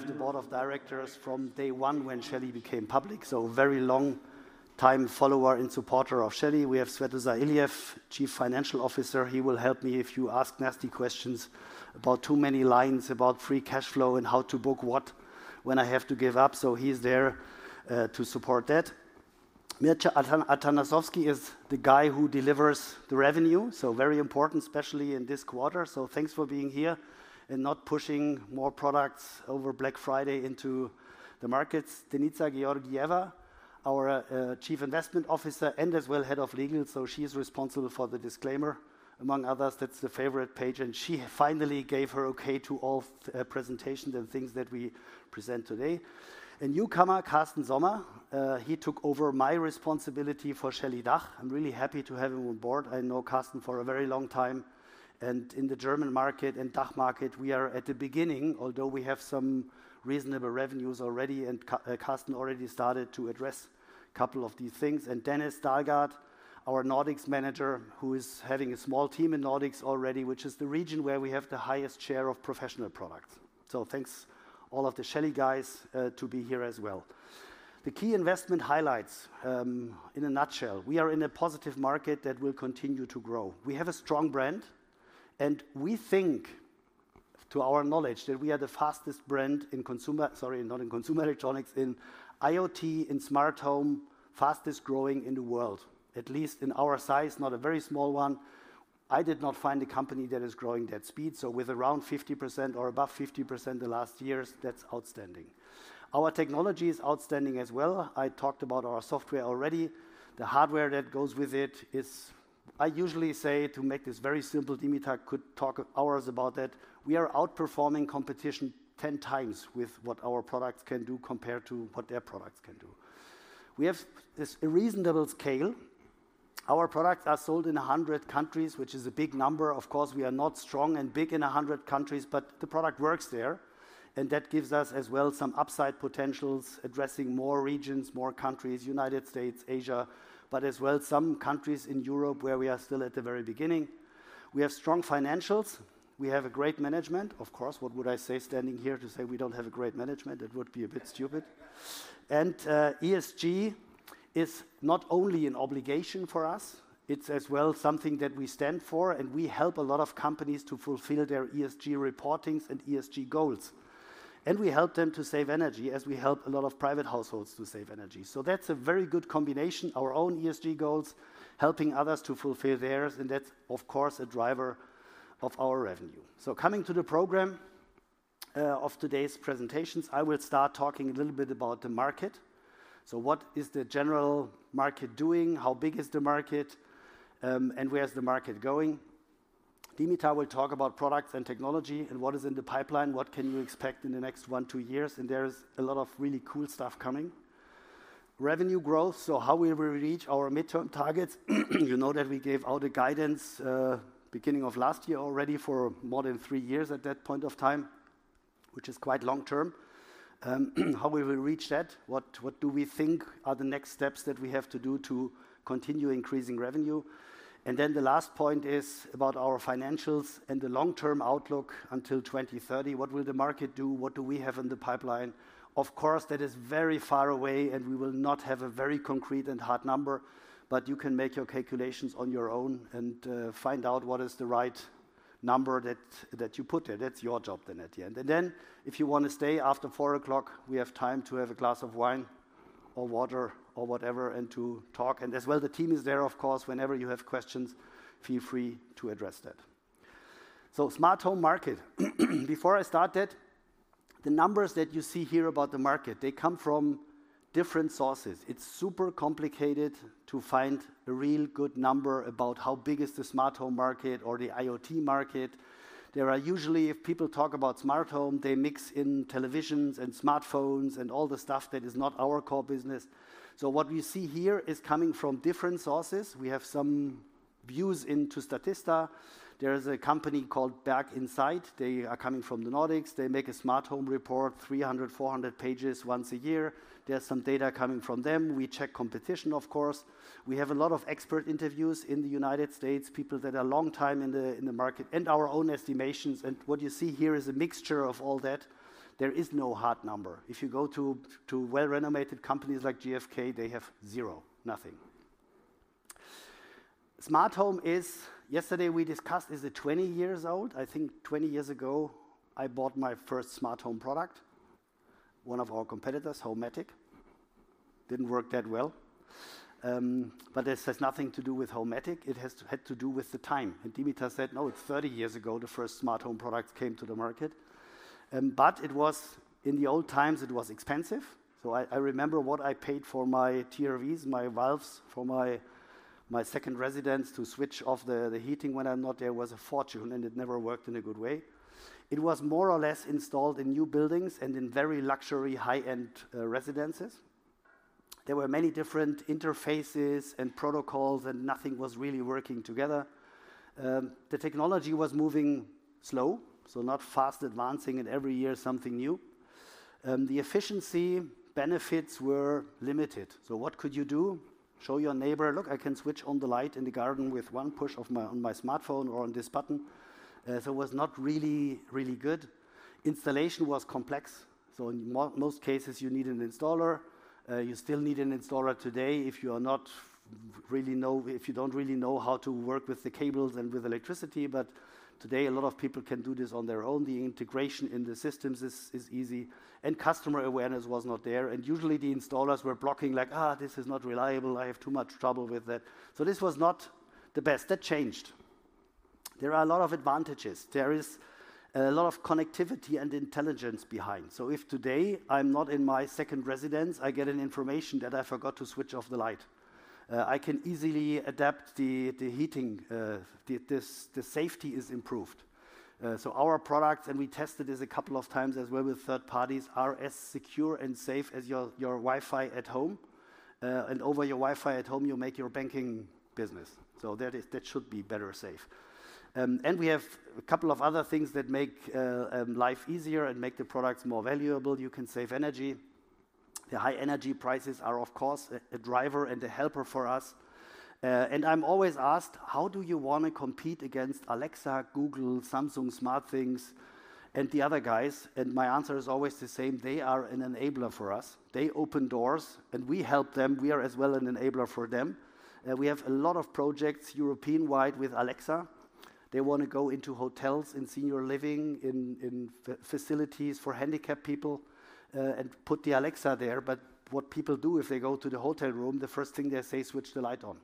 Of the board of directors from day one when Shelly became public, so very long-time follower and supporter of Shelly. We have Svetozar Iliev, Chief Financial Officer. He will help me if you ask nasty questions about too many lines, about free cash flow, and how to book what when I have to give up. So he's there to support that. Mirche Atanasovski is the guy who delivers the revenue, so very important, especially in this quarter. So thanks for being here and not pushing more products over Black Friday into the markets. Denitsa Georgieva, our Chief Investment Officer and as well Head of Legal, so she's responsible for the disclaimer. Among others, that's the favorite page, and she finally gave her okay to all presentations and things that we present today. A newcomer, he took over my responsibility for Shelly DACH. I'm really happy to have him on board. I know Karsten for a very long time, and in the German market and DACH market, we are at the beginning, although we have some reasonable revenues already, and Karsten already started to address a couple of these things, and Dennis Dalgaard, our Nordics manager, who is having a small team in Nordics already, which is the region where we have the highest share of professional products, so thanks to all of the Shelly guys to be here as well. The key investment highlights in a nutshell: we are in a positive market that will continue to grow. We have a strong brand, and we think, to our knowledge, that we are the fastest brand in consumer—sorry, not in consumer electronics, in IoT, in smart home, fastest growing in the world, at least in our size, not a very small one. I did not find a company that is growing that speed, so with around 50% or above 50% the last years, that's outstanding. Our technology is outstanding as well. I talked about our software already. The hardware that goes with it is. I usually say, to make this very simple, Dimitar could talk hours about that. We are outperforming competition 10x with what our products can do compared to what their products can do. We have a reasonable scale. Our products are sold in 100 countries, which is a big number. Of course, we are not strong and big in 100 countries, but the product works there, and that gives us as well some upside potentials, addressing more regions, more countries, United States, Asia, but as well some countries in Europe where we are still at the very beginning. We have strong financials. We have a great management. Of course, what would I say standing here to say we don't have a great management? That would be a bit stupid, and ESG is not only an obligation for us, it's as well something that we stand for, and we help a lot of companies to fulfill their ESG reportings and ESG goals, and we help them to save energy as we help a lot of private households to save energy, so that's a very good combination: our own ESG goals, helping others to fulfill theirs, and that's, of course, a driver of our revenue, so coming to the program of today's presentations, I will start talking a little bit about the market, so what is the general market doing? How big is the market? And where is the market going? Dimitar will talk about products and technology and what is in the pipeline, what can you expect in the next one, two years, and there is a lot of really cool stuff coming. Revenue growth, so how will we reach our midterm targets? You know that we gave out a guidance beginning of last year already for more than three years at that point of time, which is quite long term. How will we reach that? What do we think are the next steps that we have to do to continue increasing revenue? And then the last point is about our financials and the long-term outlook until 2030. What will the market do? What do we have in the pipeline? Of course, that is very far away, and we will not have a very concrete and hard number, but you can make your calculations on your own and find out what is the right number that you put there. That's your job then at the end, and then if you want to stay after four o'clock, we have time to have a glass of wine or water or whatever and to talk, and as well, the team is there, of course. Whenever you have questions, feel free to address that. So, smart home market. Before I start that, the numbers that you see here about the market, they come from different sources. It's super complicated to find a real good number about how big is the smart home market or the IoT market. There are usually, if people talk about smart home, they mix in televisions and smartphones and all the stuff that is not our core business, so what we see here is coming from different sources. We have some views into Statista. There is a company called Berg Insight. They are coming from the Nordics. They make a smart home report, 300-400 pages once a year. There's some data coming from them. We check competition, of course. We have a lot of expert interviews in the United States, people that are long time in the market and our own estimations, and what you see here is a mixture of all that. There is no hard number. If you go to well-renowned companies like GfK, they have zero, nothing. Smart home is, yesterday we discussed, is it 20 years old? I think 20 years ago I bought my first smart home product, one of our competitors, Homematic. Didn't work that well. But this has nothing to do with Homematic. It had to do with the time. And Dimitar said, no, it's 30 years ago the first smart home products came to the market. But it was, in the old times, it was expensive. So I remember what I paid for my TRVs, my valves for my second residence to switch off the heating when I'm not there was a fortune, and it never worked in a good way. It was more or less installed in new buildings and in very luxury high-end residences. There were many different interfaces and protocols, and nothing was really working together. The technology was moving slow, so not fast advancing, and every year something new. The efficiency benefits were limited. So what could you do? Show your neighbor, look, I can switch on the light in the garden with one push on my smartphone or on this button, so it was not really good. Installation was complex, so in most cases, you need an installer. You still need an installer today if you don't really know how to work with the cables and with electricity, but today, a lot of people can do this on their own. The integration in the systems is easy, and customer awareness was not there, and usually, the installers were blocking like, this is not reliable. I have too much trouble with that, so this was not the best. That changed. There are a lot of advantages. There is a lot of connectivity and intelligence behind, so if today I'm not in my second residence, I get an information that I forgot to switch off the light. I can easily adapt the heating. The safety is improved. So our products, and we tested this a couple of times as well with third parties, are as secure and safe as your Wi-Fi at home. And over your Wi-Fi at home, you make your banking business. So that should be better safe. And we have a couple of other things that make life easier and make the products more valuable. You can save energy. The high energy prices are, of course, a driver and a helper for us. And I'm always asked, how do you want to compete against Alexa, Google, Samsung, SmartThings, and the other guys? And my answer is always the same. They are an enabler for us. They open doors, and we help them. We are as well an enabler for them. We have a lot of projects European-wide with Alexa. They want to go into hotels and senior living facilities for handicapped people and put the Alexa there. But what people do if they go to the hotel room, the first thing they say, switch the light on.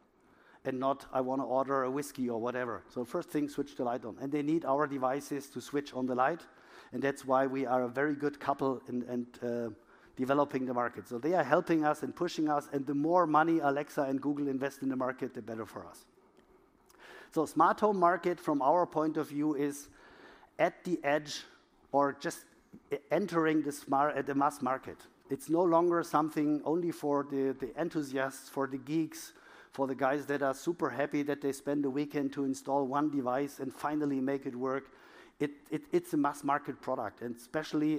And not, I want to order a whiskey or whatever. So first thing, switch the light on. And they need our devices to switch on the light. And that's why we are a very good couple in developing the market. So they are helping us and pushing us. And the more money Alexa and Google invest in the market, the better for us. The smart home market, from our point of view, is at the edge or just entering the mass market. It's no longer something only for the enthusiasts, for the geeks, for the guys that are super happy that they spend the weekend to install one device and finally make it work. It's a mass market product, and especially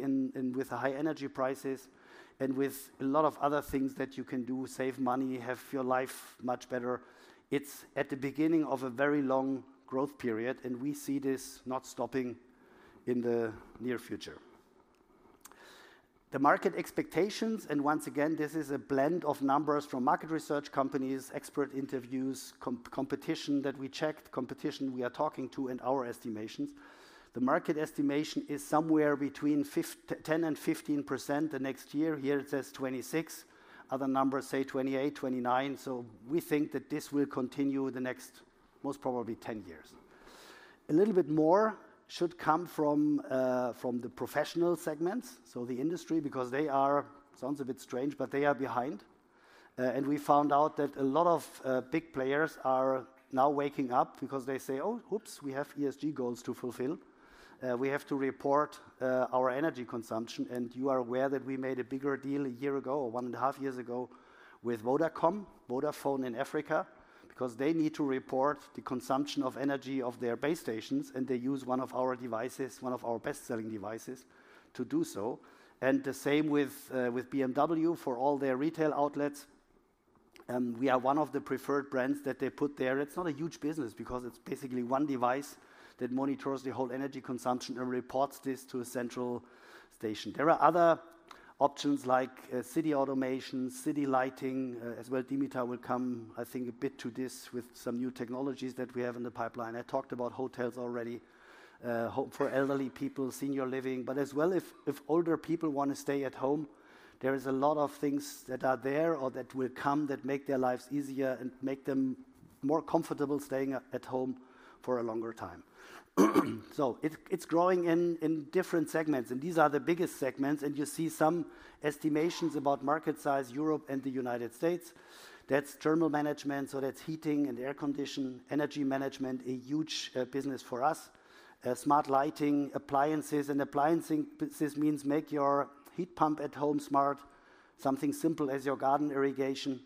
with the high energy prices and with a lot of other things that you can do, save money, have your life much better. It's at the beginning of a very long growth period, and we see this not stopping in the near future. The market expectations, and once again, this is a blend of numbers from market research companies, expert interviews, competition that we checked, competition we are talking to, and our estimations. The market estimation is somewhere between 10%-15% the next year. Here it says 26%. Other numbers say 28%, 29%. So we think that this will continue the next most probably 10 years. A little bit more should come from the professional segments, so the industry, because they are. Sounds a bit strange, but they are behind, and we found out that a lot of big players are now waking up because they say, oh, oops, we have ESG goals to fulfill. We have to report our energy consumption, and you are aware that we made a bigger deal a year ago or one and a half years ago with Vodacom, Vodafone in Africa, because they need to report the consumption of energy of their base stations, and they use one of our devices, one of our best-selling devices to do so, and the same with BMW for all their retail outlets. We are one of the preferred brands that they put there. It's not a huge business because it's basically one device that monitors the whole energy consumption and reports this to a central station. There are other options like city automation, city lighting. As well, Dimitar will come, I think, a bit to this with some new technologies that we have in the pipeline. I talked about hotels already, for elderly people, senior living, but as well, if older people want to stay at home, there are a lot of things that are there or that will come that make their lives easier and make them more comfortable staying at home for a longer time. So it's growing in different segments, and these are the biggest segments. And you see some estimations about market size, Europe and the United States. That's thermal management, so that's heating and air conditioning, energy management, a huge business for us. Smart lighting, appliances, and appliances means make your heat pump at home smart, something simple as your garden irrigation,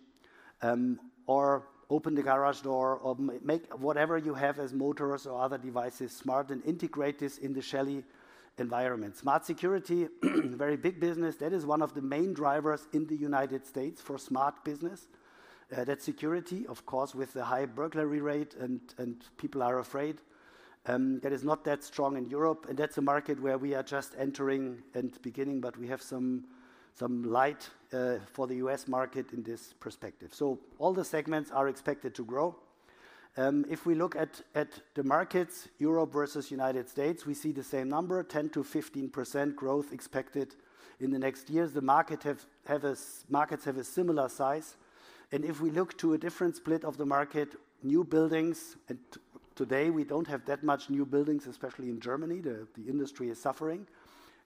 or open the garage door or make whatever you have as motors or other devices smart and integrate this in the Shelly environment. Smart security, very big business. That is one of the main drivers in the United States for smart business. That's security, of course, with the high burglary rate and people are afraid. That is not that strong in Europe, and that's a market where we are just entering and beginning, but we have some light for the U.S. market in this perspective, so all the segments are expected to grow. If we look at the markets, Europe versus United States, we see the same number, 10%-15% growth expected in the next years. The markets have a similar size. If we look to a different split of the market, new buildings, and today we don't have that much new buildings, especially in Germany. The industry is suffering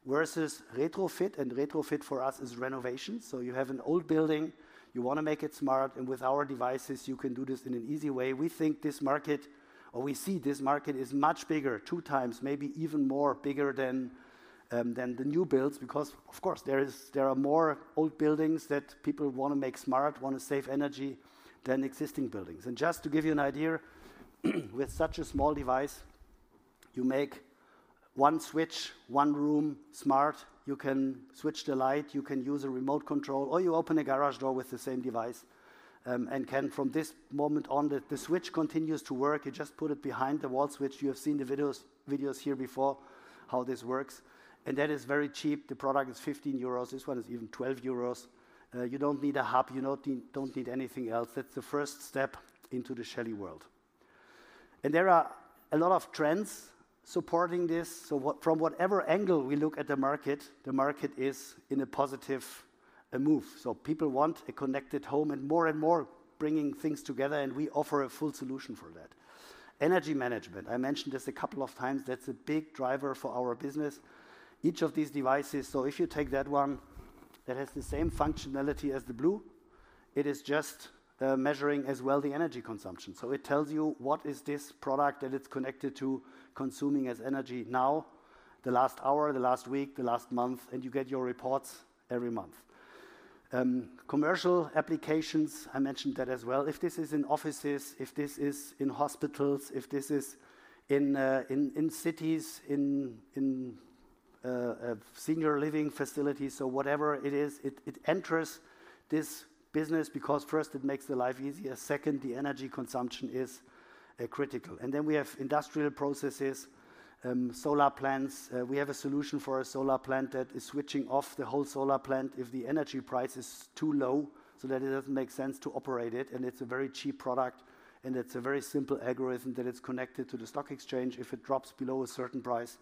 versus retrofit, and retrofit for us is renovation. You have an old building, you want to make it smart, and with our devices, you can do this in an easy way. We think this market, or we see this market is much bigger, two times, maybe even more bigger than the new builds because, of course, there are more old buildings that people want to make smart, want to save energy than existing buildings. Just to give you an idea, with such a small device, you make one switch, one room smart. You can switch the light. You can use a remote control, or you open a garage door with the same device. And can from this moment on, the switch continues to work. You just put it behind the wall switch. You have seen the videos here before, how this works, and that is very cheap. The product is 15 euros. This one is even 12 euros. You don't need a hub. You don't need anything else. That's the first step into the Shelly world, and there are a lot of trends supporting this, so from whatever angle we look at the market, the market is in a positive move, so people want a connected home and more and more bringing things together, and we offer a full solution for that. Energy management, I mentioned this a couple of times. That's a big driver for our business. Each of these devices, so if you take that one that has the same functionality as the blue, it is just measuring as well the energy consumption. So it tells you what is this product that it's connected to consuming as energy now, the last hour, the last week, the last month, and you get your reports every month. Commercial applications, I mentioned that as well. If this is in offices, if this is in hospitals, if this is in cities, in senior living facilities, so whatever it is, it enters this business because first, it makes the life easier. Second, the energy consumption is critical. And then we have industrial processes, solar plants. We have a solution for a solar plant that is switching off the whole solar plant if the energy price is too low so that it doesn't make sense to operate it. And it's a very cheap product, and it's a very simple algorithm that it's connected to the stock exchange. If it drops below a certain price,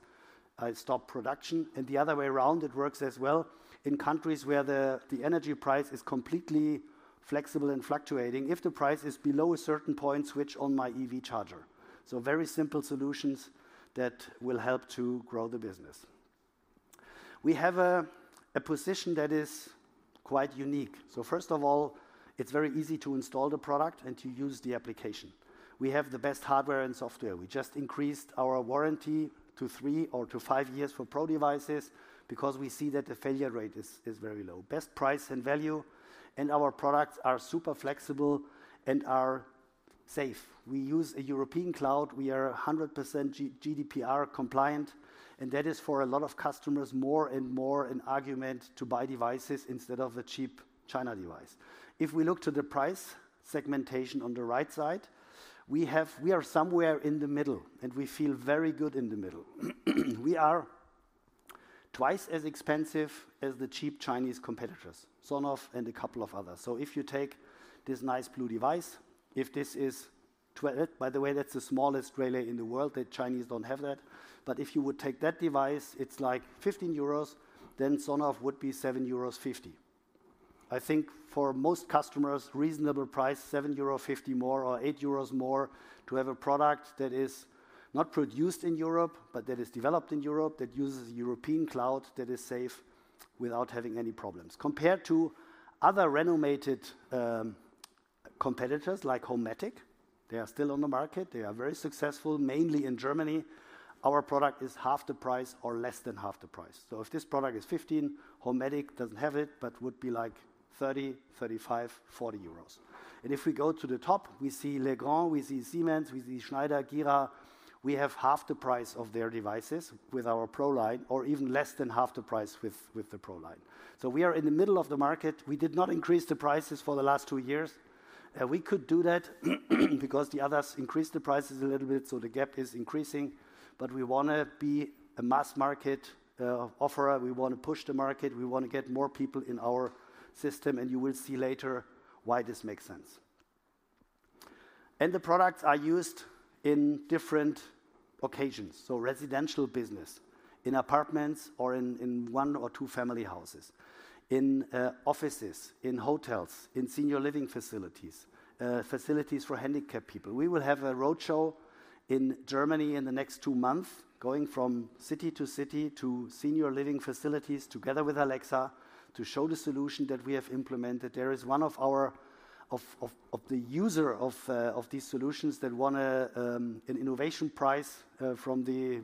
I stop production. And the other way around, it works as well in countries where the energy price is completely flexible and fluctuating. If the price is below a certain point, switch on my EV charger. So very simple solutions that will help to grow the business. We have a position that is quite unique. So first of all, it's very easy to install the product and to use the application. We have the best hardware and software. We just increased our warranty to three or to five years for Pro devices because we see that the failure rate is very low. Best price and value, and our products are super flexible and are safe. We use a European cloud. We are 100% GDPR compliant, and that is for a lot of customers more and more an argument to buy devices instead of a cheap Chinese device. If we look to the price segmentation on the right side, we are somewhere in the middle, and we feel very good in the middle. We are twice as expensive as the cheap Chinese competitors, SONOFF and a couple of others. So if you take this nice blue device, if this is, by the way, that's the smallest relay in the world. The Chinese don't have that. But if you would take that device, it's like 15 euros, then SONOFF would be 7.50 euros. I think for most customers, reasonable price, 7.50 euros more or 8 euros more to have a product that is not produced in Europe, but that is developed in Europe, that uses a European cloud that is safe without having any problems. Compared to other renowned competitors like Homematic, they are still on the market. They are very successful, mainly in Germany. Our product is half the price or less than half the price. If this product is 15, Homematic doesn't have it, but would be like 30 euros, 35, 40 euros. If we go to the top, we see Legrand, we see Siemens, we see Schneider, Gira. We have half the price of their devices with our Pro Line or even less than half the price with the Pro Line. We are in the middle of the market. We did not increase the prices for the last two years. We could do that because the others increased the prices a little bit. So the gap is increasing, but we want to be a mass market offerer. We want to push the market. We want to get more people in our system, and you will see later why this makes sense. And the products are used in different occasions. So residential business, in apartments or in one or two family houses, in offices, in hotels, in senior living facilities, facilities for handicapped people. We will have a roadshow in Germany in the next two months going from city to city to senior living facilities together with Alexa to show the solution that we have implemented. There is one of the users of these solutions that won an innovation prize from the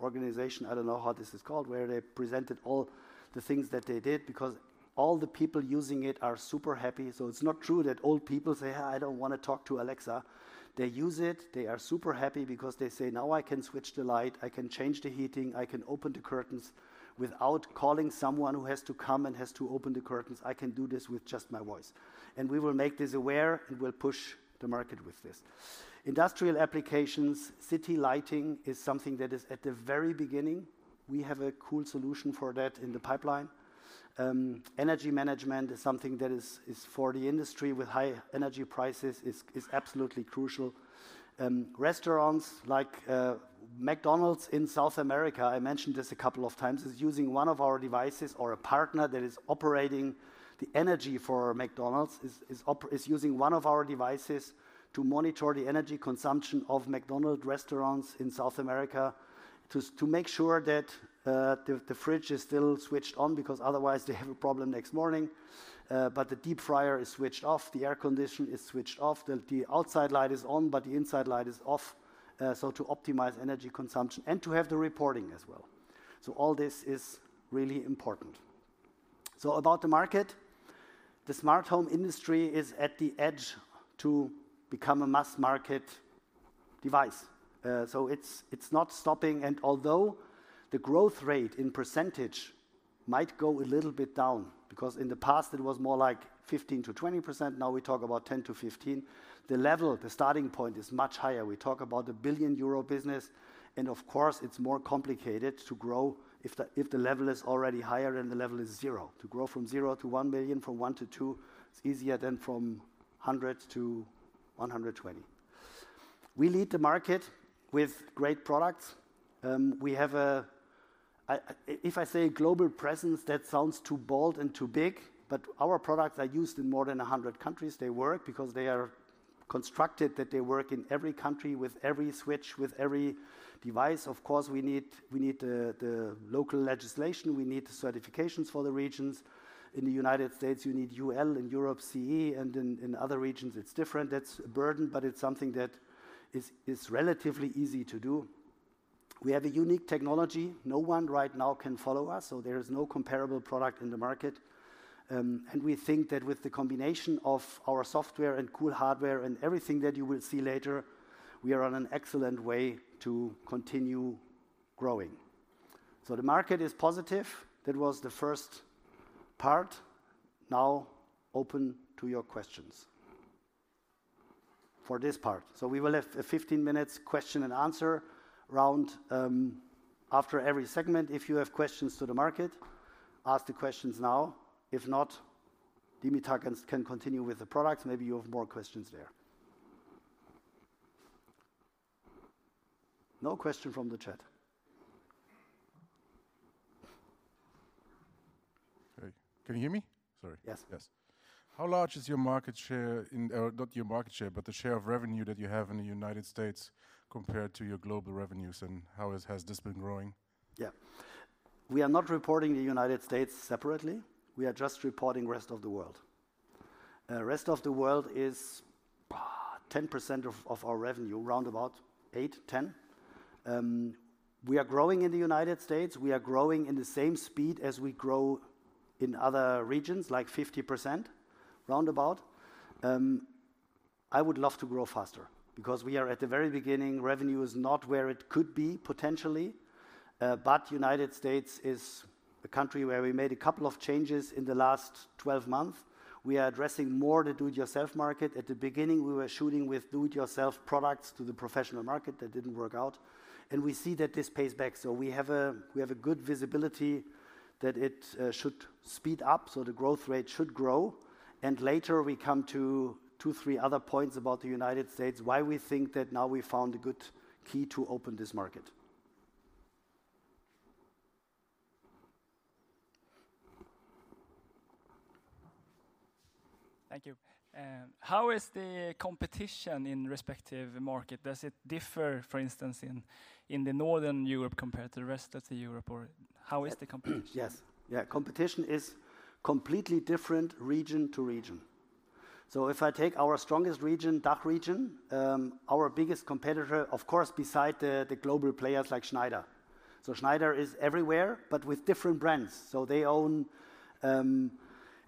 organization. I don't know how this is called, where they presented all the things that they did because all the people using it are super happy. So it's not true that old people say, "I don't want to talk to Alexa." They use it. They are super happy because they say, "Now I can switch the light. I can change the heating. I can open the curtains without calling someone who has to come and has to open the curtains. I can do this with just my voice." And we will make this aware and will push the market with this. Industrial applications, city lighting is something that is at the very beginning. We have a cool solution for that in the pipeline. Energy management is something that is for the industry with high energy prices is absolutely crucial. Restaurants like McDonald's in South America, I mentioned this a couple of times, is using one of our devices or a partner that is operating the energy for McDonald's is using one of our devices to monitor the energy consumption of McDonald's restaurants in South America to make sure that the fridge is still switched on because otherwise they have a problem next morning. But the deep fryer is switched off. The air conditioning is switched off. The outside light is on, but the inside light is off. To optimize energy consumption and to have the reporting as well. All this is really important. About the market, the smart home industry is at the edge to become a mass market device. It's not stopping. Although the growth rate in percentage might go a little bit down because in the past it was more like 15%-20%, now we talk about 10%-15%, the level, the starting point is much higher. We talk about the 1 billion euro business. Of course, it's more complicated to grow if the level is already higher than the level is zero. To grow from 0-EUR 1 billion, from 1-2, it's easier than from 100-120. We lead the market with great products. If I say global presence, that sounds too bold and too big, but our products are used in more than 100 countries. They work because they are constructed that they work in every country with every switch, with every device. Of course, we need the local legislation. We need certifications for the regions. In the United States, you need UL, in Europe, CE, and in other regions, it's different. That's a burden, but it's something that is relatively easy to do. We have a unique technology. No one right now can follow us, so there is no comparable product in the market. And we think that with the combination of our software and cool hardware and everything that you will see later, we are on an excellent way to continue growing. So the market is positive. That was the first part. Now, open to your questions for this part. So we will have a 15-minute question and answer round after every segment. If you have questions to the market, ask the questions now. If not, Dimitar can continue with the products. Maybe you have more questions there. No question from the chat. Can you hear me? Sorry. Yes. How large is your market share in, not your market share, but the share of revenue that you have in the United States compared to your global revenues? And how has this been growing? Yeah. We are not reporting the United States separately. We are just reporting the rest of the world. The rest of the world is 10% of our revenue, round about 8%-10%. We are growing in the United States. We are growing in the same speed as we grow in other regions, like 50% round about. I would love to grow faster because we are at the very beginning. Revenue is not where it could be potentially, but the United States is a country where we made a couple of changes in the last 12 months. We are addressing more the do-it-yourself market. At the beginning, we were shooting with do-it-yourself products to the professional market. That didn't work out, and we see that this pays back, so we have a good visibility that it should speed up, so the growth rate should grow, and later we come to two, three other points about the United States, why we think that now we found a good key to open this market. Thank you. How is the competition in respective market? Does it differ, for instance, in the northern Europe compared to the rest of Europe? Or how is the competition? Yes. Yeah. Competition is completely different region to region. So if I take our strongest region, DACH region, our biggest competitor, of course, besides the global players like Schneider, so Schneider is everywhere, but with different brands. So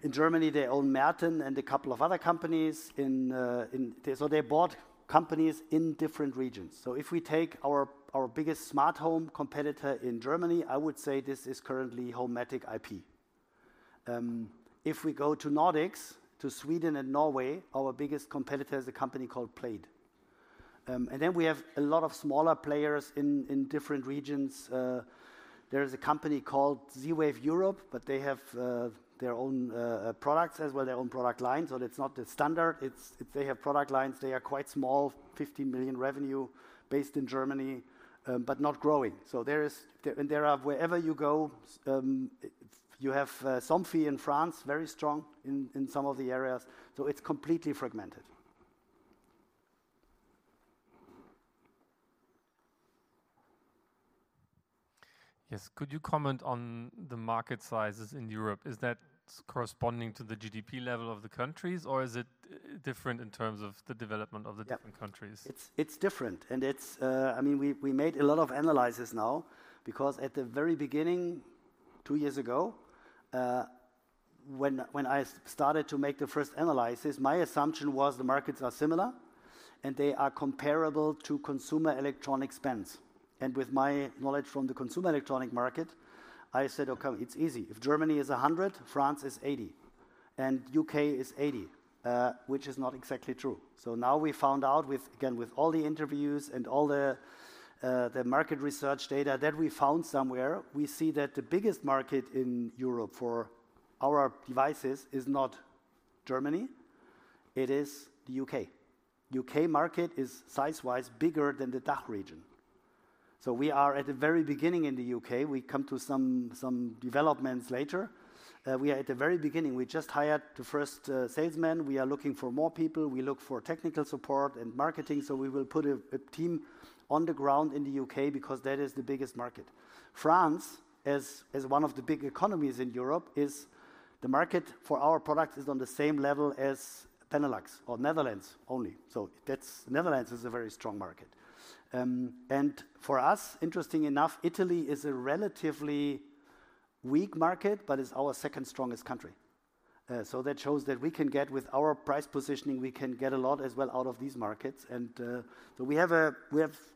in Germany, they own Merten and a couple of other companies, so they bought companies in different regions. If we take our biggest smart home competitor in Germany, I would say this is currently Homematic IP. If we go to Nordics, to Sweden and Norway, our biggest competitor is a company called Plejd. And then we have a lot of smaller players in different regions. There is a company called Z-Wave Europe, but they have their own products as well, their own product line. So it's not the standard. They have product lines. They are quite small, 15 million revenue based in Germany, but not growing. And wherever you go, you have Somfy in France, very strong in some of the areas. So it's completely fragmented. Yes. Could you comment on the market sizes in Europe? Is that corresponding to the GDP level of the countries, or is it different in terms of the development of the different countries? It's different. I mean, we made a lot of analysis now because at the very beginning, two years ago, when I started to make the first analysis, my assumption was the markets are similar and they are comparable to consumer electronic spends. With my knowledge from the consumer electronic market, I said, "Okay, it's easy. If Germany is 100, France is 80, and the U.K. is 80," which is not exactly true. Now we found out, again, with all the interviews and all the market research data that we found somewhere, we see that the biggest market in Europe for our devices is not Germany. It is the U.K. The U.K. market is size-wise bigger than the DACH region. We are at the very beginning in the U.K. We come to some developments later. We are at the very beginning. We just hired the first salesman. We are looking for more people. We look for technical support and marketing, so we will put a team on the ground in the U.K. because that is the biggest market. France, as one of the big economies in Europe, is the market for our products is on the same level as Benelux or Netherlands only, so the Netherlands is a very strong market, and for us, interesting enough, Italy is a relatively weak market, but it's our second strongest country, so that shows that we can get with our price positioning, we can get a lot as well out of these markets, and we have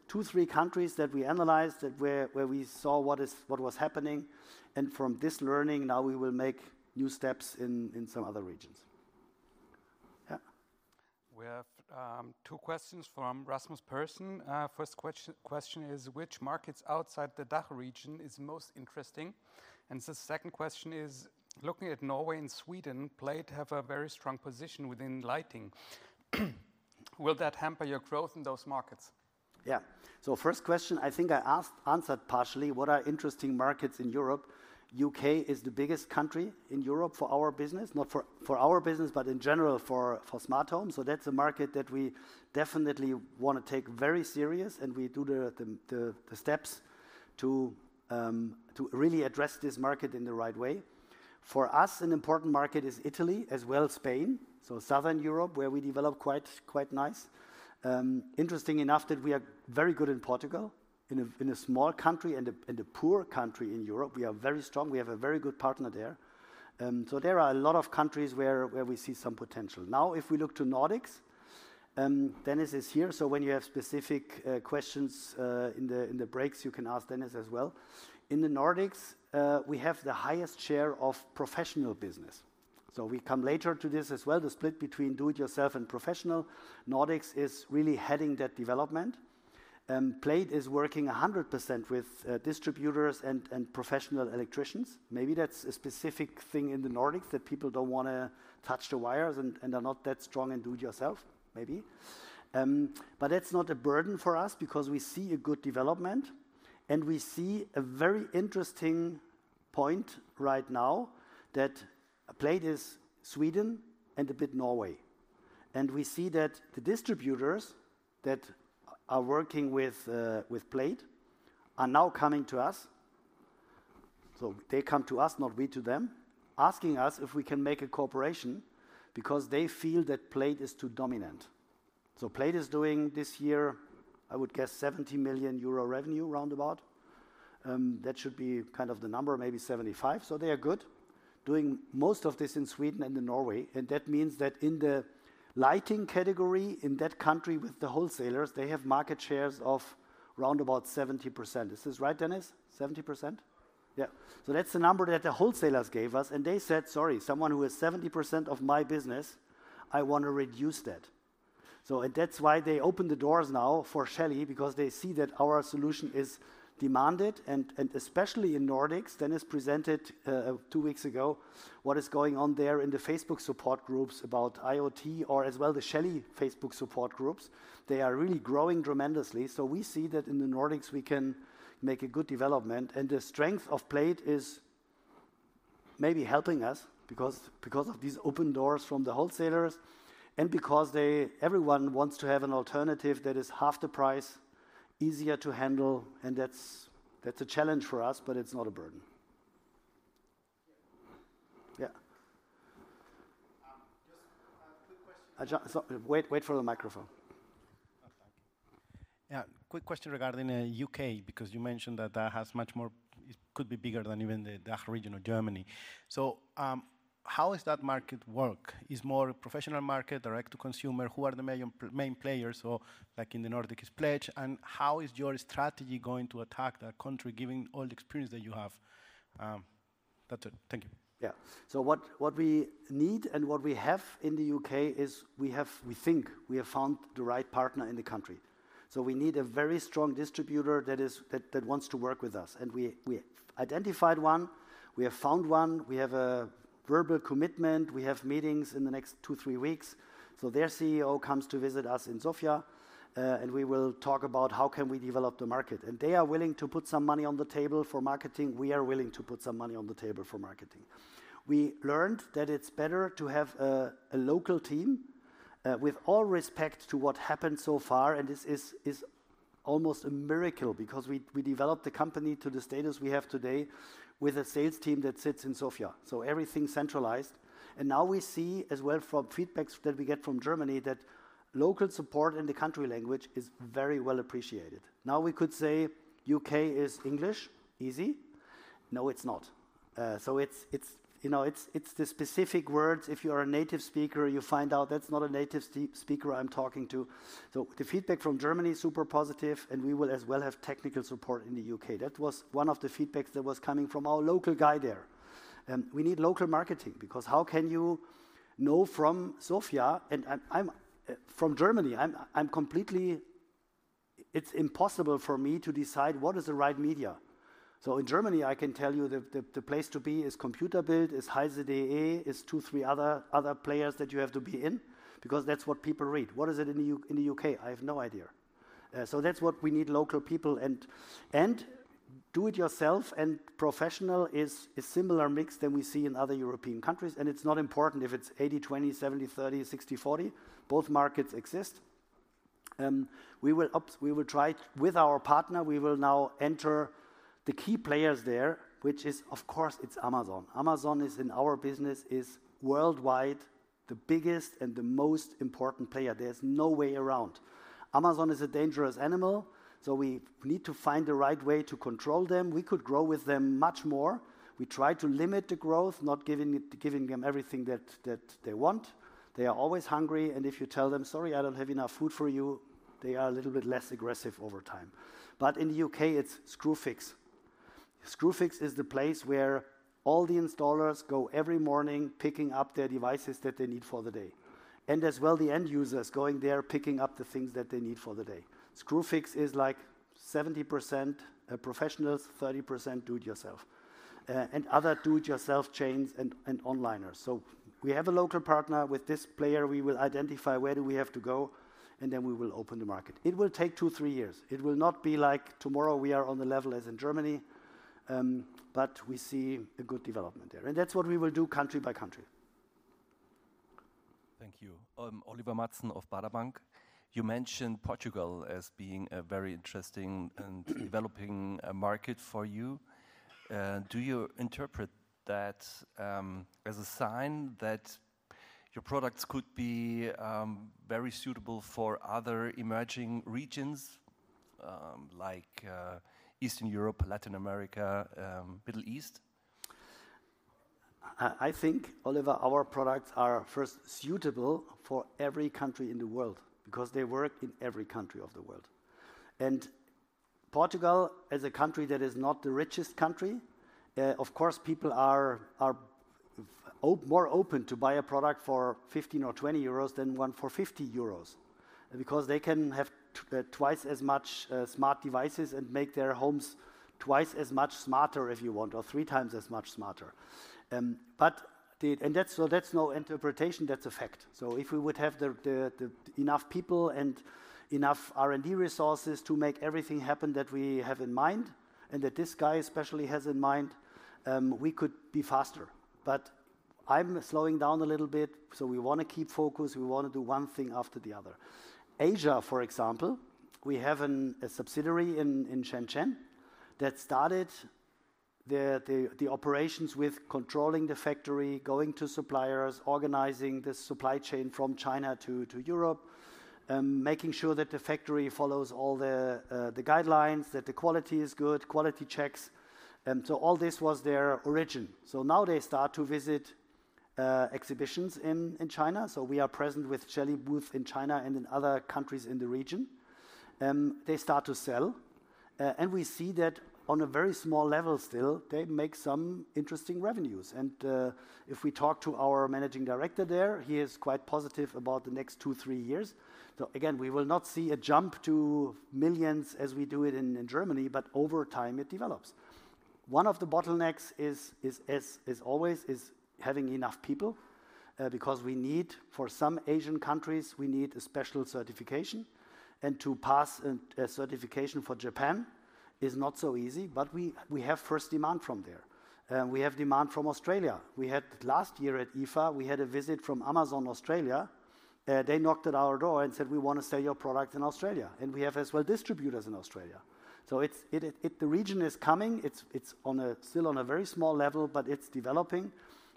two, three countries that we analyzed where we saw what was happening, and from this learning, now we will make new steps in some other regions. Yeah. We have two questions from Rasmus Persson. First question is, which markets outside the DACH region is most interesting? And the second question is, looking at Norway and Sweden, Plejd have a very strong position within lighting. Will that hamper your growth in those markets? Yeah. So first question, I think I answered partially. What are interesting markets in Europe? U.K. is the biggest country in Europe for our business, not for our business, but in general for smart homes. So that's a market that we definitely want to take very serious, and we do the steps to really address this market in the right way. For us, an important market is Italy, as well as Spain, so southern Europe, where we develop quite nice. Interesting enough that we are very good in Portugal, in a small country and a poor country in Europe. We are very strong. We have a very good partner there. There are a lot of countries where we see some potential. Now, if we look to Nordics, Dennis is here. When you have specific questions in the breaks, you can ask Dennis as well. In the Nordics, we have the highest share of professional business. We come later to this as well, the split between do-it-yourself and professional. Nordics is really heading that development. Plejd is working 100% with distributors and professional electricians. Maybe that's a specific thing in the Nordics that people don't want to touch the wires and are not that strong in do-it-yourself, maybe. But that's not a burden for us because we see a good development. We see a very interesting point right now that Plejd is Sweden and a bit Norway. We see that the distributors that are working with Plejd are now coming to us. They come to us, not we to them, asking us if we can make a cooperation because they feel that Plejd is too dominant. Plejd is doing this year, I would guess, 70 million euro revenue round about. That should be kind of the number, maybe 75 million. They are good, doing most of this in Sweden and in Norway. That means that in the lighting category, in that country with the wholesalers, they have market shares of round about 70%. Is this right, Dennis? 70%? Yeah. That's the number that the wholesalers gave us. They said, "Sorry, someone who is 70% of my business, I want to reduce that." That's why they opened the doors now for Shelly because they see that our solution is demanded. And especially in Nordics, Dennis presented two weeks ago what is going on there in the Facebook support groups about IoT or as well the Shelly Facebook support groups. They are really growing tremendously. So we see that in the Nordics, we can make a good development. And the strength of Plejd is maybe helping us because of these open doors from the wholesalers and because everyone wants to have an alternative that is half the price, easier to handle. And that's a challenge for us, but it's not a burden. Yeah. Just a quick question. Wait for the microphone. Yeah. Quick question regarding the U.K. because you mentioned that that has much more it could be bigger than even the DACH region of Germany. So how is that market work? Is it more a professional market, direct-to-consumer? Who are the main players? So in the Nordics, it's Plejd. And how is your strategy going to attack that country, given all the experience that you have? That's it. Thank you. Yeah. So what we need and what we have in the U.K. is we think we have found the right partner in the country. So we need a very strong distributor that wants to work with us. And we identified one. We have found one. We have a verbal commitment. We have meetings in the next two, three weeks. So their CEO comes to visit us in Sofia, and we will talk about how can we develop the market. And they are willing to put some money on the table for marketing. We are willing to put some money on the table for marketing. We learned that it's better to have a local team, with all respect to what happened so far. This is almost a miracle because we developed the company to the status we have today with a sales team that sits in Sofia. Everything's centralized. Now we see as well from feedback that we get from Germany that local support in the country language is very well appreciated. Now we could say U.K. is English, easy. No, it's not. It's the specific words. If you are a native speaker, you find out that's not a native speaker I'm talking to. The feedback from Germany is super positive, and we will as well have technical support in the U.K. That was one of the feedbacks that was coming from our local guy there. We need local marketing because how can you know from Sofia? From Germany, it's impossible for me to decide what is the right media. In Germany, I can tell you the place to be is COMPUTER BILD, is Heise.de, is two, three other players that you have to be in because that's what people read. What is it in the U.K.? I have no idea. That's what we need, local people. Do-it-yourself and professional is a similar mix than we see in other European countries. It's not important if it's 80, 20, 70, 30, 60, 40. Both markets exist. We will try with our partner. We will now enter the key players there, which is, of course, it's Amazon. Amazon is, in our business, worldwide the biggest and the most important player. There's no way around. Amazon is a dangerous animal, so we need to find the right way to control them. We could grow with them much more. We try to limit the growth, not giving them everything that they want. They are always hungry. And if you tell them, "Sorry, I don't have enough food for you," they are a little bit less aggressive over time. But in the U.K., it's Screwfix. Screwfix is the place where all the installers go every morning picking up their devices that they need for the day. And as well, the end users going there picking up the things that they need for the day. Screwfix is like 70% professionals, 30% do-it-yourself, and other do-it-yourself chains and onliners. So we have a local partner with this player. We will identify where do we have to go, and then we will open the market. It will take two, three years. It will not be like tomorrow we are on the level as in Germany, but we see a good development there. That's what we will do country by country. Thank you. Oliver Madsen of Baader Bank. You mentioned Portugal as being a very interesting and developing market for you. Do you interpret that as a sign that your products could be very suitable for other emerging regions like Eastern Europe, Latin America, Middle East? I think, Oliver, our products are first suitable for every country in the world because they work in every country of the world. And Portugal, as a country that is not the richest country, of course, people are more open to buy a product for 15 or 20 euros than one for 50 euros because they can have twice as much smart devices and make their homes twice as much smarter, if you want, or 3x as much smarter. And that's no interpretation. That's a fact. So if we would have enough people and enough R&D resources to make everything happen that we have in mind and that this guy especially has in mind, we could be faster. But I'm slowing down a little bit. We want to keep focus. We want to do one thing after the other. Asia, for example, we have a subsidiary in Shenzhen that started the operations with controlling the factory, going to suppliers, organizing the supply chain from China to Europe, making sure that the factory follows all the guidelines, that the quality is good, quality checks. All this was their origin. Now they start to visit exhibitions in China. We are present with Shelly booth in China and in other countries in the region. They start to sell. We see that on a very small level still, they make some interesting revenues. If we talk to our managing director there, he is quite positive about the next two, three years. So again, we will not see a jump to millions as we do it in Germany, but over time, it develops. One of the bottlenecks, as always, is having enough people because we need for some Asian countries, we need a special certification. And to pass a certification for Japan is not so easy, but we have first demand from there. We have demand from Australia. We had last year at IFA, we had a visit from Amazon Australia. They knocked at our door and said, "We want to sell your product in Australia." And we have as well distributors in Australia. So the region is coming. It's still on a very small level, but it's developing.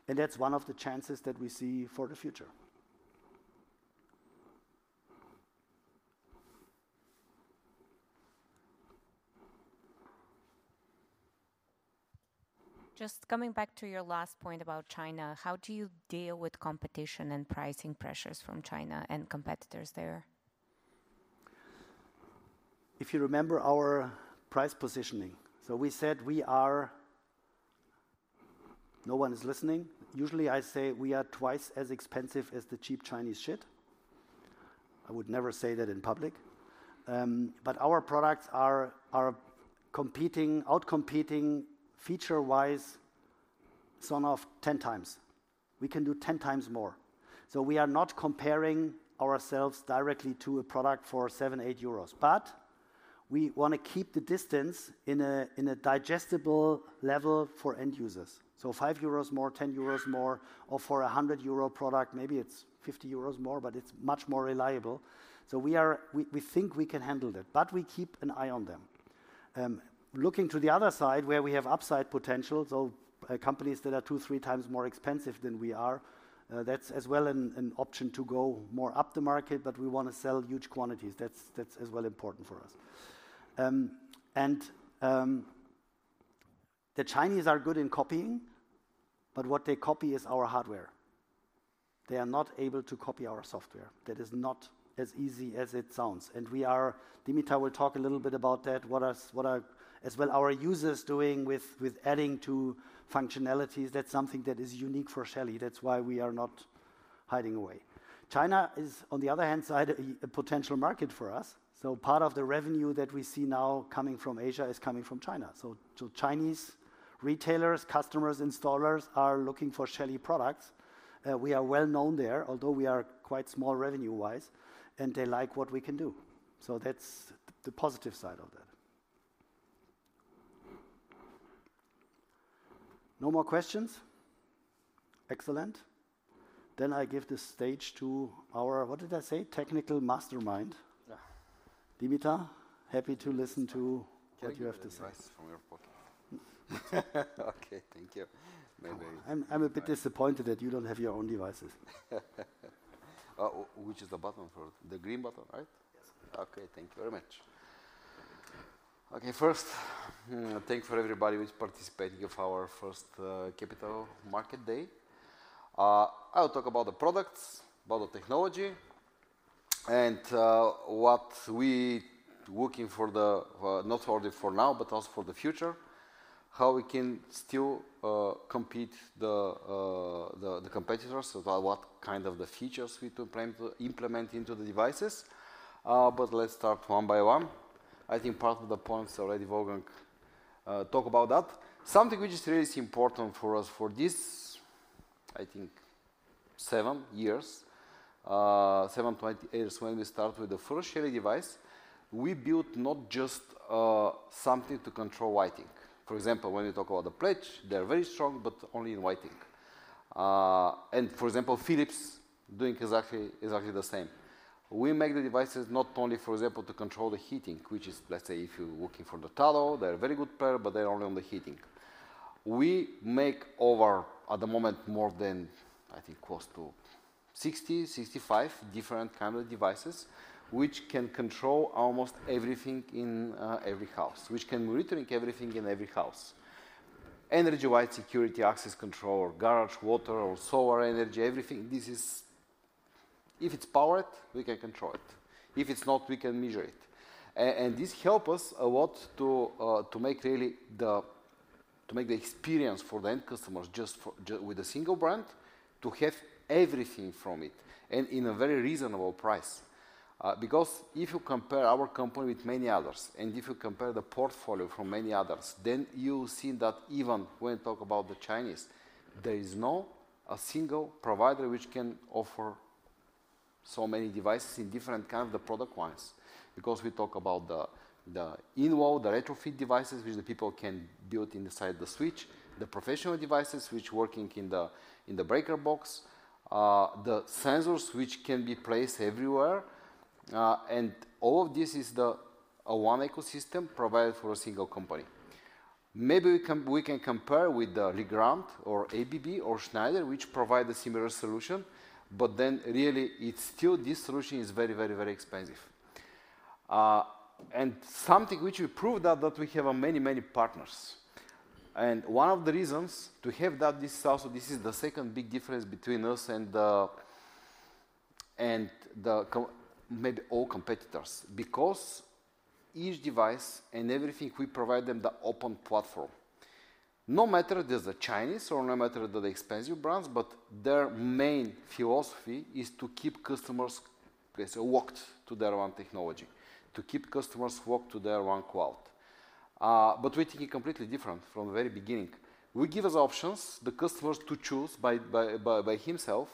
And that's one of the chances that we see for the future. Just coming back to your last point about China, how do you deal with competition and pricing pressures from China and competitors there? If you remember our price positioning, so we said we are no one is listening. Usually, I say we are twice as expensive as the cheap Chinese shit. I would never say that in public. But our products are outcompeting feature-wise SONOFF 10x. We can do 10x more. So we are not comparing ourselves directly to a product for 7 euros, 8 euros. But we want to keep the distance in a digestible level for end users. So 5 euros more, 10 euros more, or for a 100 euro product, maybe it's 50 euros more, but it's much more reliable. So we think we can handle that, but we keep an eye on them. Looking to the other side where we have upside potential, so companies that are two, three times more expensive than we are, that's as well an option to go more up the market, but we want to sell huge quantities. That's as well important for us. And the Chinese are good in copying, but what they copy is our hardware. They are not able to copy our software. That is not as easy as it sounds. And Dimitar will talk a little bit about that. What are as well our users doing with adding to functionalities? That's something that is unique for Shelly. That's why we are not hiding away. China is, on the other hand, a potential market for us. So part of the revenue that we see now coming from Asia is coming from China. So Chinese retailers, customers, installers are looking for Shelly products. We are well known there, although we are quite small revenue-wise, and they like what we can do. So that's the positive side of that. No more questions? Excellent. Then I give the stage to our what did I say? Technical mastermind. Dimitar, happy to listen to what you have to say. Okay. Thank you. I'm a bit disappointed that you don't have your own devices. Which is the button for the green button, right? Yes. Okay. Thank you very much. Okay. First, thank you for everybody who is participating in our first Capital Market Day. I'll talk about the products, about the technology, and what we're looking for, not only for now, but also for the future, how we can still compete with the competitors, what kind of features we implement into the devices. But let's start one by one. I think part of the points already Wolfgang talked about that. Something which is really important for us for this, I think, seven years, seven to eight years when we started with the first Shelly device, we built not just something to control lighting. For example, when we talk about the Plejd, they're very strong, but only in lighting. And for example, Philips doing exactly the same. We make the devices not only, for example, to control the heating, which is, let's say, if you're looking for the tado°, they're a very good pair, but they're only on the heating. We make over, at the moment, more than, I think, close to 60, 65 different kinds of devices, which can control almost everything in every house, which can monitor everything in every house. Energy-wise, security, access control, garage, water, or solar energy, everything. If it's powered, we can control it. If it's not, we can measure it. And this helps us a lot to make the experience for the end customers just with a single brand to have everything from it and in a very reasonable price. Because if you compare our company with many others, and if you compare the portfolio from many others, then you'll see that even when we talk about the Chinese, there is no single provider which can offer so many devices in different kinds of the product lines. Because we talk about the in-wall, the retrofit devices, which the people can build inside the switch, the professional devices, which are working in the breaker box, the sensors which can be placed everywhere. And all of this is a one ecosystem provided for a single company. Maybe we can compare with the Legrand or ABB or Schneider, which provide a similar solution, but then really, still, this solution is very, very, very expensive. And something which we proved that we have many, many partners. And one of the reasons to have that, this is also the second big difference between us and maybe all competitors. Because each device and everything, we provide them the open platform. No matter if they're the Chinese or no matter the expensive brands, but their main philosophy is to keep customers locked to their own technology, to keep customers locked to their own cloud. But we're thinking completely different from the very beginning. We give us options, the customers to choose by himself,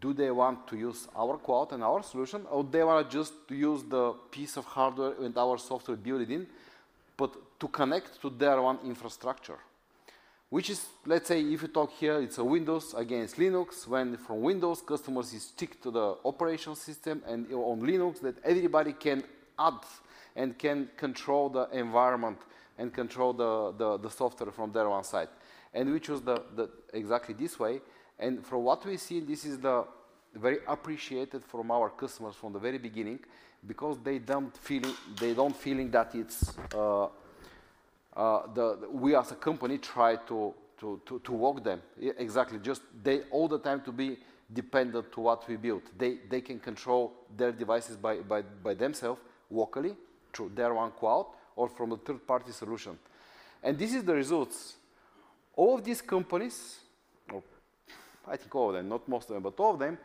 do they want to use our cloud and our solution, or they want to just use the piece of hardware with our software built in, but to connect to their own infrastructure. Which is, let's say, if you talk here, it's a Windows against Linux. When from Windows, customers stick to the operating system and on Linux that everybody can add and can control the environment and control the software from their own side. And we choose exactly this way. And from what we see, this is very appreciated from our customers from the very beginning because they don't feel that we as a company try to walk them exactly. Just all the time to be dependent to what we build. They can control their devices by themselves locally through their own cloud or from a third-party solution. And this is the results. All of these companies, or I think all of them, not most of them, but all of them,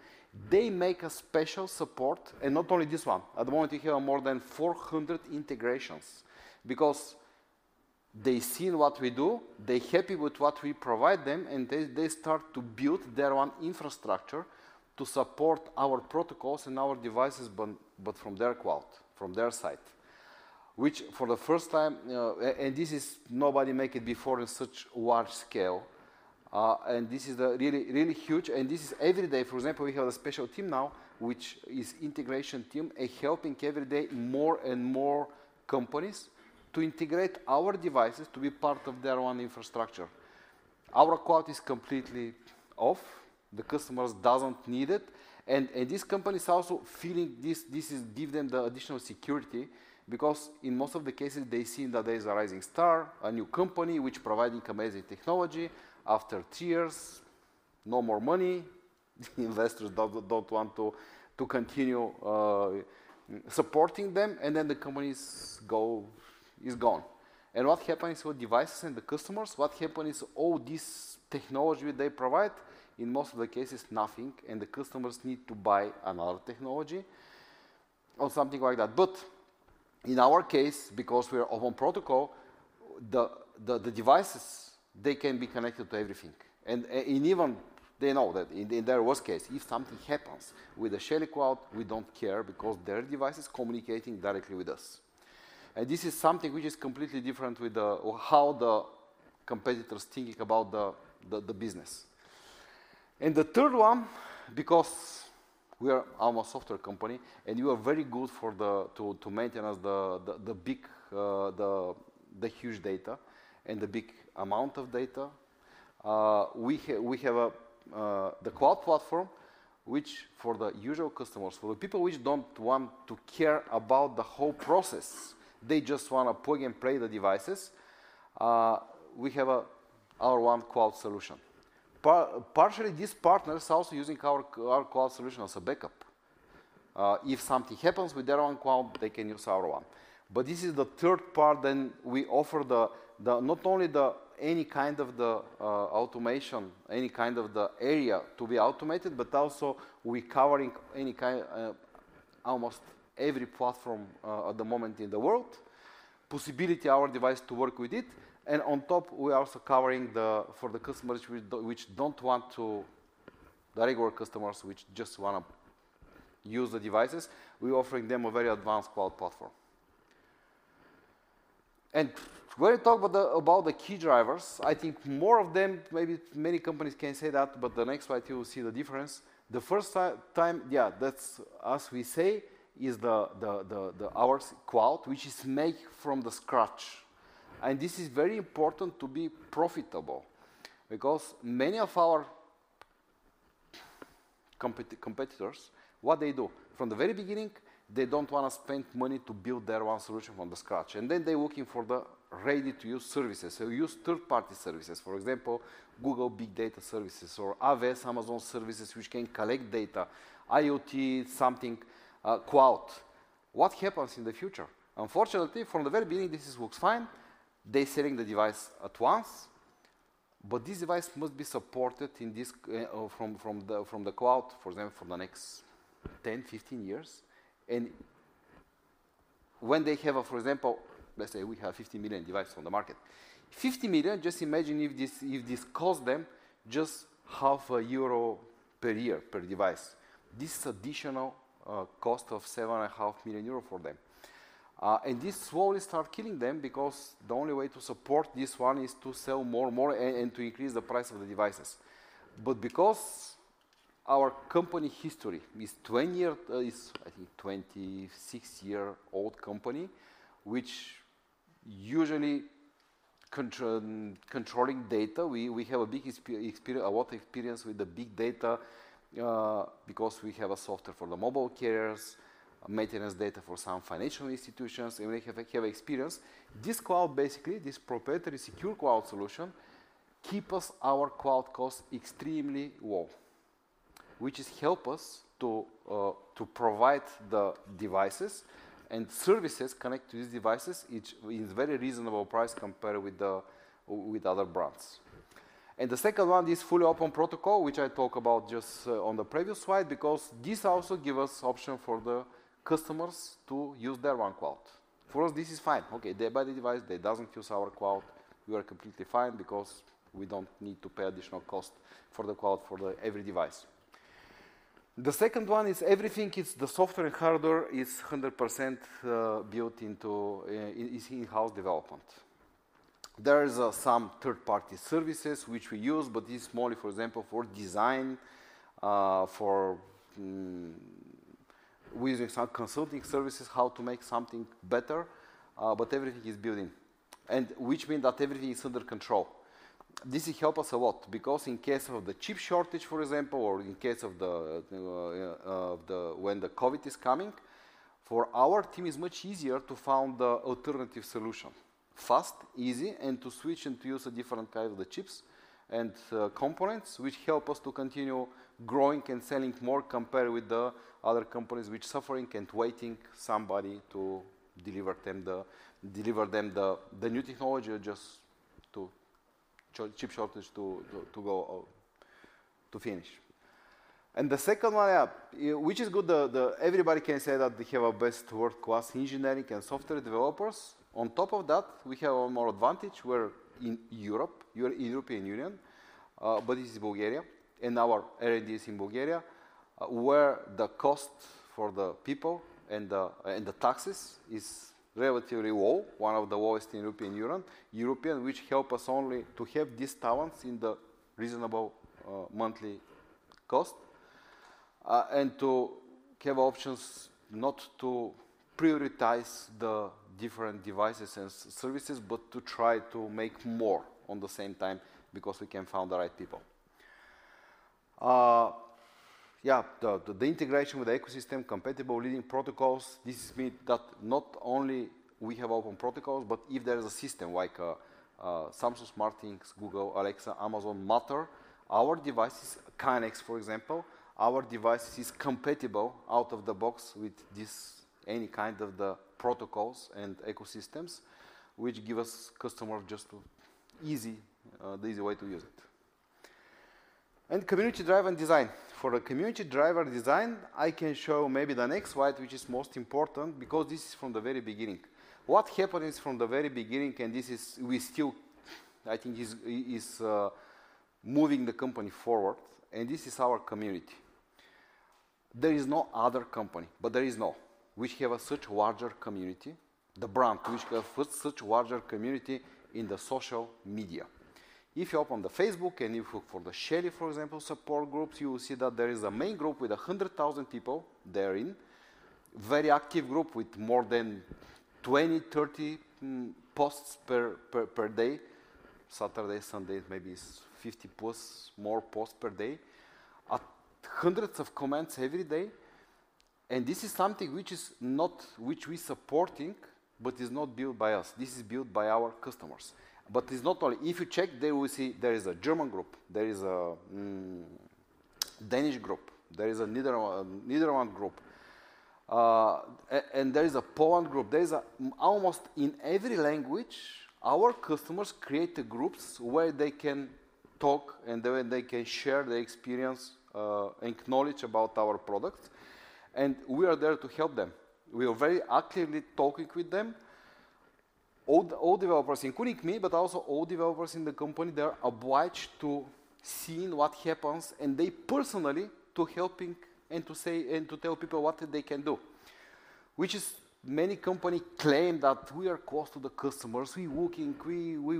they make a special support. And not only this one. At the moment, you have more than 400 integrations because they've seen what we do, they're happy with what we provide them, and they start to build their own infrastructure to support our protocols and our devices, but from their cloud, from their site. Which for the first time, and this is nobody made it before in such large scale. And this is really, really huge. And this is every day. For example, we have a special team now, which is an integration team, helping every day more and more companies to integrate our devices to be part of their own infrastructure. Our cloud is completely off. The customers don't need it. And these companies also feeling this gives them the additional security because in most of the cases, they've seen that there is a rising star, a new company which is providing amazing technology. After three years, no more money. Investors don't want to continue supporting them. And then the company is gone. And what happens with devices and the customers? What happens is all this technology they provide, in most of the cases, nothing. And the customers need to buy another technology or something like that. But in our case, because we are open protocol, the devices, they can be connected to everything. And even they know that in their worst case, if something happens with the Shelly Cloud, we don't care because their device is communicating directly with us. And this is something which is completely different with how the competitors are thinking about the business. And the third one, because we are almost a software company and you are very good for to maintain the huge data and the big amount of data, we have the cloud platform, which for the usual customers, for the people which don't want to care about the whole process, they just want to plug and play the devices, we have our own cloud solution. Partially, these partners are also using our cloud solution as a backup. If something happens with their own cloud, they can use our one. But this is the third part. Then we offer not only any kind of the automation, any kind of the area to be automated, but also we're covering almost every platform at the moment in the world, possibility of our device to work with it. And on top, we are also covering for the customers which don't want to, the regular customers which just want to use the devices. We're offering them a very advanced cloud platform. And when we talk about the key drivers, I think more of them. Maybe many companies can say that, but the next slide, you'll see the difference. The first time, yeah, that's as we say, is our cloud, which is made from scratch. And this is very important to be profitable because many of our competitors, what they do from the very beginning, they don't want to spend money to build their own solution from scratch. And then they're looking for the ready-to-use services. So use third-party services, for example, Google big data services or AWS Amazon services, which can collect data, IoT, something, cloud. What happens in the future? Unfortunately, from the very beginning, this looks fine. They're selling the device at once, but this device must be supported from the cloud, for example, for the next 10, 15 years. When they have, for example, let's say we have 50 million devices on the market, 50 million, just imagine if this costs them just EUR 0.5 per year per device. This is an additional cost of 7.5 million euro for them. This slowly starts killing them because the only way to support this one is to sell more and more and to increase the price of the devices. Because our company history is 20 years, I think 26-year-old company, which usually controlling data, we have a lot of experience with the big data because we have software for the mobile carriers, maintenance data for some financial institutions, and we have experience. This cloud, basically, this proprietary secure cloud solution keeps our cloud cost extremely low, which helps us to provide the devices and services connected to these devices in very reasonable price compared with other brands. And the second one is fully open protocol, which I talked about just on the previous slide because this also gives us option for the customers to use their own cloud. For us, this is fine. Okay. They buy the device. They don't use our cloud. We are completely fine because we don't need to pay additional cost for the cloud for every device. The second one is everything, the software and hardware is 100% built into in-house development. There are some third-party services which we use, but this is only, for example, for design. We're using some consulting services how to make something better, but everything is building, which means that everything is under control. This helps us a lot because in case of the chip shortage, for example, or in case of when the COVID is coming, for our team, it's much easier to find the alternative solution fast, easy, and to switch and to use a different kind of the chips and components, which help us to continue growing and selling more compared with the other companies which are suffering and waiting for somebody to deliver them the new technology or just to chip shortage to go to finish. And the second one, which is good, everybody can say that they have our best world-class engineering and software developers. On top of that, we have one more advantage. We're in Europe, European Union, but this is Bulgaria. Our R&D is in Bulgaria, where the cost for the people and the taxes is relatively low, one of the lowest in the European Union, which helps us only to have these talents in the reasonable monthly cost and to have options not to prioritize the different devices and services, but to try to make more at the same time because we can find the right people. Yeah. The integration with the ecosystem, compatible leading protocols. This means that not only do we have open protocols, but if there is a system like Samsung SmartThings, Google, Alexa, Amazon, Matter, our devices, KNX, for example, our devices are compatible out of the box with any kind of the protocols and ecosystems, which gives us customers just the easy way to use it. Community driven design. For the community-driven design, I can show maybe the next slide, which is most important because this is from the very beginning. What happened is from the very beginning, and this is we still, I think, is moving the company forward, and this is our community. There is no other company, but there is no, which have such a larger community, the brand, which have such a larger community in the social media. If you open the Facebook and you look for the Shelly, for example, support groups, you will see that there is a main group with 100,000 people therein, a very active group with more than 20, 30 posts per day, Saturday, Sunday, maybe 50 plus more posts per day, hundreds of comments every day, and this is something which we are supporting, but it's not built by us. This is built by our customers. But it's not only. If you check, you will see there is a German group, there is a Danish group, there is a Netherlands group, and there is a Poland group. There is almost in every language our customers create groups where they can talk and where they can share their experience and knowledge about our products. And we are there to help them. We are very actively talking with them. All developers, including me, but also all developers in the company, they are obliged to see what happens and they personally helping and to tell people what they can do, which many companies claim that we are close to the customers. We're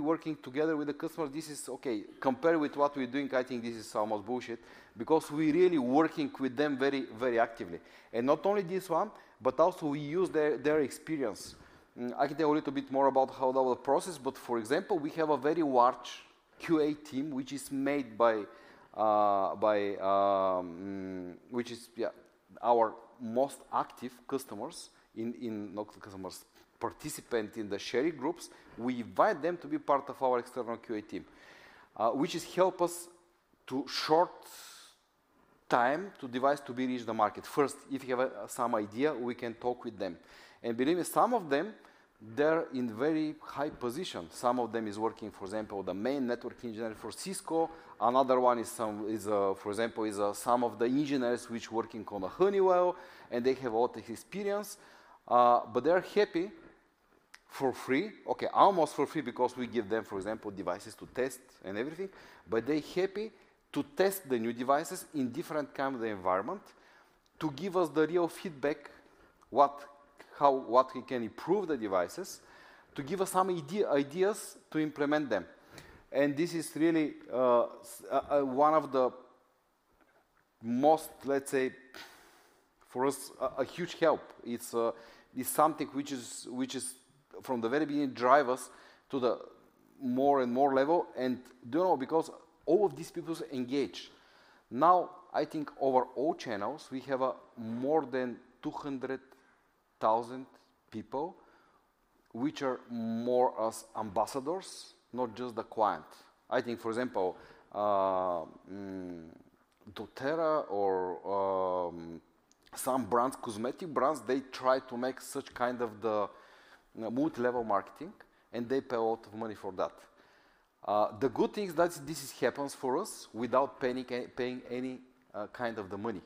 working together with the customers. This is okay. Compared with what we're doing, I think this is almost bullshit because we're really working with them very actively. And not only this one, but also we use their experience. I can tell you a little bit more about how the process, but for example, we have a very large QA team, which is our most active customers, not customers, participants in the Shelly Groups. We invite them to be part of our external QA team, which helps us to short time to device to be reached the market. First, if you have some idea, we can talk with them. And believe me, some of them, they're in very high position. Some of them are working, for example, the main network engineer for Cisco. Another one is, for example, some of the engineers which are working at Honeywell, and they have all this experience, but they're happy for free, okay, almost for free because we give them, for example, devices to test and everything, but they're happy to test the new devices in different kinds of the environment to give us the real feedback, how we can improve the devices, to give us some ideas to implement them. And this is really one of the most, let's say, for us, a huge help. It's something which is, from the very beginning, drives us to the more and more level. And you know because all of these people engage. Now, I think over all channels, we have more than 200,000 people which are more as ambassadors, not just the client. I think, for example, doTERRA or some brands, cosmetic brands, they try to make such kind of the multi-level marketing, and they pay a lot of money for that. The good thing is that this happens for us without paying any kind of the money.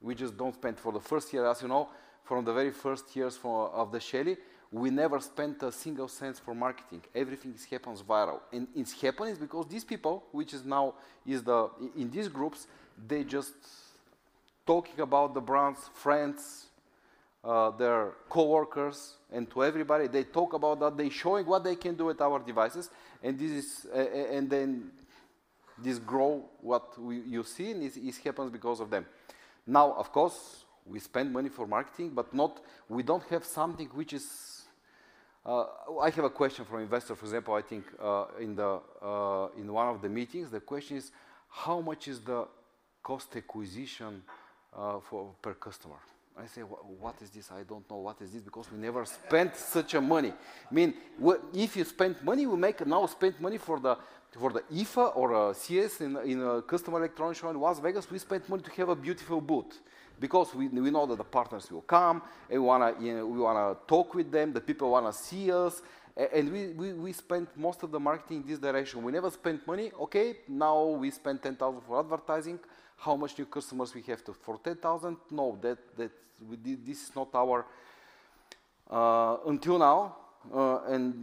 We just don't spend for the first year. As you know, from the very first years of the Shelly, we never spent a single cent for marketing. Everything happens viral. And it's happening because these people, which is now in these groups, they're just talking about the brands, friends, their coworkers, and to everybody, they talk about that. They're showing what they can do with our devices. And then this grow, what you're seeing, it happens because of them. Now, of course, we spend money for marketing, but we don't have something which is I have a question for investors. For example, I think in one of the meetings, the question is, how much is the customer acquisition cost per customer? I say, what is this? I don't know what this is because we never spent such money. I mean, if you spend money, we now spend money for the IFA or CES in Consumer Electronics Show in Las Vegas. We spend money to have a beautiful booth because we know that the partners will come. We want to talk with them. The people want to see us. And we spend most of the marketing in this direction. We never spend money. Okay. Now we spend 10,000 for advertising. How many new customers we have for 10,000? No, this is not our until now. Right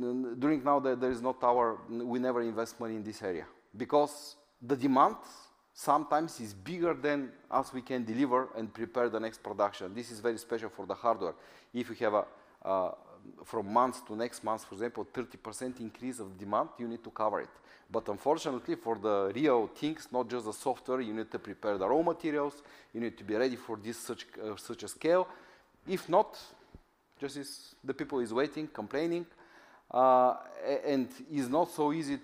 now, we never invest money in this area because the demand sometimes is bigger than what we can deliver and prepare the next production. This is very special for the hardware. If you have from month to month, for example, a 30% increase of demand, you need to cover it. But unfortunately, for the real things, not just the software, you need to prepare the raw materials. You need to be ready for such a scale. If not, just the people are waiting, complaining, and it's not so easy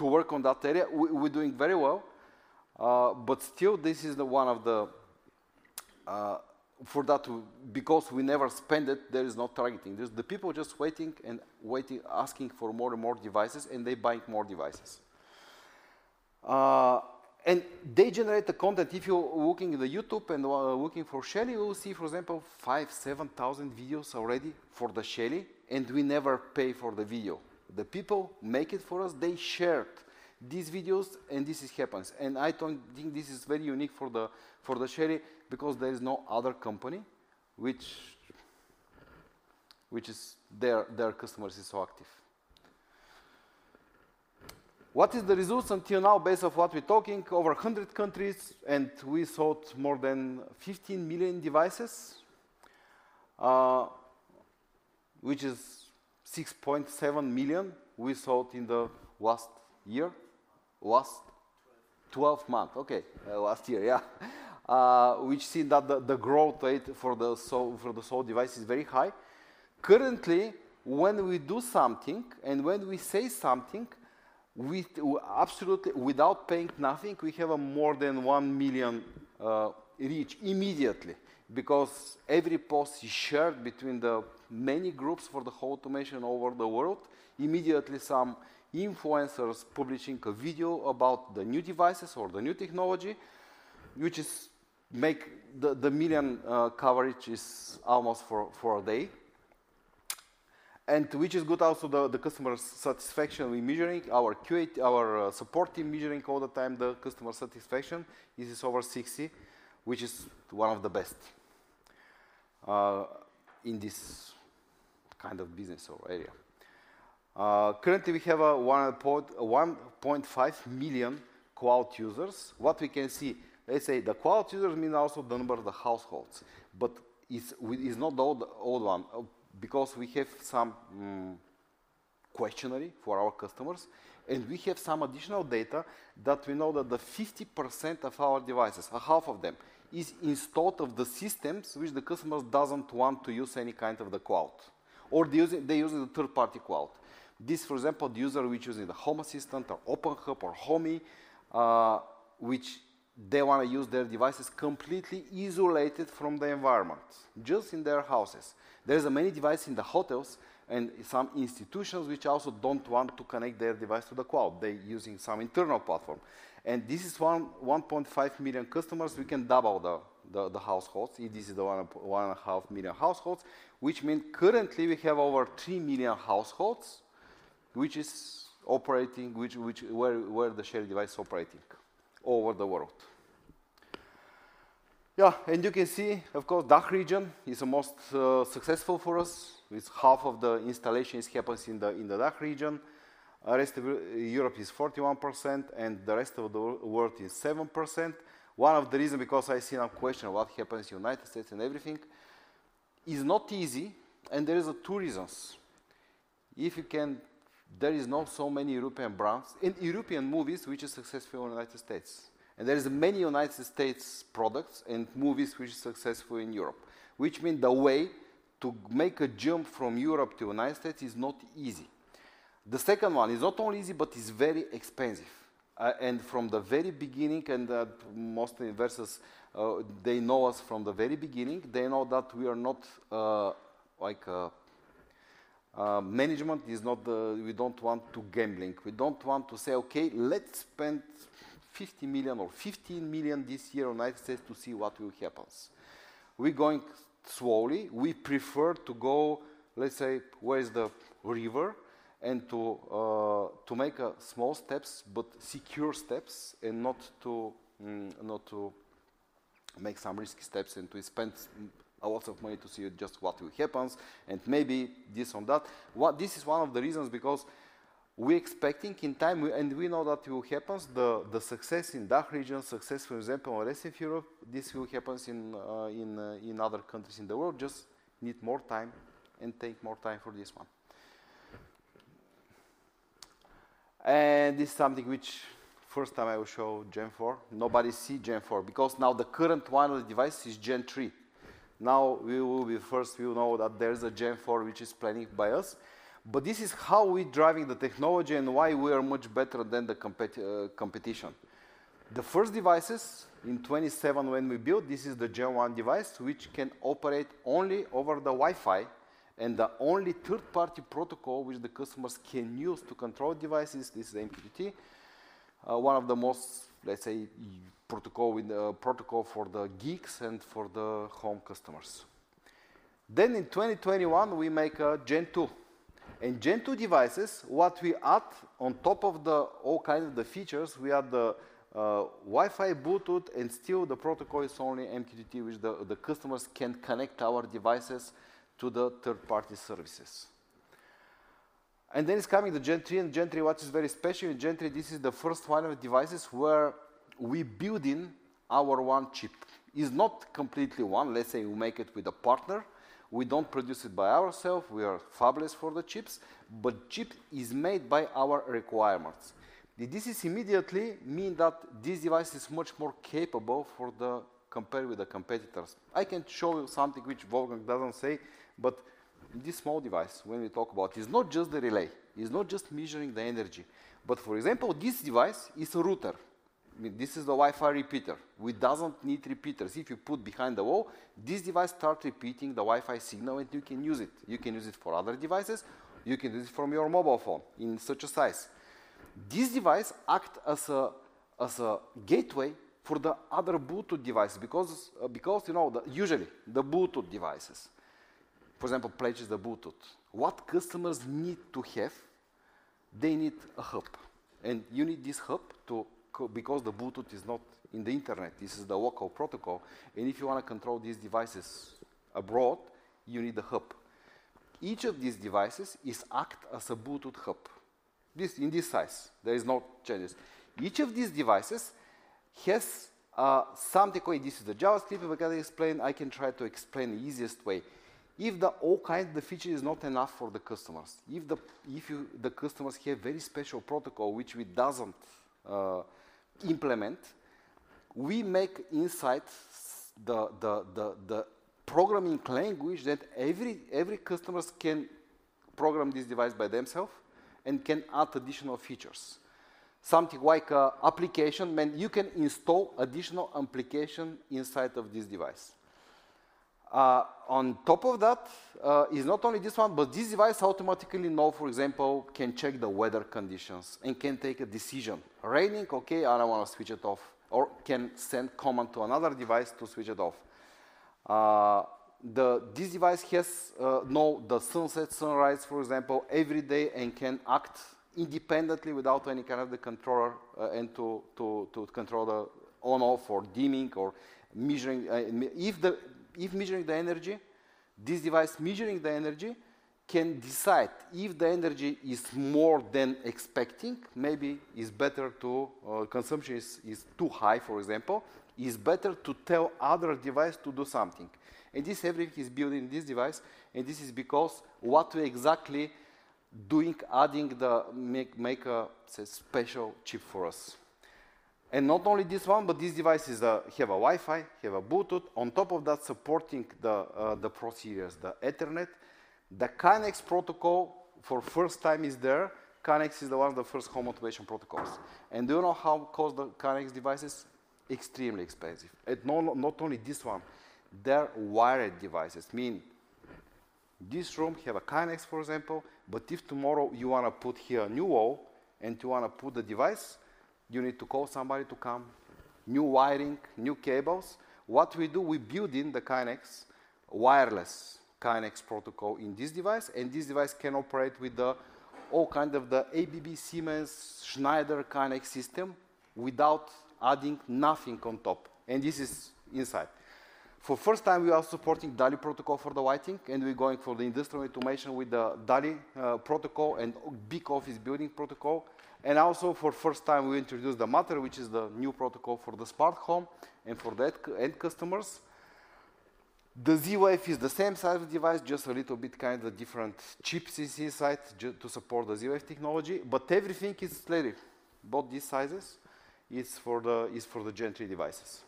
to work on that area. We're doing very well. But still, this is one of the reasons for that because we never spend on it; there is no targeting. The people are just waiting and asking for more and more devices, and they buy more devices. And they generate the content. If you're looking at the YouTube and looking for Shelly, you'll see, for example, 5,000, 7,000 videos already for the Shelly, and we never pay for the video. The people make it for us. They shared these videos, and this happens. And I think this is very unique for the Shelly because there is no other company which their customers are so active. What is the results until now based off what we're talking? Over 100 countries, and we sold more than 15 million devices, which is 6.7 million we sold in the last 12 months. Okay. Last year, yeah. Which seen that the growth rate for the sold device is very high. Currently, when we do something and when we say something, absolutely without paying nothing, we have more than one million reach immediately because every post is shared between the many groups for the whole automation over the world. Immediately, some influencers publishing a video about the new devices or the new technology, which is make the million coverage is almost for a day, and which is good also the customer satisfaction. We're measuring our support team measuring all the time the customer satisfaction. This is over 60, which is one of the best in this kind of business area. Currently, we have 1.5 million cloud users. What we can see, let's say the cloud users mean also the number of the households, but it's not the old one because we have some questionnaire for our customers, and we have some additional data that we know that 50% of our devices, half of them, is installed in the systems which the customers don't want to use any kind of the cloud, or they're using the third-party cloud. This, for example, the user which is in the Home Assistant or openHAB or Homey, which they want to use their devices completely isolated from the environment, just in their houses. There are many devices in the hotels and some institutions which also don't want to connect their device to the cloud. They're using some internal platform. This is 1.5 million customers. We can double the households. This is the 1.5 million households, which means currently we have over 3 million households which are operating where the Shelly device is operating all over the world. Yeah. And you can see, of course, the DACH region is the most successful for us. Half of the installation happens in the DACH region. The rest of Europe is 41%, and the rest of the world is 7%. One of the reasons because I see a question of what happens in the United States and everything is not easy, and there are two reasons. If you can, there are not so many European brands and European movies which are successful in the United States. And there are many United States products and movies which are successful in Europe, which means the way to make a jump from Europe to the United States is not easy. The second one is not only easy, but it's very expensive. From the very beginning, most investors know us from the very beginning. They know that we are not like management; we don't want to gamble. We don't want to say, "Okay, let's spend 50 million or 15 million this year in the United States to see what will happen." We're going slowly. We prefer to go, let's say, where is the river and to make small steps, but secure steps and not to make some risky steps and to spend a lot of money to see just what happens and maybe this or that. This is one of the reasons because we're expecting in time, and we know that will happen. The success in the DACH region, success, for example, in the rest of Europe, this will happen in other countries in the world. Just need more time and take more time for this one. And this is something which first time I will show Gen 4. Nobody sees Gen 4 because now the current one of the devices is Gen 3. Now we will be first, we'll know that there is a Gen 4 which is planning by us. But this is how we're driving the technology and why we are much better than the competition. The first devices in 2017 when we built, this is the Gen 1 device which can operate only over the Wi-Fi and the only third-party protocol which the customers can use to control devices. This is MQTT, one of the most, let's say, protocol for the geeks and for the home customers. Then in 2021, we make a Gen 2. Gen 2 devices, what we add on top of all kinds of the features, we add the Wi-Fi, Bluetooth, and still the protocol is only MQTT, which the customers can connect our devices to the third-party services. Then it's coming the Gen 3, and Gen 3, what is very special in Gen 3, this is the first line of devices where we're building our own chip. It's not completely one. Let's say we make it with a partner. We don't produce it by ourselves. We are fabless for the chips, but the chip is made by our requirements. This immediately means that this device is much more capable compared with the competitors. I can show you something which Wolfgang doesn't say, but this small device when we talk about it is not just the relay. It's not just measuring the energy. But for example, this device is a router. This is the Wi-Fi repeater. We don't need repeaters. If you put behind the wall, this device starts repeating the Wi-Fi signal, and you can use it. You can use it for other devices. You can use it from your mobile phone in such a size. This device acts as a gateway for the other Bluetooth devices because usually the Bluetooth devices, for example, Plejd's the Bluetooth. What customers need to have, they need a hub. And you need this hub because the Bluetooth is not in the internet. This is the local protocol. And if you want to control these devices abroad, you need a hub. Each of these devices acts as a Bluetooth hub in this size. There is no changes. Each of these devices has something called this is the JavaScript. If I got to explain, I can try to explain the easiest way. If all kinds of the feature is not enough for the customers, if the customers have a very special protocol which we don't implement, we make inside the programming language that every customer can program this device by themselves and can add additional features. Something like an application meant you can install additional application inside of this device. On top of that, it's not only this one, but this device automatically knows, for example, can check the weather conditions and can take a decision. Raining, okay, I don't want to switch it off, or can send a command to another device to switch it off. This device has the sunset, sunrise, for example, every day and can act independently without any kind of the controller and to control the on/off or dimming or measuring. If measuring the energy, this device measuring the energy can decide if the energy is more than expecting. Maybe is better to consumption is too high, for example, is better to tell other device to do something. This everything is built in this device, and this is because what we're exactly doing, adding to make a special chip for us. Not only this one, but these devices have Wi-Fi, have Bluetooth. On top of that, supporting the protocols, the Ethernet, the KNX protocol for the first time is there. KNX is one of the first home automation protocols. Do you know how costly the KNX devices? Extremely expensive. Not only this one, they're wired devices. Meaning this room has a KNX, for example, but if tomorrow you want to put here a new wall and you want to put the device, you need to call somebody to come. New wiring, new cables. What we do, we build in the KNX wireless KNX protocol in this device, and this device can operate with all kinds of the ABB Siemens Schneider KNX system without adding nothing on top. And this is inside. For the first time, we are supporting DALI protocol for the lighting, and we're going for the industrial automation with the DALI protocol and big office building protocol. And also for the first time, we introduced the Matter, which is the new protocol for the smart home and for the end customers. The Z-Wave is the same size of device, just a little bit kind of different chips inside to support the Z-Wave technology, but everything is ready. Both these sizes is for the Gen 3 devices.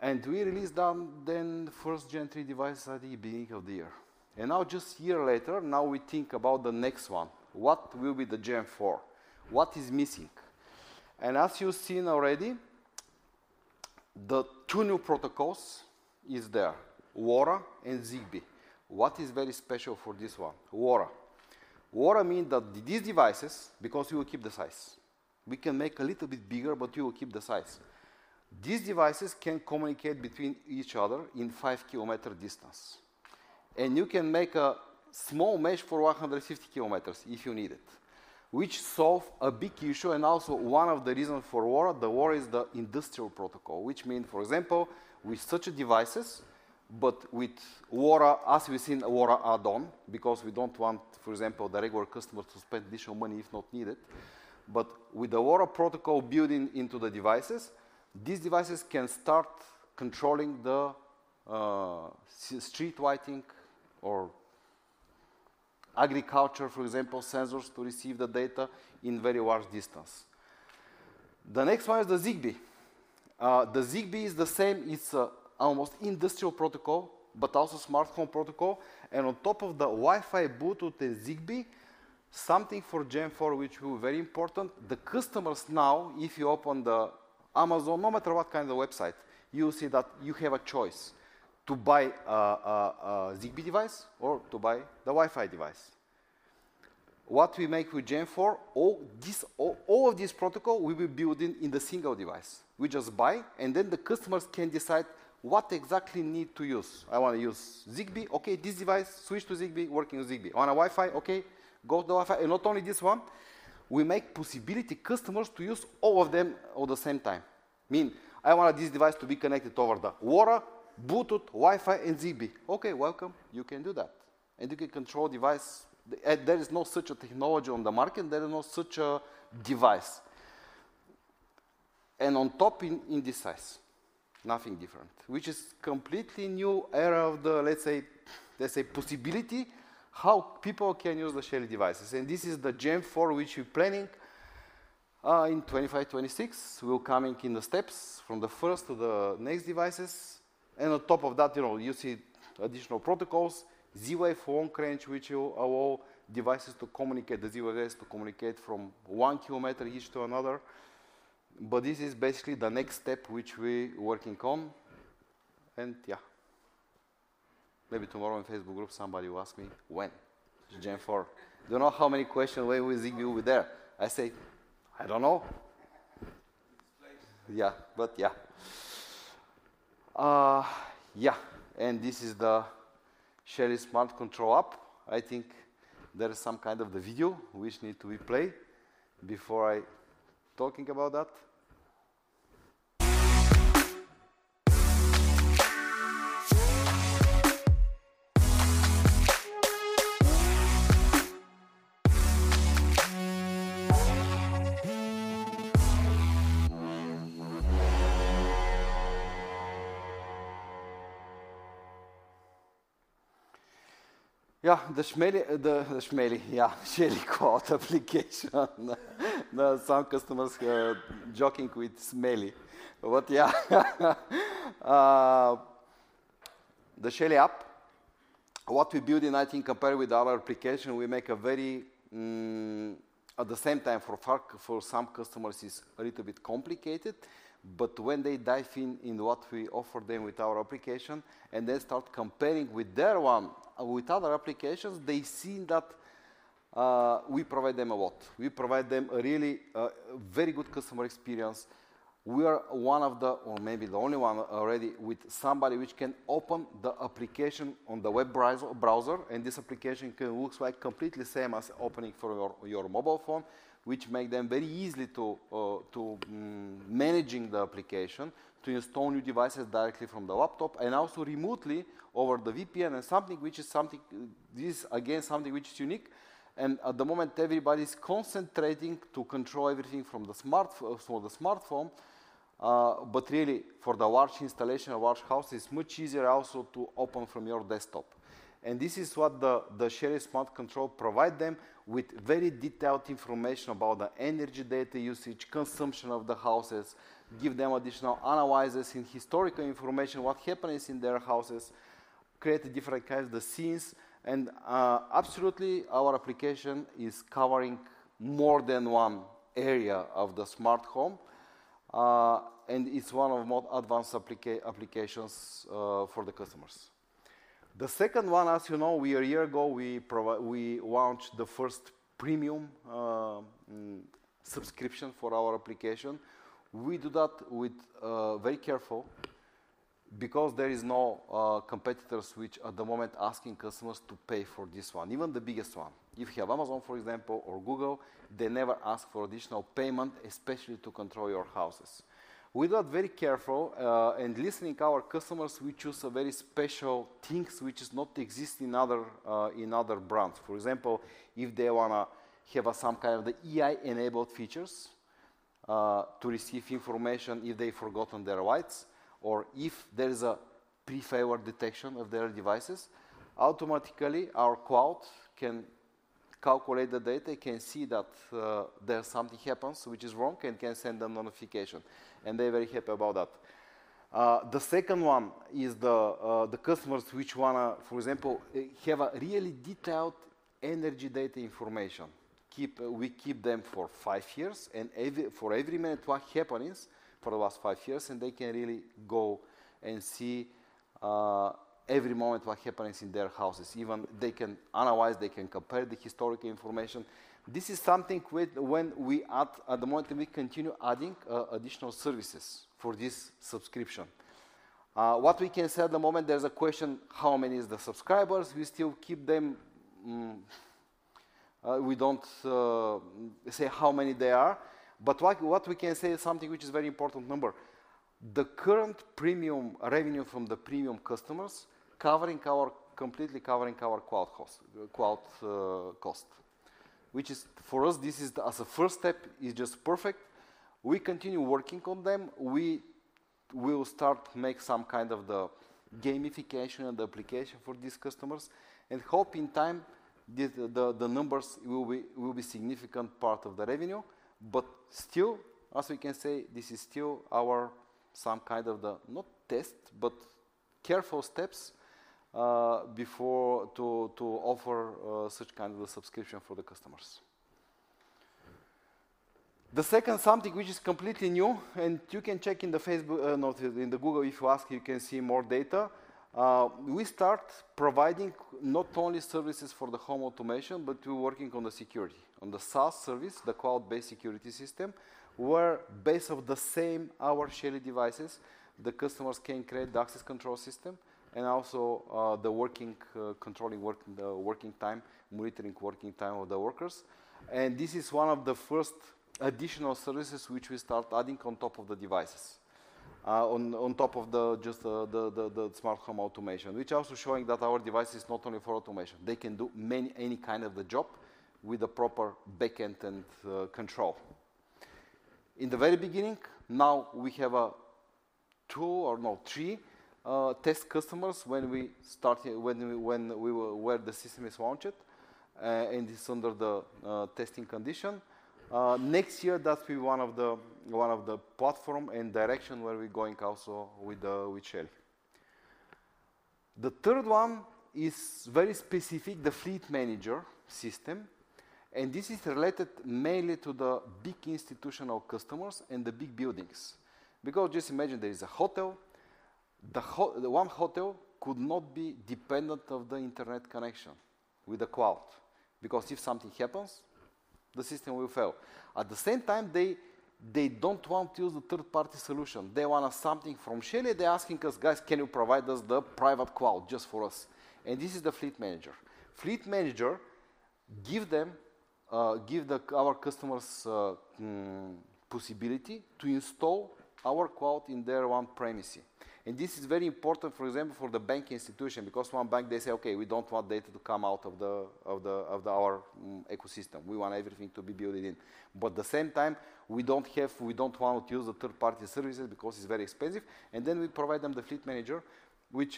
And we released then the first Gen 3 devices at the beginning of the year. And now just a year later, now we think about the next one. What will be the Gen 4? What is missing? And as you've seen already, the two new protocols are there: LoRa and Zigbee. What is very special for this one? LoRa. LoRa means that these devices, because we will keep the size, we can make a little bit bigger, but we will keep the size. These devices can communicate between each other in 5 km distance. And you can make a small mesh for 150 km if you need it, which solves a big issue. And also one of the reasons for LoRa, the LoRa is the industrial protocol, which means, for example, with such devices, but with LoRa, as we've seen, LoRa add-on because we don't want, for example, the regular customers to spend additional money if not needed. But with the LoRa protocol building into the devices, these devices can start controlling the street lighting or agriculture, for example, sensors to receive the data in very large distance. The next one is the Zigbee. The Zigbee is the same. It's almost industrial protocol, but also smart home protocol. And on top of the Wi-Fi, Bluetooth, and Zigbee, something for Gen 4, which will be very important. The customers now, if you open the Amazon, no matter what kind of website, you'll see that you have a choice to buy a Zigbee device or to buy the Wi-Fi device. What we make with Gen 4, all of this protocol we will build in the single device. We just buy, and then the customers can decide what exactly need to use. I want to use Zigbee. Okay, this device, switch to Zigbee, working with Zigbee. I want a Wi-Fi. Okay, go to the Wi-Fi, and not only this one, we make possibility customers to use all of them at the same time. Meaning I want this device to be connected over the LoRa, Bluetooth, Wi-Fi, and Zigbee. Okay, welcome. You can do that, and you can control device. There is no such technology on the market. There is no such device, and on top in this size, nothing different, which is completely new era of the, let's say, possibility how people can use the Shelly devices, and this is the Gen 4, which we're planning in 2025, 2026. We're coming in the steps from the first to the next devices. On top of that, you see additional protocols, Z-Wave, LoRa, which will allow devices to communicate, the Z-Wave to communicate from one kilometer each to another. This is basically the next step which we're working on. Yeah, maybe tomorrow in Facebook group, somebody will ask me when Gen 4. Do you know how many questions when we Zigbee will be there? I say, I don't know. It's late. Yeah, but yeah. Yeah. This is the Shelly Smart Control App. I think there is some kind of video which needs to be played before I talk about that. Yeah, the Shelly, yeah, Shelly cloud application. Some customers are joking with Shelly. But yeah. The Shelly app, what we build in, I think, compared with our application, we make a very at the same time for some customers is a little bit complicated, but when they dive in what we offer them with our application and then start comparing with their one with other applications, they see that we provide them a lot. We provide them a really very good customer experience. We are one of the, or maybe the only one already with somebody which can open the application on the web browser, and this application looks like completely same as opening for your mobile phone, which makes them very easy to manage the application, to install new devices directly from the laptop, and also remotely over the VPN, and this is again something which is unique. At the moment, everybody's concentrating to control everything from the smartphone, but really for the large installation of large houses is much easier also to open from your desktop. This is what the Shelly Smart Control provides them with very detailed information about the energy data usage, consumption of the houses, give them additional analysis and historical information, what happens in their houses, create a different kind of the scenes. Absolutely, our application is covering more than one area of the smart home. It's one of the most advanced applications for the customers. The second one, as you know, a year ago, we launched the first premium subscription for our application. We do that with very careful because there are no competitors which at the moment are asking customers to pay for this one, even the biggest one. If you have Amazon, for example, or Google, they never ask for additional payment, especially to control your houses. We do that very carefully and listening to our customers. We choose a very special thing which does not exist in other brands. For example, if they want to have some kind of the AI-enabled features to receive information if they've forgotten their lights or if there is a pre-failure detection of their devices, automatically our cloud can calculate the data, can see that something happens which is wrong, and can send a notification, and they're very happy about that. The second one is the customers which want to, for example, have a really detailed energy data information. We keep them for five years and for every minute what happens for the last five years, and they can really go and see every moment what happens in their houses. Even they can analyze, they can compare the historical information. This is something when we add. At the moment we continue adding additional services for this subscription. What we can say at the moment, there's a question how many are the subscribers. We still keep them. We don't say how many they are. But what we can say is something which is a very important number. The current premium revenue from the premium customers completely covering our cloud cost, which is for us, this is as a first step, is just perfect. We continue working on them. We will start to make some kind of the gamification and the application for these customers and hope in time the numbers will be a significant part of the revenue. But still, as we can say, this is still our some kind of the not test, but careful steps before to offer such kind of a subscription for the customers. The second something which is completely new, and you can check in the Facebook notes, in the Google if you ask, you can see more data. We start providing not only services for the home automation, but we're working on the security, on the SaaS service, the cloud-based security system, where based on the same our Shelly devices, the customers can create the access control system and also the controlling working time, monitoring working time of the workers. And this is one of the first additional services which we start adding on top of the devices, on top of just the smart home automation, which also is showing that our device is not only for automation. They can do any kind of the job with a proper backend and control. In the very beginning, now we have two or three test customers when we started when we were where the system is launched and it's under the testing condition. Next year, that will be one of the platform and direction where we're going also with Shelly. The third one is very specific, the Fleet Manager System. And this is related mainly to the big institutional customers and the big buildings. Because just imagine there is a hotel. One hotel could not be dependent on the internet connection with the cloud because if something happens, the system will fail. At the same time, they don't want to use a third-party solution. They want something from Shelly. They're asking us, "Guys, can you provide us the private cloud just for us?" And this is the Fleet Manager. Fleet Manager gives our customers the possibility to install our cloud in their on-premises. And this is very important, for example, for the bank institution because one bank, they say, "Okay, we don't want data to come out of our ecosystem. We want everything to be built in." But at the same time, we don't want to use the third-party services because it's very expensive. And then we provide them the Fleet Manager, which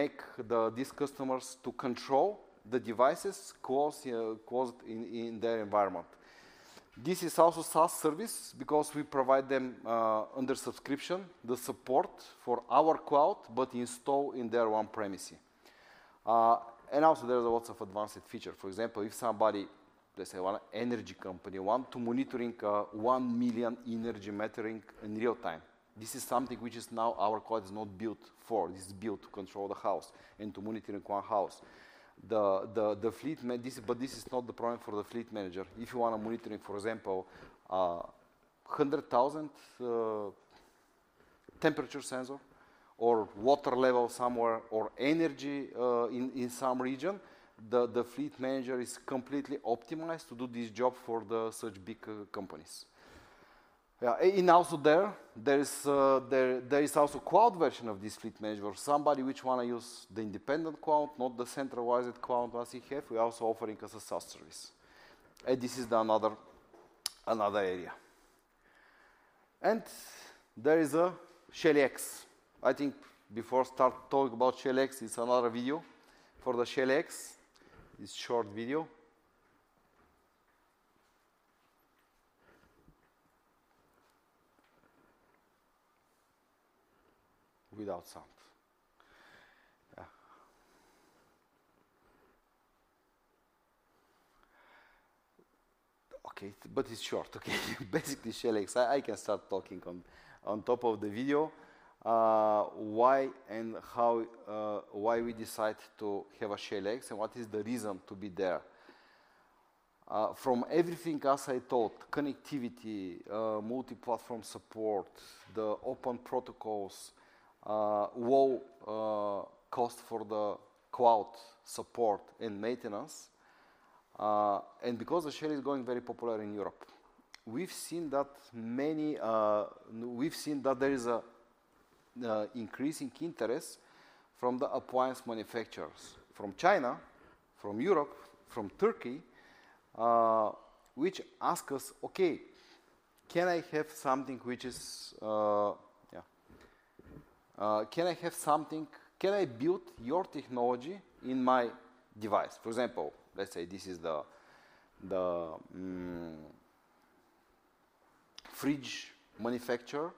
makes these customers control the devices closed in their environment. This is also SaaS service because we provide them under subscription the support for our cloud, but installed in their on-premises. And also there are lots of advanced features. For example, if somebody, let's say, one energy company wants to monitor one million energy metering in real time, this is something which is now our cloud is not built for. This is built to control the house and to monitor one house, but this is not the problem for the Fleet Manager. If you want to monitor, for example, 100,000 temperature sensors or water level somewhere or energy in some region, the Fleet Manager is completely optimized to do this job for such big companies, and also, there is also a cloud version of this Fleet Manager for somebody which wants to use the independent cloud, not the centralized cloud as you have. We're also offering as a SaaS service, and this is another area, and there is a Shelly X. I think before I start talking about Shelly X, it's another video for the Shelly X. It's a short video. Without sound. Okay, but it's short. Okay. Basically, Shelly X. I can start talking on top of the video. Why and how we decided to have a Shelly X and what is the reason to be there? From everything as I told, connectivity, multi-platform support, the open protocols, low cost for the cloud support and maintenance. Because the Shelly is going very popular in Europe, we've seen that there is an increasing interest from the appliance manufacturers from China, from Europe, from Turkey, which ask us, "Okay, can I have something which is, yeah, can I build your technology in my device?" For example, let's say this is the fridge manufacturer,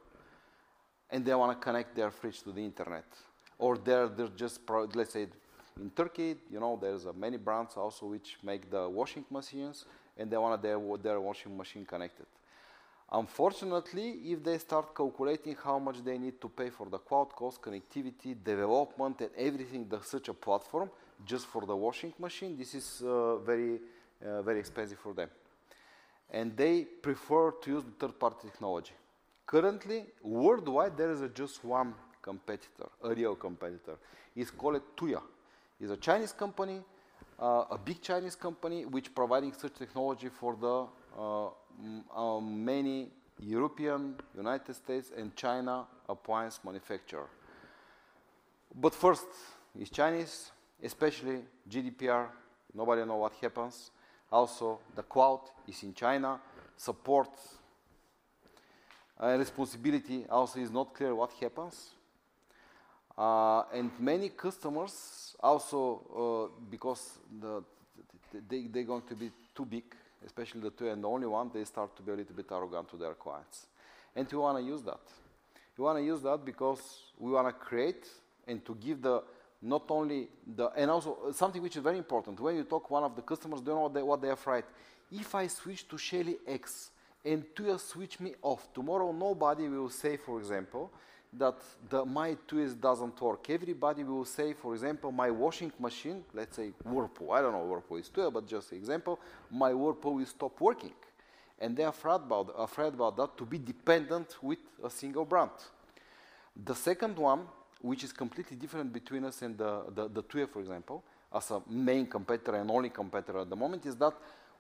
and they want to connect their fridge to the internet. Or they're just, let's say, in Turkey, there are many brands also which make the washing machines, and they want their washing machine connected. Unfortunately, if they start calculating how much they need to pay for the cloud cost, connectivity, development, and everything to such a platform just for the washing machine, this is very expensive for them. And they prefer to use third-party technology. Currently, worldwide, there is just one competitor, a real competitor. It's called Tuya. It's a Chinese company, a big Chinese company which is providing such technology for many European, United States, and China appliance manufacturers. But first, it's Chinese, especially GDPR. Nobody knows what happens. Also, the cloud is in China. Support responsibility also is not clear what happens. And many customers also, because they're going to be too big, especially the Tuya, and the only one, they start to be a little bit arrogant to their clients. And we want to use that. We want to use that because we want to create and to give not only the and also something which is very important. When you talk to one of the customers, they know what they have, right. If I switch to Shelly X and Tuya switch me off, tomorrow nobody will say, for example, that my Tuya doesn't work. Everybody will say, for example, my washing machine, let's say Whirlpool. I don't know Whirlpool is Tuya, but just an example, my Whirlpool will stop working. And they are afraid about that to be dependent with a single brand. The second one, which is completely different between us and the Tuya, for example, as a main competitor and only competitor at the moment, is that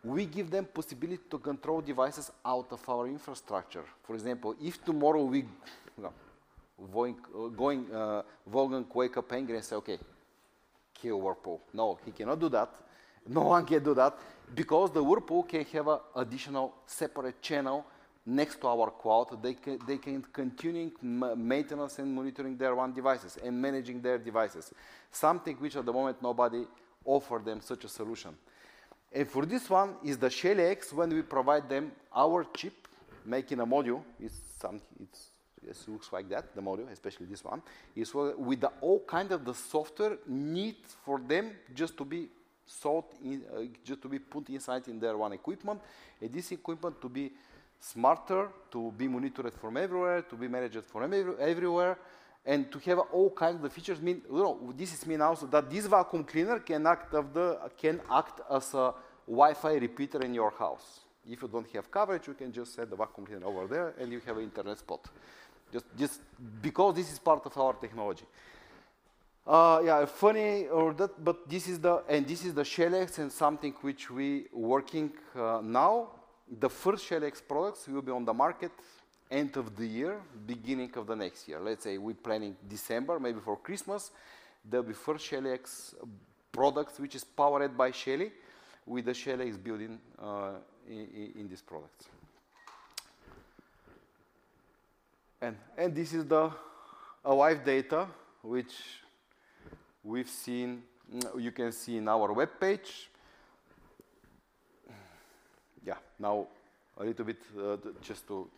we give them the possibility to control devices out of our infrastructure. For example, if tomorrow we go bankrupt and say, "Okay, kill Whirlpool." No, he cannot do that. No one can do that because the Whirlpool can have an additional separate channel next to our cloud. They can continue maintenance and monitoring their own devices and managing their devices. Something which at the moment nobody offers them such a solution. And for this one is the Shelly X when we provide them our chip, making a module. It looks like that, the module, especially this one, with all kinds of the software needs for them just to be sold, just to be put inside in their own equipment. And this equipment to be smarter, to be monitored from everywhere, to be managed from everywhere, and to have all kinds of features. This means also that this vacuum cleaner can act as a Wi-Fi repeater in your house. If you don't have coverage, you can just set the vacuum cleaner over there and you have an internet spot. Just because this is part of our technology. Yeah, funny, but this is the Shelly X and something which we are working on now. The first Shelly X products will be on the market end of the year, beginning of the next year. Let's say we're planning December, maybe for Christmas. There'll be first Shelly X products which are powered by Shelly with the Shelly X built in these products. And this is the live data which we've seen. You can see in our webpage. Yeah, now a little bit just to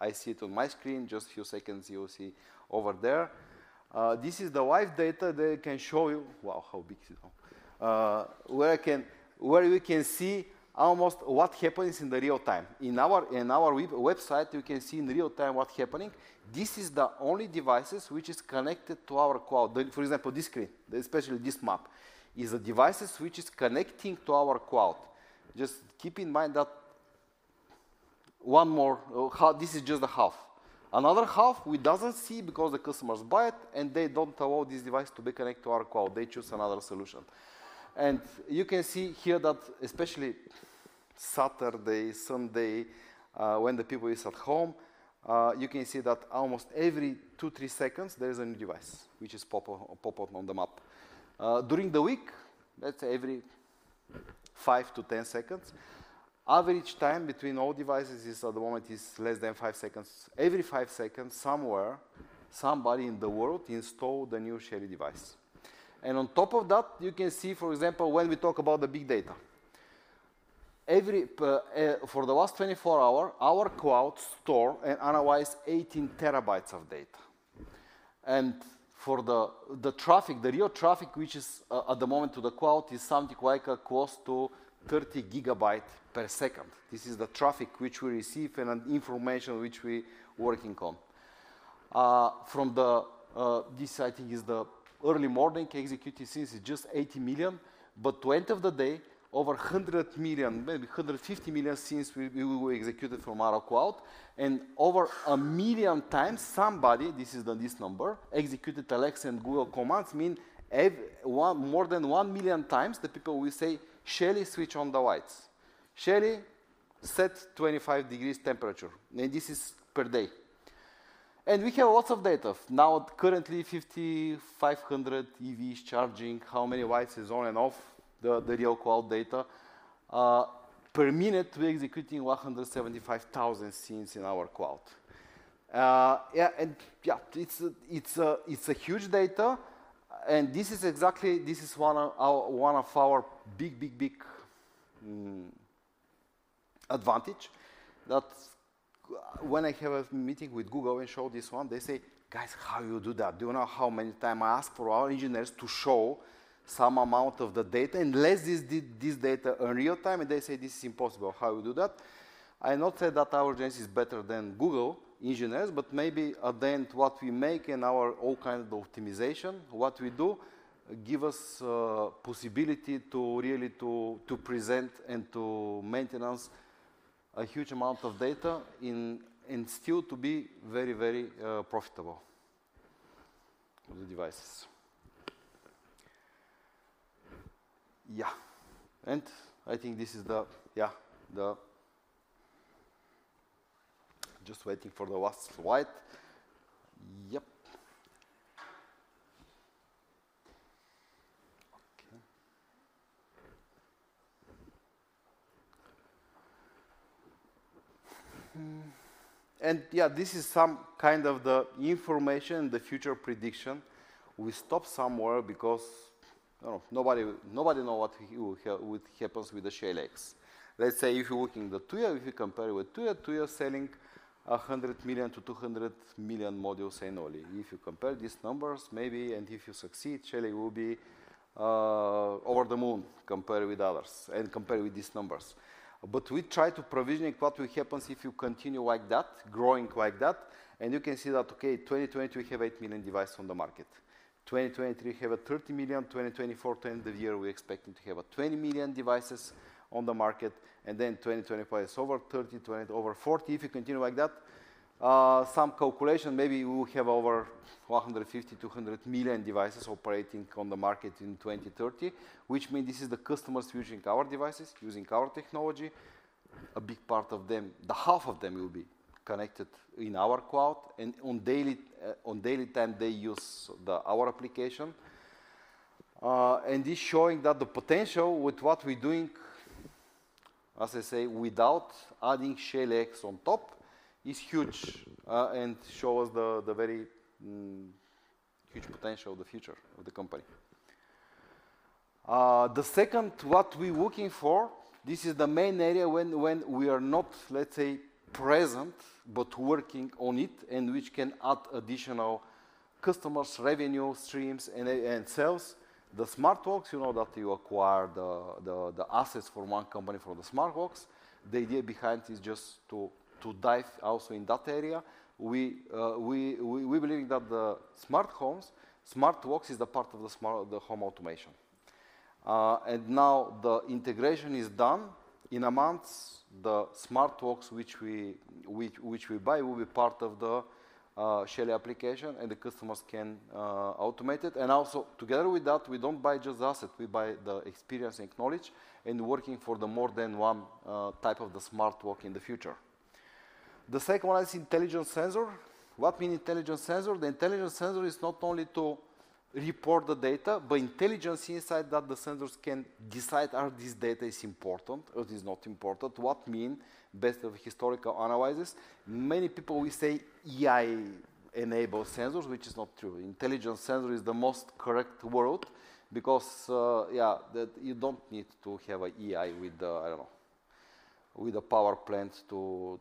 I see it on my screen. Just a few seconds, you'll see over there. This is the live data that I can show you. Wow, how big is it? Where we can see almost what happens in real time. In our website, you can see in real time what's happening. This is the only device which is connected to our cloud. For example, this screen, especially this map, is a device which is connecting to our cloud. Just keep in mind that one more, this is just the half. Another half, we don't see because the customers buy it and they don't allow this device to be connected to our cloud. They choose another solution. And you can see here that especially Saturday, Sunday, when the people are at home, you can see that almost every two, three seconds, there is a new device which is popping on the map. During the week, let's say every five to ten seconds, average time between all devices at the moment is less than five seconds. Every five seconds, somewhere, somebody in the world installs the new Shelly device. On top of that, you can see, for example, when we talk about the big data, for the last 24 hours, our cloud stored and analyzed 18 TB of data. For the traffic, the real traffic which is at the moment to the cloud is something like close to 30 GB per second. This is the traffic which we receive and the information which we are working on. From this, I think, this is the early morning executions. It's just 80 million. But by the end of the day, over 100 million, maybe 150 million scenes will be executed from our cloud. Over a million times, somebody, this is the least number, executed Alexa and Google commands, meaning more than one million times the people will say, "Shelly, switch on the lights. Shelly, set 25 degrees temperature." And this is per day. And we have lots of data. Now, currently, 5,500 EVs charging. How many lights is on and off? The real cloud data. Per minute, we're executing 175,000 scenes in our cloud. Yeah, and yeah, it's a huge data. And this is exactly one of our big, big, big advantages. That when I have a meeting with Google and show this one, they say, "Guys, how do you do that? Do you know how many times I ask for our engineers to show some amount of the data and let's just do this data in real time?" And they say, "This is impossible. How do you do that?" I'm not saying that our journey is better than Google engineers, but maybe at the end, what we make and our all kinds of optimization, what we do gives us the possibility to really present and to maintain a huge amount of data and still to be very, very profitable with the devices. Yeah. And I think this is yeah, just waiting for the last slide. Yep. Okay. And yeah, this is some kind of the information and the future prediction. We stop somewhere because nobody knows what happens with the Shelly X. Let's say if you're working with Tuya, if you compare with Tuya, Tuya is selling 100 million-200 million modules annually. If you compare these numbers, maybe, and if you succeed, Shelly will be over the moon compared with others and compared with these numbers. But we try to provision what will happen if you continue like that, growing like that. And you can see that, okay, 2022, we have 8 million devices on the market. 2023, we have 30 million. 2024, at the end of the year, we're expecting to have 20 million devices on the market. And then 2025 is over 30, over 40. If you continue like that, some calculation, maybe we will have over 150, 200 million devices operating on the market in 2030, which means this is the customers using our devices, using our technology. A big part of them, the half of them will be connected in our cloud. And on daily time, they use our application. This is showing that the potential with what we're doing, as I say, without adding Shelly X on top, is huge and shows the very huge potential of the future of the company. The second, what we're looking for, this is the main area when we are not, let's say, present, but working on it and which can add additional customers, revenue streams, and sales. The Smart Locks, you know that you acquire the assets from one company for the Smart Locks. The idea behind is just to dive also in that area. We believe that the smart homes, Smart Locks is a part of the home automation. Now the integration is done. In a month, the Smart Locks which we buy will be part of the Shelly application, and the customers can automate it. Also, together with that, we don't buy just assets. We buy the experience and knowledge and working for the more than one type of the smart home in the future. The second one is intelligent sensor. What means intelligent sensor? The intelligent sensor is not only to report the data, but intelligence inside that the sensors can decide if this data is important or is not important. What means best of historical analysis. Many people will say AI-enabled sensors, which is not true. Intelligent sensor is the most correct word because, yeah, you don't need to have an AI with the, I don't know, with the power plant for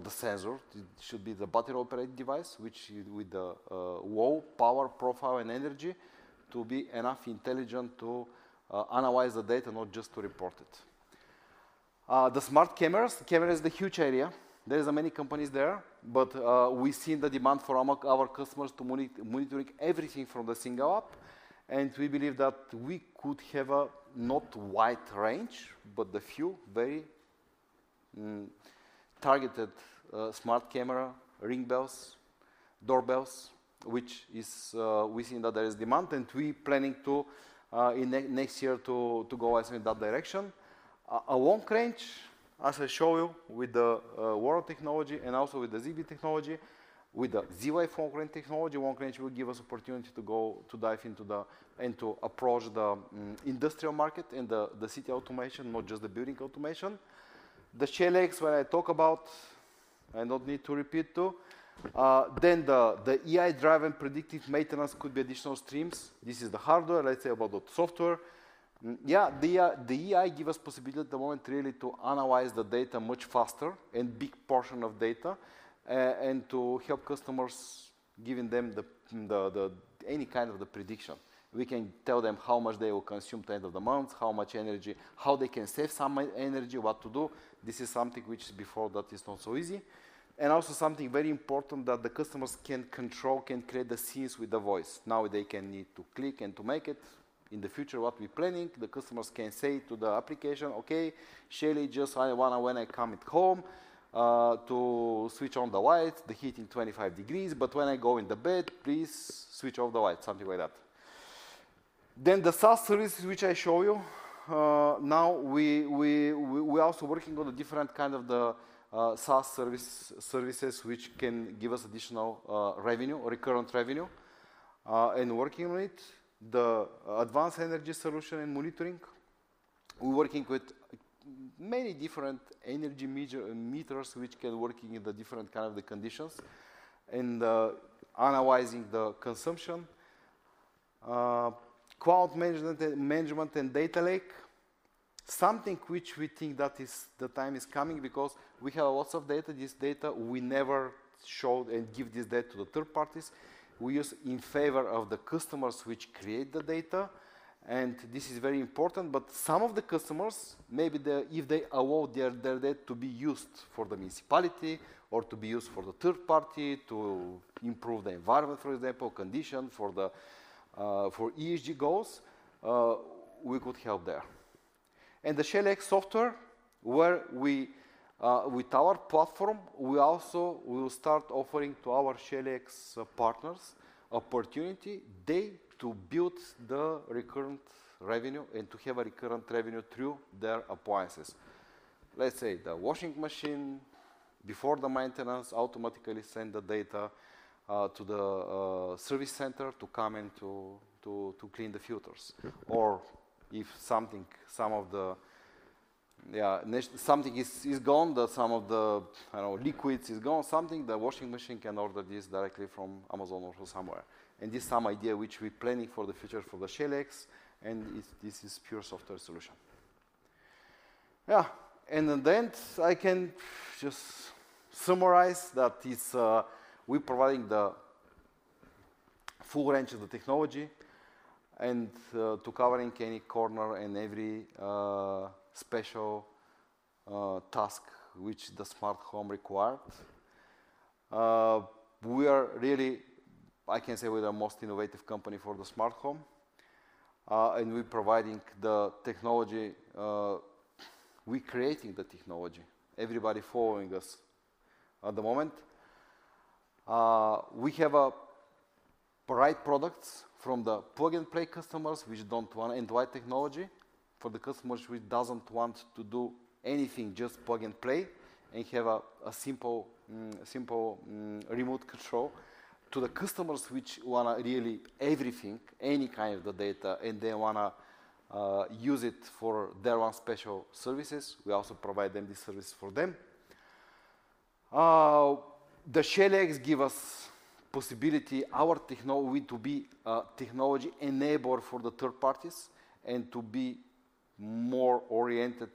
the sensor. It should be the battery-operated device, which with the low power profile and energy to be enough intelligent to analyze the data, not just to report it. The smart cameras. Camera is the huge area. There are many companies there, but we've seen the demand for our customers to monitor everything from the single app. And we believe that we could have not a wide range, but a few very targeted smart cameras, ring bells, doorbells, which we see that there is demand. And we're planning next year to go in that direction. Long range, as I showed you with the Whirlpool technology and also with the Zigbee technology, with the Z-Wave technology, long range will give us the opportunity to dive into it and to approach the industrial market and the city automation, not just the building automation. The Shelly X, when I talk about, I don't need to repeat to. Then the AI-driven predictive maintenance could be additional streams. This is the hardware. Let's talk about the software. Yeah, the AI gives us the possibility at the moment really to analyze the data much faster and big portion of data and to help customers giving them any kind of the prediction. We can tell them how much they will consume at the end of the month, how much energy, how they can save some energy, what to do. This is something which before that is not so easy, and also something very important that the customers can control, can create the scenes with the voice. Now they can need to click and to make it. In the future, what we're planning, the customers can say to the application, "Okay, Shelly, just I want when I come home to switch on the lights, the heating 25 degrees, but when I go in the bed, please switch off the lights," something like that. Then the SaaS services, which I show you. Now we're also working on the different kind of the SaaS services which can give us additional revenue, recurrent revenue, and working on it. The advanced energy solution and monitoring. We're working with many different energy meters which can work in the different kind of the conditions and analyzing the consumption. Cloud management and data lake, something which we think that the time is coming because we have lots of data. This data we never showed and give this data to the third parties. We use in favor of the customers which create the data. And this is very important. But some of the customers, maybe if they allow their data to be used for the municipality or to be used for the third party to improve the environment, for example, condition for ESG goals, we could help there. And the Shelly X software, with our platform, we also will start offering to our Shelly X partners opportunity to build the recurrent revenue and to have a recurrent revenue through their appliances. Let's say the washing machine, before the maintenance, automatically send the data to the service center to come in to clean the filters. Or if some of the something is gone, that some of the liquids is gone, the washing machine can order this directly from Amazon or somewhere. And this is some idea which we're planning for the future for the Shelly X. And this is pure software solution. Yeah. And at the end, I can just summarize that we're providing the full range of the technology and to covering any corner and every special task which the smart home required. We are really, I can say, we're the most innovative company for the smart home. We're providing the technology. We're creating the technology. Everybody following us at the moment. We have products for the plug-and-play customers which don't want to understand the technology for the customers who don't want to do anything, just plug and play and have a simple remote control to the customers which want really everything, any kind of the data, and they want to use it for their own special services. We also provide them the services for them. The Shelly X gives us the possibility to be technology-enabled for the third parties and to be more oriented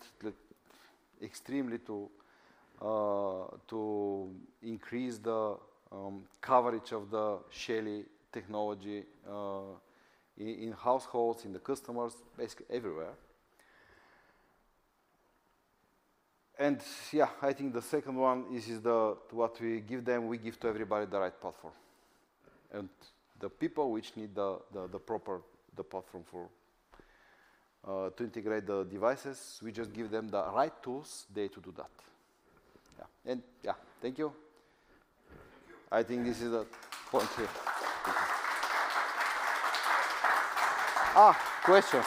extremely to increase the coverage of the Shelly technology in households, for the customers, basically everywhere. Yeah, I think the second one is what we give them. We give to everybody the right platform. And the people which need the proper platform to integrate the devices, we just give them the right tools there to do that. Yeah. And yeah, thank you. Thank you. I think this is the point here. Questions.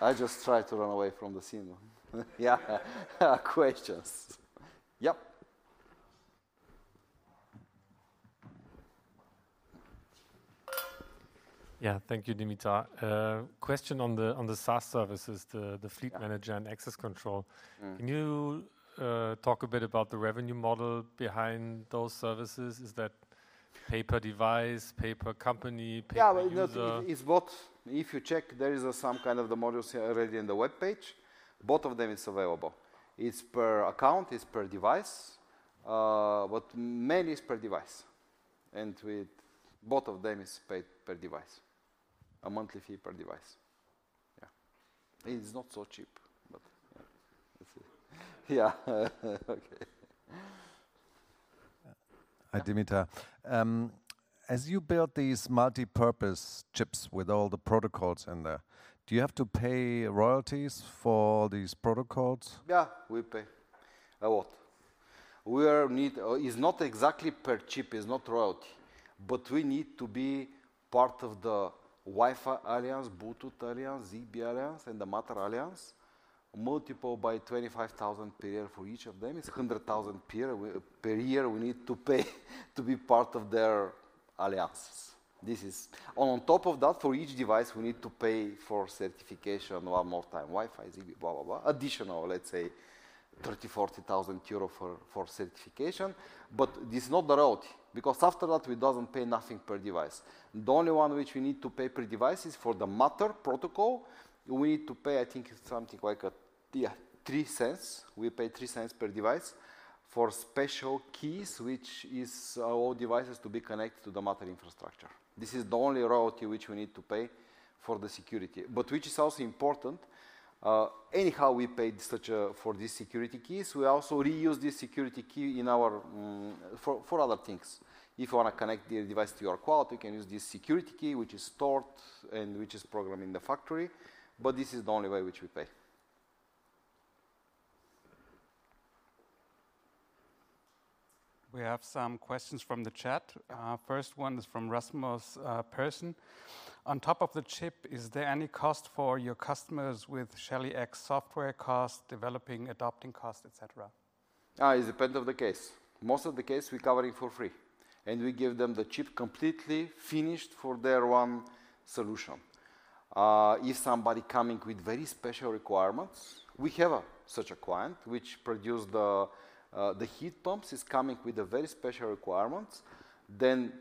I just tried to run away from the scene. Yeah. Questions. Yep. Yeah. Thank you, Dimitar. Question on the SaaS services, the Fleet Manager and access control. Can you talk a bit about the revenue model behind those services? Is that per device, per company, per? Yeah. It's both. If you check, there is some kind of the modules already in the web page. Both of them are available. It's per account, it's per device. But mainly it's per device. And both of them are paid per device. A monthly fee per device. Yeah. It's not so cheap, but yeah. Yeah. Okay. Hi, Dimitar. As you build these multi-purpose chips with all the protocols in there, do you have to pay royalties for these protocols? Yeah, we pay a lot. It is not exactly per chip; it is not royalty. But we need to be part of the Wi-Fi Alliance, Bluetooth Alliance, Zigbee Alliance, and the Matter Alliance. Multiplied by 25,000 per year for each of them. It is 100,000 per year we need to pay to be part of their alliances. On top of that, for each device, we need to pay for certification one more time. Wi-Fi, Zigbee, blah, blah, blah. Additional, let's say, 30,000-40,000 euro for certification. But this is not the royalty because after that, we do not pay nothing per device. The only one which we need to pay per device is for the Matter protocol. We need to pay; I think it is something like a, yeah, 0.03. We pay 0.03 per device for special keys, which is all devices to be connected to the Matter infrastructure. This is the only royalty which we need to pay for the security, but which is also important. Anyhow, we paid for these security keys. We also reuse this security key for other things. If you want to connect the device to your cloud, you can use this security key which is stored and which is programmed in the factory. But this is the only way which we pay. We have some questions from the chat. First one is from Rasmus Persson. On top of the chip, is there any cost for your customers with Shelly X software cost, developing, adopting cost, etc.? It depends on the case. Most of the case, we're covering for free, and we give them the chip completely finished for their one solution. If somebody is coming with very special requirements, we have such a client which produced the heat pumps, is coming with very special requirements, then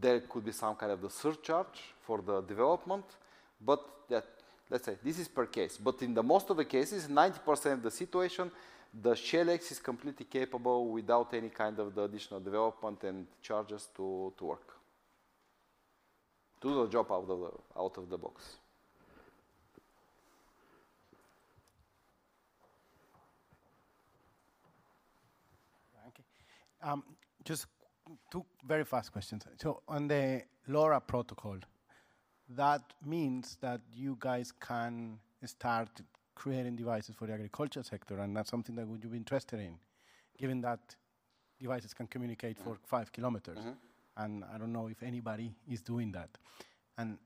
there could be some kind of the surcharge for the development, but let's say this is per case, but in most of the cases, 90% of the situation, the Shelly X is completely capable without any kind of the additional development and charges to work. Do the job out of the box. Thank you. Just two very fast questions so on the LoRa protocol, that means that you guys can start creating devices for the agriculture sector, and that's something that would you be interested in, given that devices can communicate for 5 km? And I don't know if anybody is doing that, and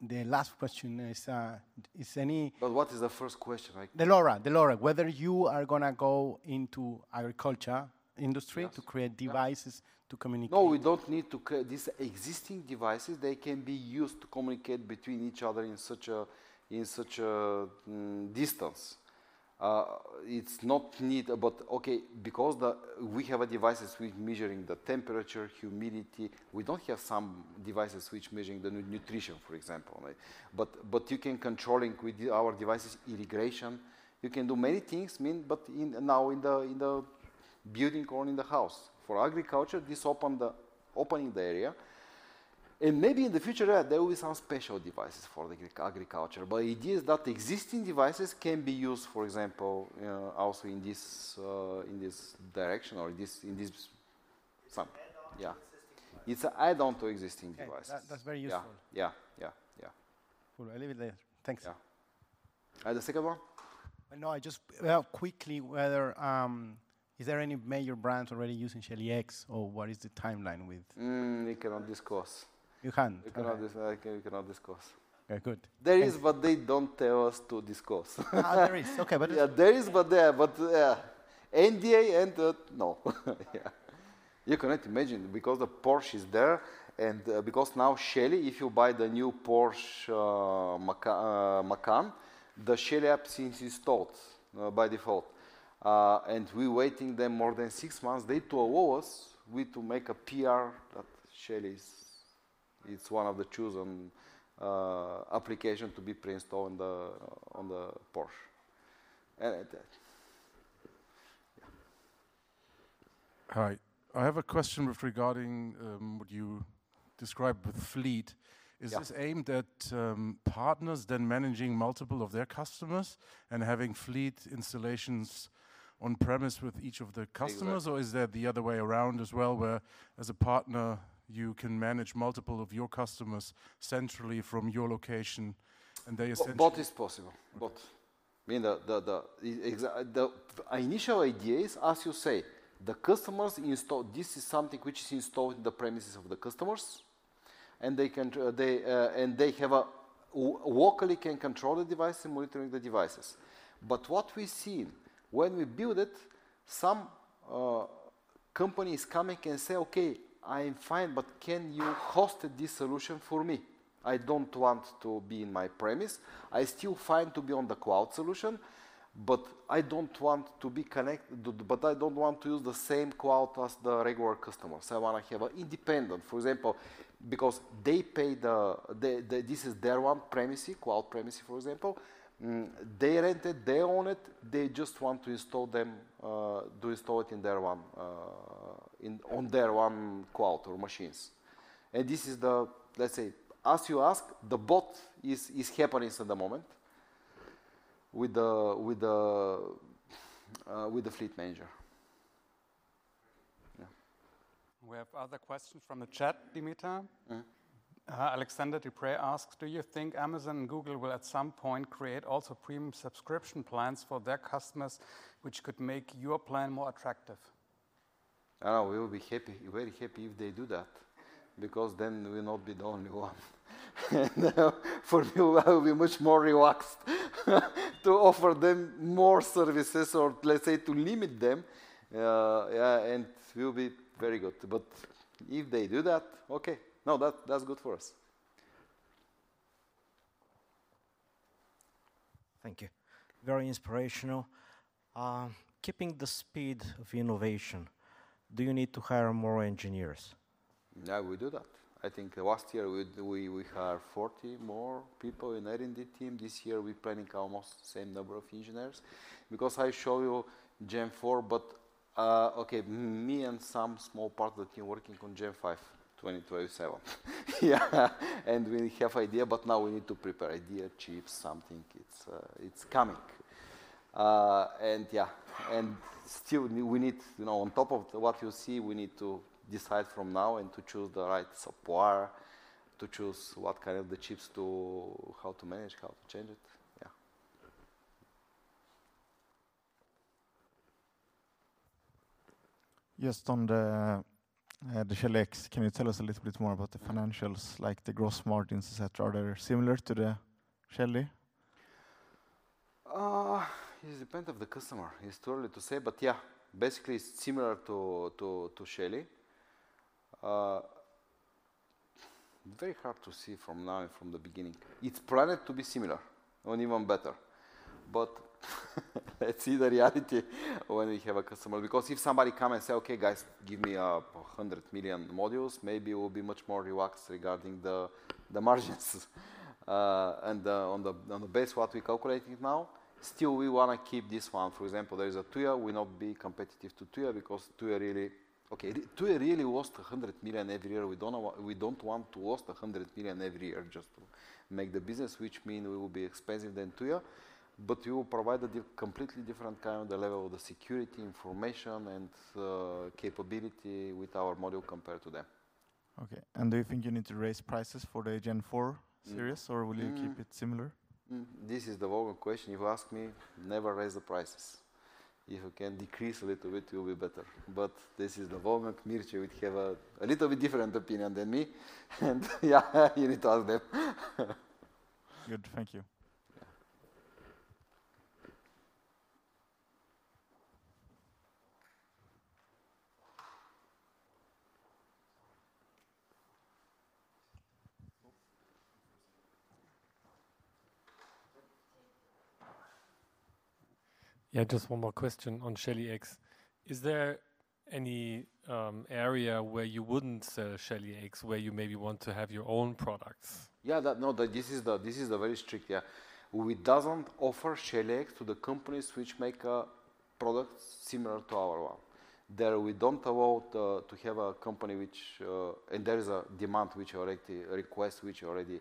the last question is any? But what is the first question? The LoRa, whether you are going to go into agriculture industry to create devices to communicate. No, we don't need to create these existing devices. They can be used to communicate between each other in such a distance. It's not needed. But okay, because we have devices with measuring the temperature, humidity, we don't have some devices which measure the nutrition, for example. But you can control with our devices irrigation. You can do many things, but now in the building or in the house. For agriculture, this opened the area. And maybe in the future, there will be some special devices for agriculture. But the idea is that existing devices can be used, for example, also in this direction or in this some. It's an add-on to existing devices. That's very useful. Yeah. Yeah. Yeah. Cool. I'll leave it there. Thanks. Yeah. The second one? No, just quickly, is there any major brands already using Shelly X or what is the timeline with? We cannot discuss. You can't. We cannot discuss. Okay, good. There is, but they don't tell us to discuss. NDA and no. Yeah. You cannot imagine because the Porsche is there and because now Shelly, if you buy the new Porsche Macan, the Shelly app seems installed by default. And we're waiting them more than six months. They told us to make a PR that Shelly is one of the chosen applications to be pre-installed on the Porsche. Yeah. Hi. I have a question regarding what you described with fleet. Is this aimed at partners then managing multiple of their customers and having fleet installations on-premise with each of the customers, or is that the other way around as well where as a partner, you can manage multiple of your customers centrally from your location and they essentially? Both is possible. Both. I mean, the initial idea is, as you say, the customers install. This is something which is installed in the premises of the customers, and they can locally control the device and monitor the devices. But what we've seen, when we build it, some companies come and say, "Okay, I'm fine, but can you host this solution for me? I don't want to be in my premise. I still want to be on the cloud solution, but I don't want to be connected, but I don't want to use the same cloud as the regular customers. I want to have an independent, for example, because they pay. This is their own premise, cloud premise, for example. They rent it, they own it, they just want to install it in their own, on their own cloud or machines. And this is the, let's say, as you ask, the bot is at the moment with the Fleet Manager. Yeah. We have other questions from the chat, Dimitar. Alexander Dupré asks, "Do you think Amazon and Google will at some point create also premium subscription plans for their customers which could make your plan more attractive?" We will be happy, very happy if they do that because then we will not be the only one. For me, I will be much more relaxed to offer them more services or, let's say, to limit them. Yeah. And we'll be very good. But if they do that, okay. No, that's good for us. Thank you. Very inspirational. Keeping the speed of innovation, do you need to hire more engineers? Yeah, we do that. I think last year we hired 40 more people in the R&D team. This year we're planning almost the same number of engineers because I show you Gen 4, but okay, me and some small part of the team working on Gen 5, 2027. Yeah. And we have idea, but now we need to prepare idea, chips, something. It's coming. And yeah. And still we need, on top of what you see, we need to decide from now and to choose the right support, to choose what kind of the chips to how to manage, how to change it. Yeah. Just on the Shelly X, can you tell us a little bit more about the financials, like the gross margins, etc.? Are they similar to the Shelly? It depends on the customer. It's too early to say, but yeah, basically it's similar to Shelly. Very hard to see from now and from the beginning. It's planned to be similar and even better. But let's see the reality when we have a customer because if somebody comes and says, "Okay, guys, give me 100 million modules," maybe we'll be much more relaxed regarding the margins. And on the base of what we're calculating now, still we want to keep this one. For example, there is a Tuya. We will not be competitive to Tuya because Tuya really, okay, Tuya really lost 100 million every year. We don't want to lose 100 million every year just to make the business, which means we will be more expensive than Tuya. But we will provide a completely different kind of the level of the security information and capability with our model compared to them. Okay. And do you think you need to raise prices for the Gen 4 series or will you keep it similar? This is the wrong question. If you ask me, never raise the prices. If you can decrease a little bit, it will be better. But this is the wrong. Mirche would have a little bit different opinion than me. And yeah, you need to ask them. Good. Thank you. Yeah, just one more question on Shelly X. Is there any area where you wouldn't sell Shelly X where you maybe want to have your own products? Yeah. No, this is the very strict. Yeah. We don't offer Shelly X to the companies which make products similar to our one. There we don't allow to have a company which, and there is a demand which already request which already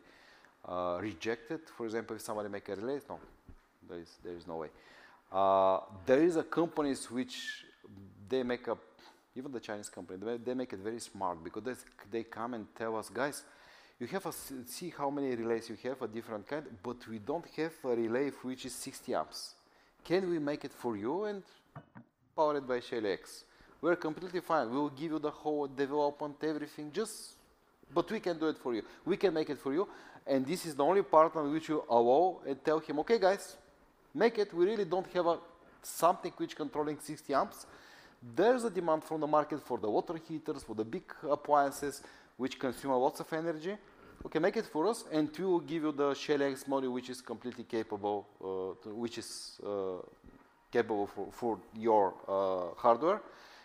rejected. For example, if somebody makes a relay, no, there is no way. There are companies which they make up, even the Chinese company, they make it very smart because they come and tell us, "Guys, you have a see how many relays you have a different kind, but we don't have a relay which is 60 amps. Can we make it for you and power it by Shelly X?" We're completely fine. We will give you the whole development, everything, just but we can do it for you. We can make it for you. And this is the only partner which you allow and tell him, "Okay, guys, make it. We really don't have something which controls 60 amps." There is a demand from the market for the water heaters, for the big appliances which consume a lot of energy. Okay, make it for us and we will give you the Shelly X model which is completely capable, which is capable for your hardware.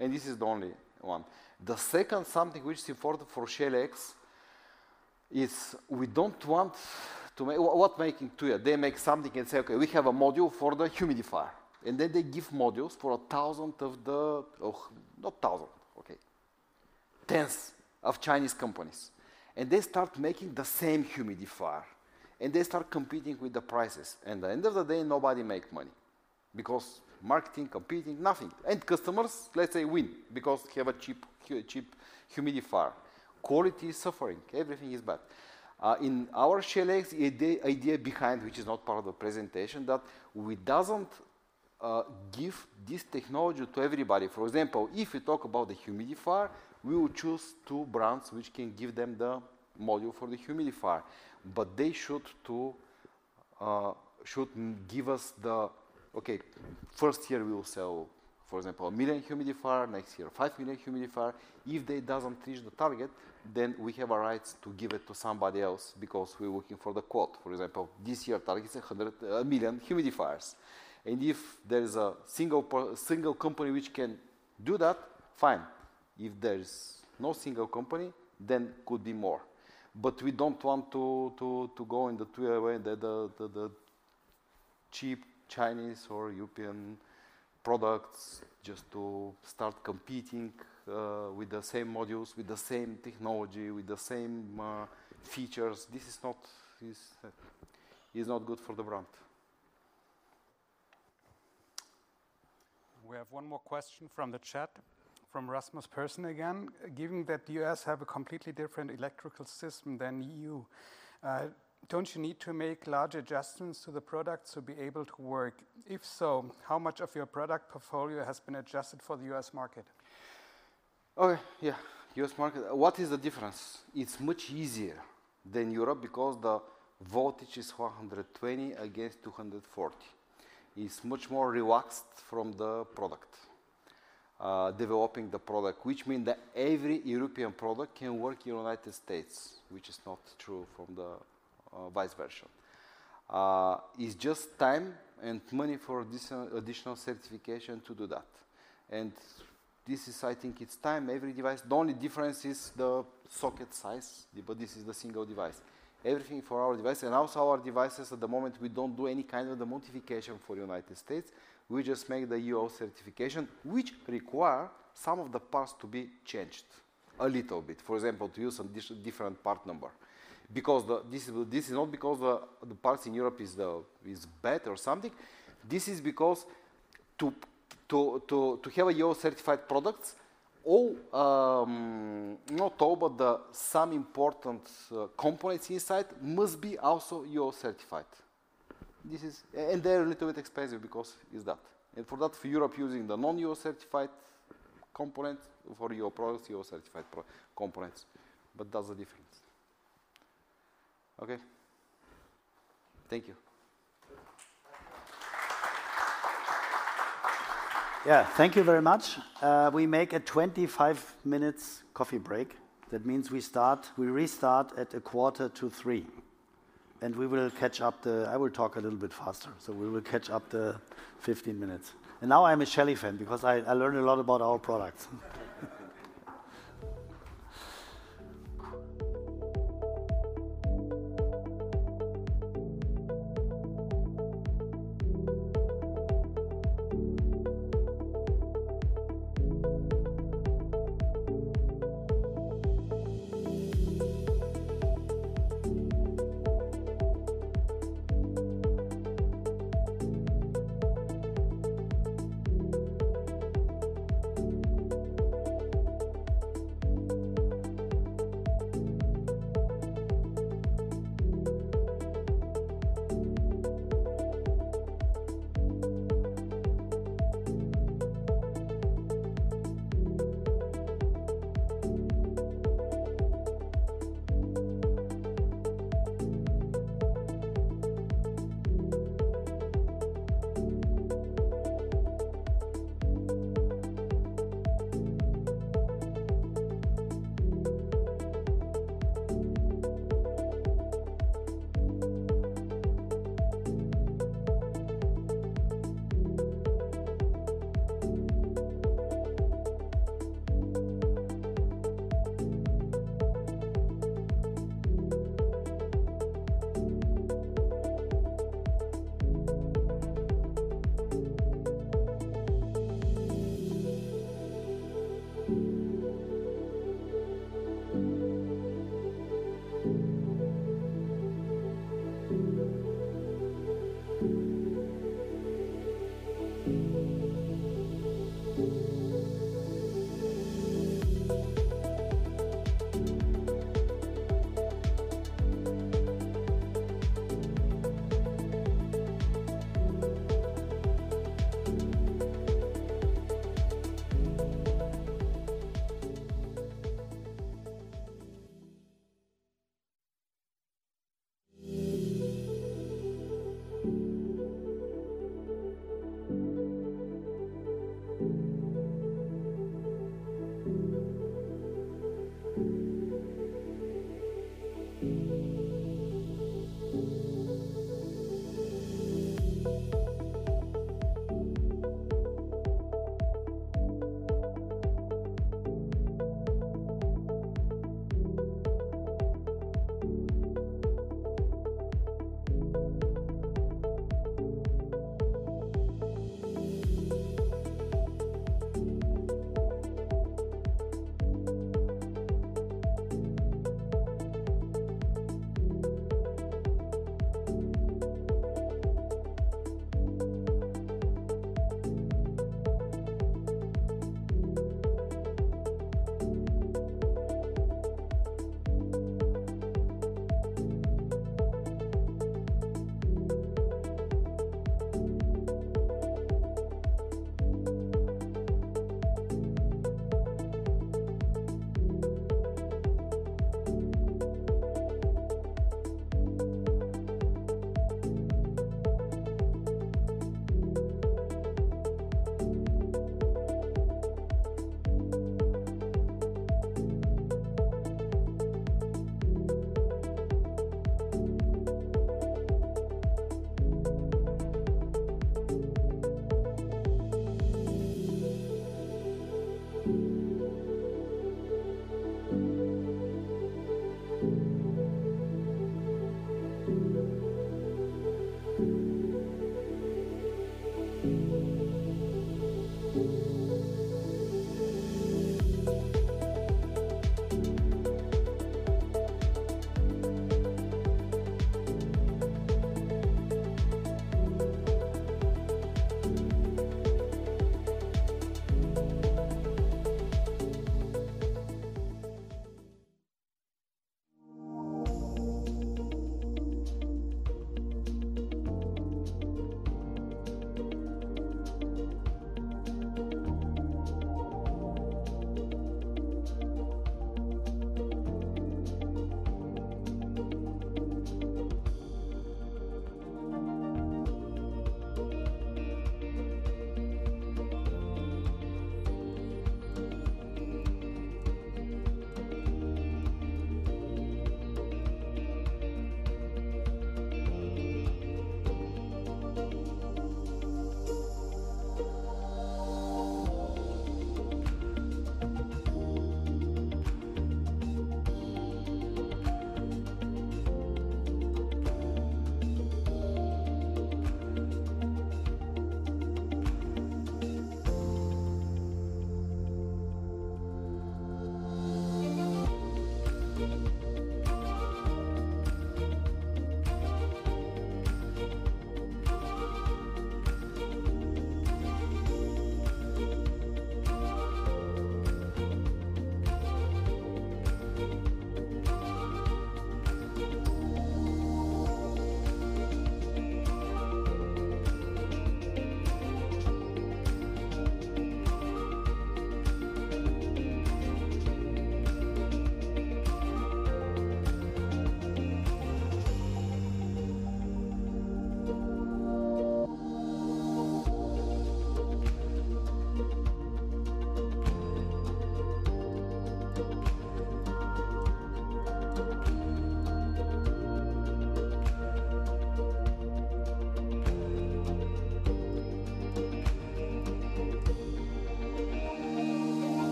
And this is the only one. The second something which is important for Shelly X is we don't want to make what making Tuya. They make something and say, "Okay, we have a module for the humidifier." And then they give modules for a thousand of the, not thousand, okay, tens of Chinese companies. And they start making the same humidifier. And they start competing with the prices. And at the end of the day, nobody makes money because marketing, competing, nothing. And customers, let's say, win because they have a cheap humidifier. Quality is suffering. Everything is bad. In our Shelly X, the idea behind which is not part of the presentation that we don't give this technology to everybody. For example, if you talk about the humidifier, we will choose two brands which can give them the module for the humidifier. But they should give us the, okay, first year we will sell, for example, a million humidifiers, next year five million humidifiers. If they don't reach the target, then we have a right to give it to somebody else because we're looking for the quote. For example, this year target is 100 million humidifiers. And if there is a single company which can do that, fine. If there is no single company, then it could be more. But we don't want to go in the cheap Chinese or European products just to start competing with the same modules, with the same technology, with the same features. This is not good for the brand. We have one more question from the chat from Rasmus Persson again. Given that the U.S. has a completely different electrical system than EU, don't you need to make large adjustments to the products to be able to work? If so, how much of your product portfolio has been adjusted for the U.S. market? Yeah. U.S. market. What is the difference? It's much easier than Europe because the voltage is 120 against 240. It's much more relaxed from the product, developing the product, which means that every European product can work in the United States, which is not true from the vice versa. It's just time and money for additional certification to do that. This is, I think, it's the same every device. The only difference is the socket size, but this is the single device. Everything for our device. And also our devices at the moment, we don't do any kind of the modification for the United States. We just make the UL certification, which requires some of the parts to be changed a little bit, for example, to use a different part number. Because this is not because the parts in Europe are bad or something. This is because to have a UL certified product, not all, but some important components inside must be also UL certified. And they're a little bit expensive because it's that. And for that, for Europe, using the non-UL certified component for your products, UL certified components, but that's the difference. Okay. Thank you. Yeah. Thank you very much. We make a 25-minute coffee break. That means we restart at a quarter to three. And we will catch up. I will talk a little bit faster. So we will catch up the 15 minutes. And now I'm a Shelly fan because I learned a lot about our products.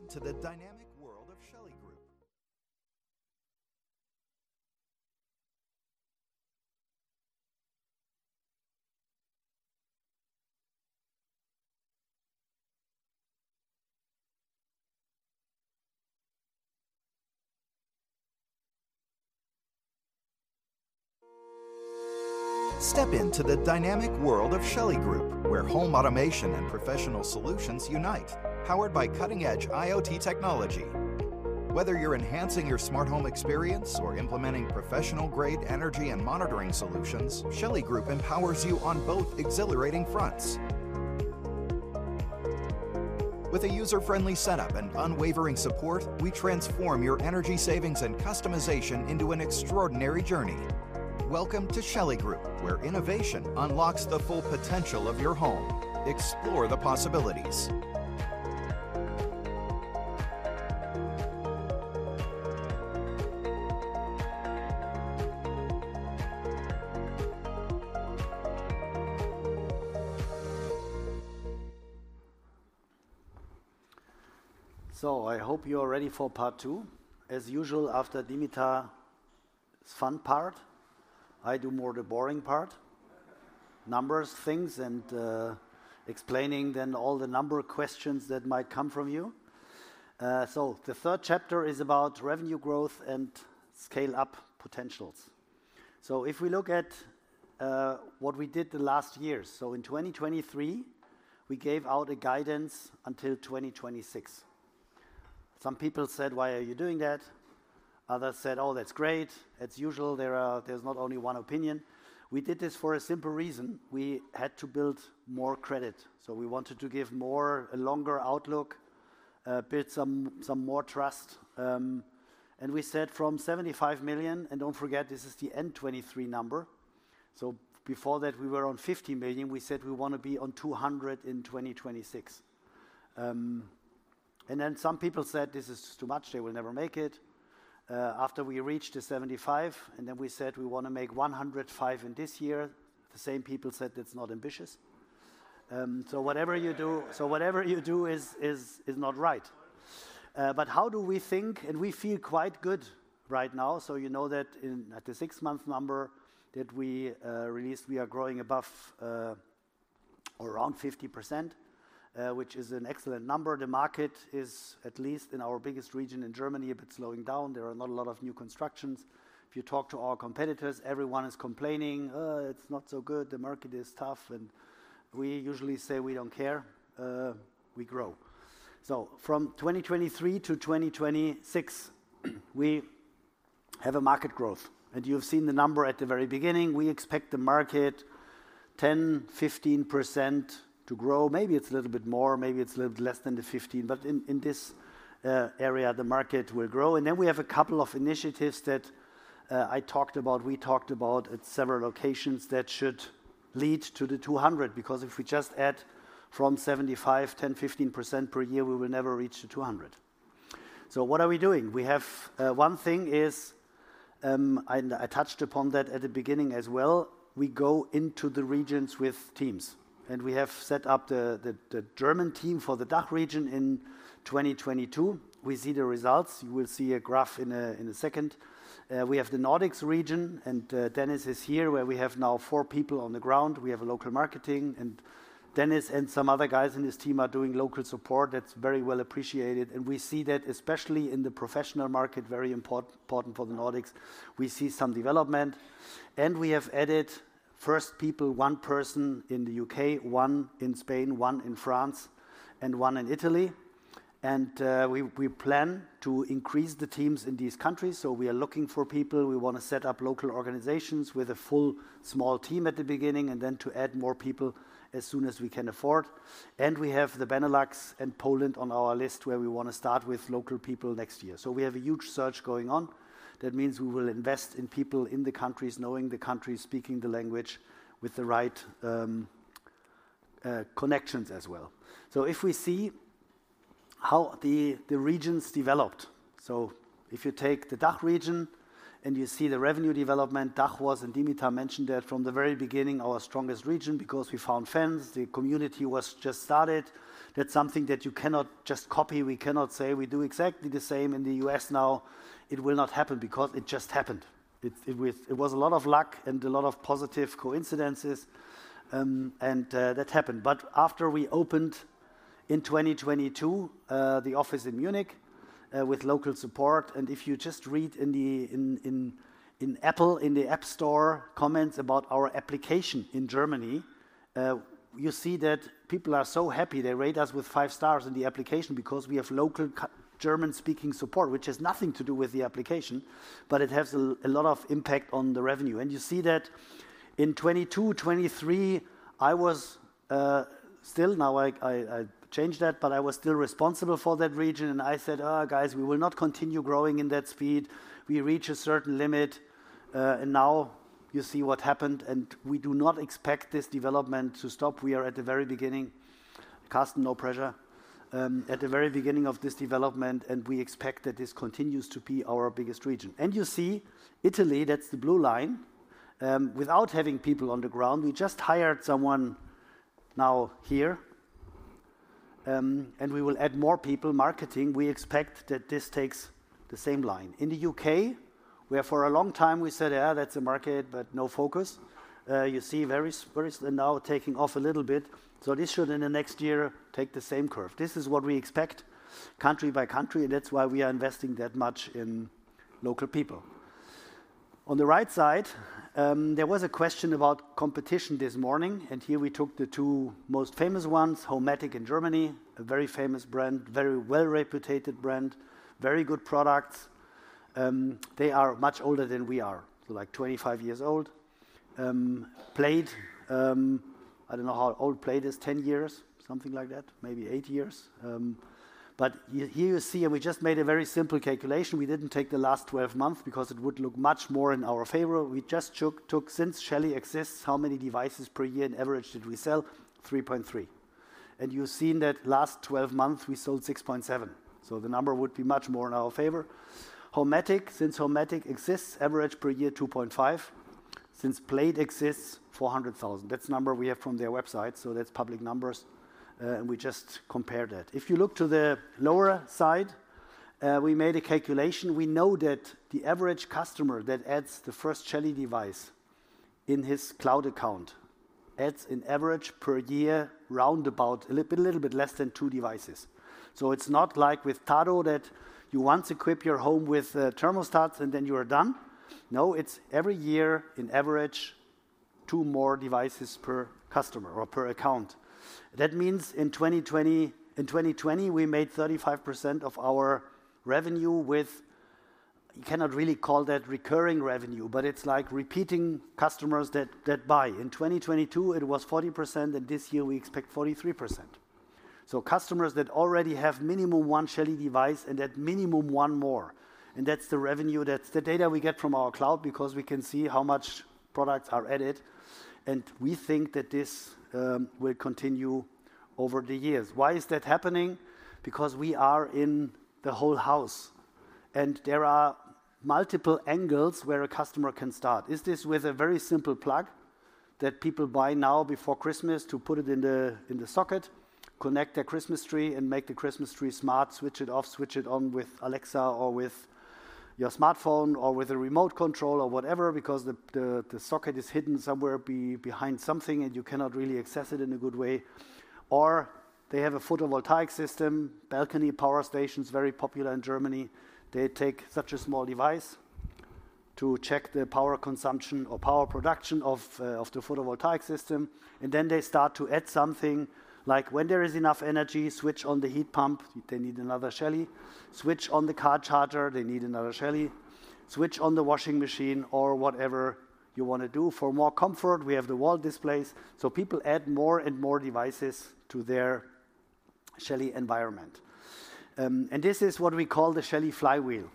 Into the dynamic world of Shelly Group. Step into the dynamic world of Shelly Group, where home automation and professional solutions unite, powered by cutting-edge IoT technology. Whether you're enhancing your smart home experience or implementing professional-grade energy and monitoring solutions, Shelly Group empowers you on both exhilarating fronts. With a user-friendly setup and unwavering support, we transform your energy savings and customization into an extraordinary journey. Welcome to Shelly Group, where innovation unlocks the full potential of your home. Explore the possibilities. So, I hope you are ready for part two. As usual, after Dimitar's fun part, I do more the boring part: numbers, things, and explaining them all the number questions that might come from you. The third chapter is about revenue growth and scale-up potentials. If we look at what we did the last year, in 2023, we gave out a guidance until 2026. Some people said, "Why are you doing that?" Others said, "Oh, that's great. It's usual. There's not only one opinion." We did this for a simple reason: we had to build more credit. We wanted to give more a longer outlook, build some more trust. We said from 75 million, and don't forget, this is the end 2023 number. Before that, we were on 50 million. We said we want to be on 200 in 2026. Then some people said, "This is too much. They will never make it," after we reached the 75, and then we said we want to make 105 in this year. The same people said, "That's not ambitious." So whatever you do is not right. But how do we think? And we feel quite good right now. So, you know that in at the six-month number that we released, we are growing above, or around 50%, which is an excellent number. The market is at least in our biggest region in Germany, but slowing down. There are not a lot of new constructions. If you talk to our competitors, everyone is complaining, it's not so good. The market is tough. And we usually say we don't care. We grow. So, from 2023 to 2026, we have a market growth. And you've seen the number at the very beginning. We expect the market 10%-15% to grow. Maybe it's a little bit more. Maybe it's a little bit less than the 15. But in this area, the market will grow. And then we have a couple of initiatives that I talked about. We talked about at several locations that should lead to the 200, because if we just add from 75, 10%-15% per year, we will never reach the 200. So, what are we doing? We have one thing is, and I touched upon that at the beginning as well. We go into the regions with teams, and we have set up the German team for the DACH region in 2022. We see the results. You will see a graph in a second. We have the Nordics region, and Dennis is here, where we have now four people on the ground. We have a local marketing, and Dennis and some other guys in his team are doing local support. That's very well appreciated, and we see that, especially in the professional market, very important for the Nordics. We see some development, and we have added first people, one person in the U.K., one in Spain, one in France, and one in Italy, and we plan to increase the teams in these countries. So, we are looking for people. We want to set up local organizations with a full small team at the beginning and then to add more people as soon as we can afford, and we have the Benelux and Poland on our list, where we want to start with local people next year. So, we have a huge search going on. That means we will invest in people in the countries, knowing the countries, speaking the language with the right connections as well. So, if we see how the regions developed. So, if you take the DACH region and you see the revenue development, DACH was, and Dimitar mentioned that from the very beginning, our strongest region because we found friends. The community was just started. That's something that you cannot just copy. We cannot say we do exactly the same in the U.S. now. It will not happen because it just happened. It was a lot of luck and a lot of positive coincidences, and that happened. But after we opened, in 2022, the office in Munich with local support, and if you just read in the Apple App Store comments about our application in Germany, you see that people are so happy. They rate us with five stars in the application because we have local German-speaking support, which has nothing to do with the application, but it has a lot of impact on the revenue. And you see that in 2022, 2023, I was, still now I changed that, but I was still responsible for that region. And I said, "Oh, guys, we will not continue growing in that speed. We reach a certain limit." And now you see what happened. And we do not expect this development to stop. We are at the very beginning, casting no pressure, at the very beginning of this development, and we expect that this continues to be our biggest region. And you see Italy, that's the blue line, without having people on the ground. We just hired someone now here, and we will add more people marketing. We expect that this takes the same line in the U.K., where for a long time we said, "Yeah, that's a market, but no focus." You see very very now taking off a little bit. So, this should in the next year take the same curve. This is what we expect country by country. And that's why we are investing that much in local people. On the right side, there was a question about competition this morning. And here we took the two most famous ones: Homematic in Germany, a very famous brand, very well-reputed brand, very good products. They are much older than we are, so like 25 years old. Plejd, I don't know how old Plejd is, 10 years, something like that, maybe 8 years. But here you see, and we just made a very simple calculation. We didn't take the last 12 months because it would look much more in our favor. We just took since Shelly exists, how many devices per year in average did we sell? 3.3. And you've seen that last 12 months we sold 6.7. So, the number would be much more in our favor. Homematic, since Homematic exists, average per year 2.5. Since Plejd exists, 400,000. That's the number we have from their website. So, that's public numbers, and we just compared that. If you look to the lower side, we made a calculation. We know that the average customer that adds the first Shelly device in his cloud account adds in average per year roundabout a little bit less than two devices. So, it's not like with tado° that you once equip your home with thermostats and then you are done. No, it's every year on average two more devices per customer or per account. That means in 2020, in 2020, we made 35% of our revenue with, you cannot really call that recurring revenue, but it's like repeating customers that buy. In 2022, it was 40%, and this year we expect 43%. So, customers that already have minimum one Shelly device and that minimum one more. And that's the revenue. That's the data we get from our cloud because we can see how much products are added. And we think that this will continue over the years. Why is that happening? Because we are in the whole house and there are multiple angles where a customer can start. Is this with a very simple plug that people buy now before Christmas to put it in the socket, connect their Christmas tree and make the Christmas tree smart, switch it off, switch it on with Alexa or with your smartphone or with a remote control or whatever, because the socket is hidden somewhere behind something and you cannot really access it in a good way. Or they have a photovoltaic system, balcony power stations, very popular in Germany. They take such a small device to check the power consumption or power production of the photovoltaic system. And then they start to add something like when there is enough energy, switch on the heat pump. They need another Shelly. Switch on the car charger. They need another Shelly. Switch on the washing machine or whatever you want to do. For more comfort, we have the wall displays. People add more and more devices to their Shelly environment. This is what we call the Shelly flywheel.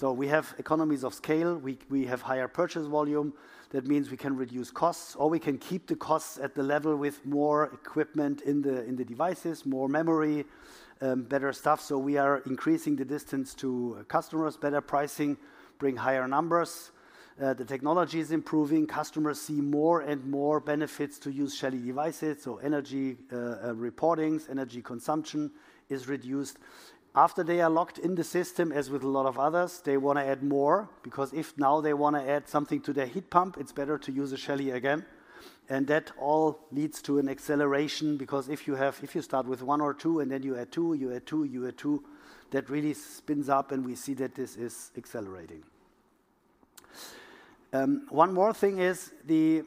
We have economies of scale. We have higher purchase volume. That means we can reduce costs or we can keep the costs at the level with more equipment in the devices, more memory, better stuff. We are increasing the distance to customers, better pricing, bring higher numbers. The technology is improving. Customers see more and more benefits to use Shelly devices. Energy reporting, energy consumption is reduced. After they are locked in the system, as with a lot of others, they want to add more because if now they want to add something to their heat pump, it's better to use a Shelly again. That all leads to an acceleration because if you start with one or two and then you add two, you add two, you add two, that really spins up and we see that this is accelerating. One more thing is the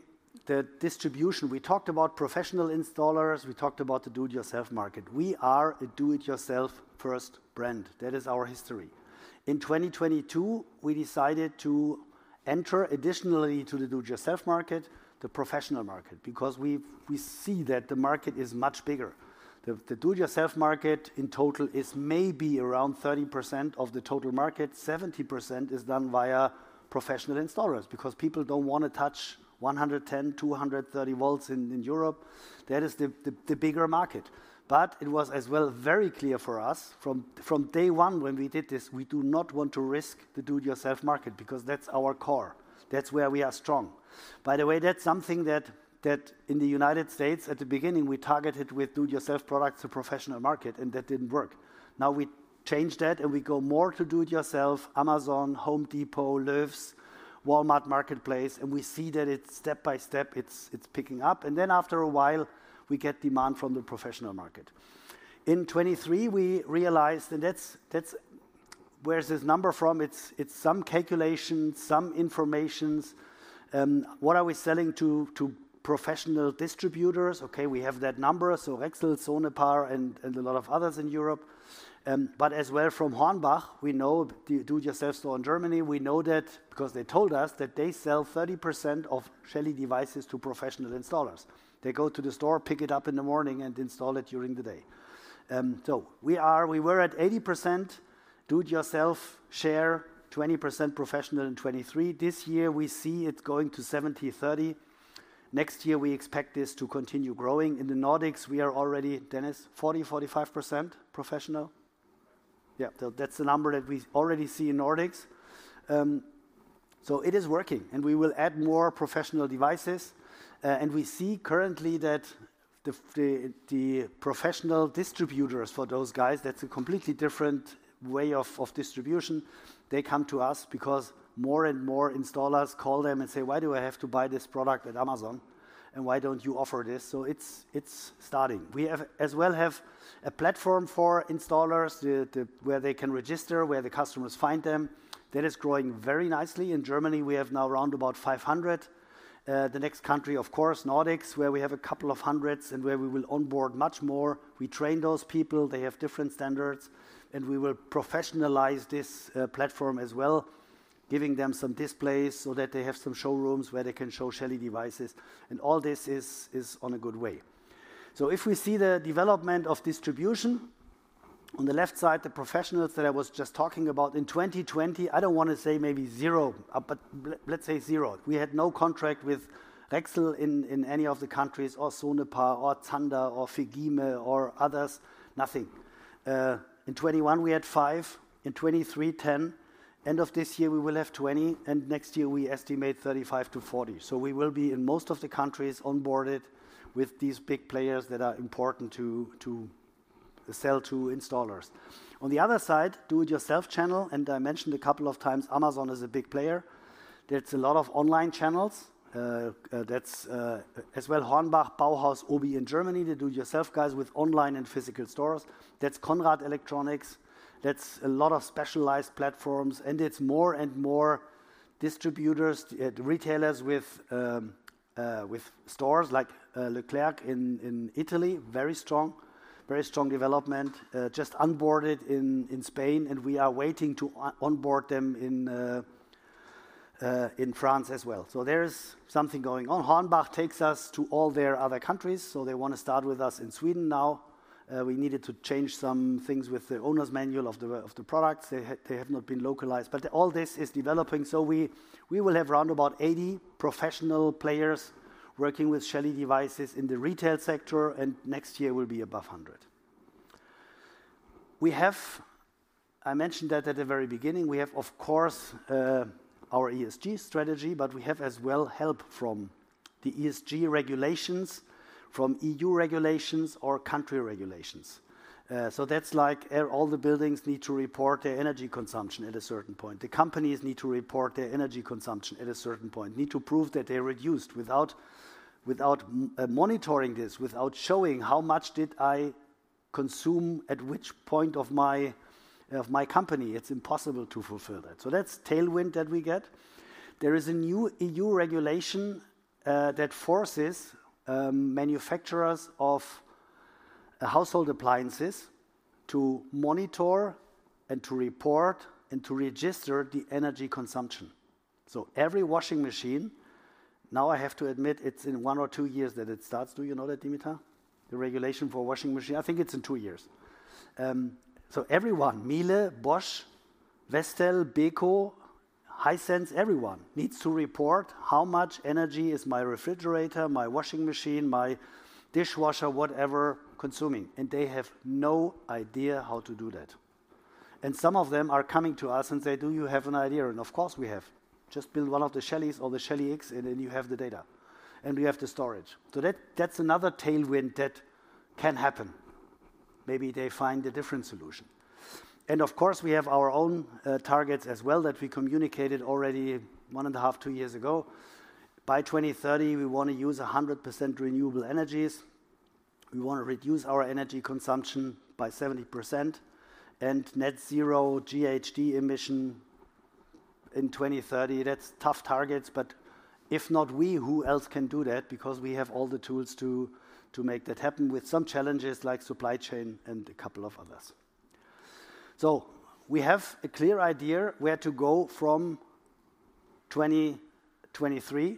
distribution. We talked about professional installers. We talked about the do-it-yourself market. We are a do-it-yourself-first brand. That is our history. In 2022, we decided to enter additionally to the do-it-yourself market, the professional market, because we see that the market is much bigger. The do-it-yourself market in total is maybe around 30% of the total market. 70% is done via professional installers because people don't want to touch 110 V, 230 V in Europe. That is the bigger market. But it was as well very clear for us from day one when we did this. We do not want to risk the do-it-yourself market because that's our core. That's where we are strong. By the way, that's something that in the United States at the beginning we targeted with do-it-yourself products to professional market and that didn't work. Now we change that and we go more to do-it-yourself, Amazon, Home Depot, Lowe's, Walmart Marketplace, and we see that it's step by step it's picking up. Then after a while we get demand from the professional market. In 2023 we realized and that's where this number from. It's some calculations, some information. What are we selling to professional distributors? Okay, we have that number. So, Rexel, Sonepar and a lot of others in Europe. But as well from HORNBACH, we know the do-it-yourself store in Germany. We know that because they told us that they sell 30% of Shelly devices to professional installers. They go to the store, pick it up in the morning and install it during the day. So we are we were at 80% do-it-yourself share, 20% professional in 2023. This year we see it's going to 70%-30%. Next year we expect this to continue growing. In the Nordics we are already, Dennis, 40%-45% professional. Yeah, that's the number that we already see in Nordics. So it is working and we will add more professional devices. And we see currently that the professional distributors for those guys, that's a completely different way of distribution. They come to us because more and more installers call them and say, "Why do I have to buy this product at Amazon and why don't you offer this?" So it's starting. We have as well a platform for installers where they can register, where the customers find them. That is growing very nicely. In Germany, we have now round about 500. The next country, of course, Nordics, where we have a couple of hundreds and where we will onboard much more. We train those people. They have different standards and we will professionalize this platform as well, giving them some displays so that they have some showrooms where they can show Shelly devices, and all this is on a good way. So, if we see the development of distribution on the left side, the professionals that I was just talking about in 2020, I don't want to say maybe zero, but let's say zero. We had no contract with Rexel in any of the countries or Sonepar or Zander or FEGIME or others. Nothing. In 2021 we had five. In 2023, 10. End of this year we will have 20. And next year we estimate 35 to 40. So, we will be in most of the countries onboarded with these big players that are important to sell to installers. On the other side, do-it-yourself channel. And I mentioned a couple of times Amazon is a big player. There's a lot of online channels. That's as well HORNBACH, BAUHAUS, OBI in Germany. The do-it-yourself guys with online and physical stores. That's Conrad Electronic. That's a lot of specialized platforms. And it's more and more distributors, retailers with stores like E.Leclerc in Italy. Very strong development. Just onboarded in Spain. And we are waiting to onboard them in France as well. So, there is something going on. HORNBACH takes us to all their other countries. So, they want to start with us in Sweden now. We needed to change some things with the owner's manual of the products. They have not been localized. But all this is developing. So, we will have round about 80 professional players working with Shelly devices in the retail sector. And next year will be above 100. We have. I mentioned that at the very beginning. We have, of course, our ESG strategy, but we have as well help from the ESG regulations, from EU regulations or country regulations. So that's like all the buildings need to report their energy consumption at a certain point. The companies need to report their energy consumption at a certain point. Need to prove that they reduced without monitoring this, without showing how much did I consume at which point of my company. It's impossible to fulfill that. So, that's tailwind that we get. There is a new EU regulation that forces manufacturers of household appliances to monitor and to report and to register the energy consumption. So, every washing machine now I have to admit it's in one or two years that it starts. Do you know that, Dimitar? The regulation for washing machine. I think it's in two years. So everyone, Miele, Bosch, Vestel, Beko, Hisense, everyone needs to report how much energy is my refrigerator, my washing machine, my dishwasher, whatever consuming. They have no idea how to do that. Some of them are coming to us and say, "Do you have an idea?" Of course we have. Just build one of the Shelly's or the Shelly X and then you have the data and we have the storage. So that's another tailwind that can happen. Maybe they find a different solution. Of course we have our own targets as well that we communicated already one and a half, two years ago. By 2030 we want to use 100% renewable energies. We want to reduce our energy consumption by 70% and Net Zero GHG emission in 2030. That's tough targets. If not we, who else can do that? Because we have all the tools to make that happen with some challenges like supply chain and a couple of others. So, we have a clear idea where to go from 2023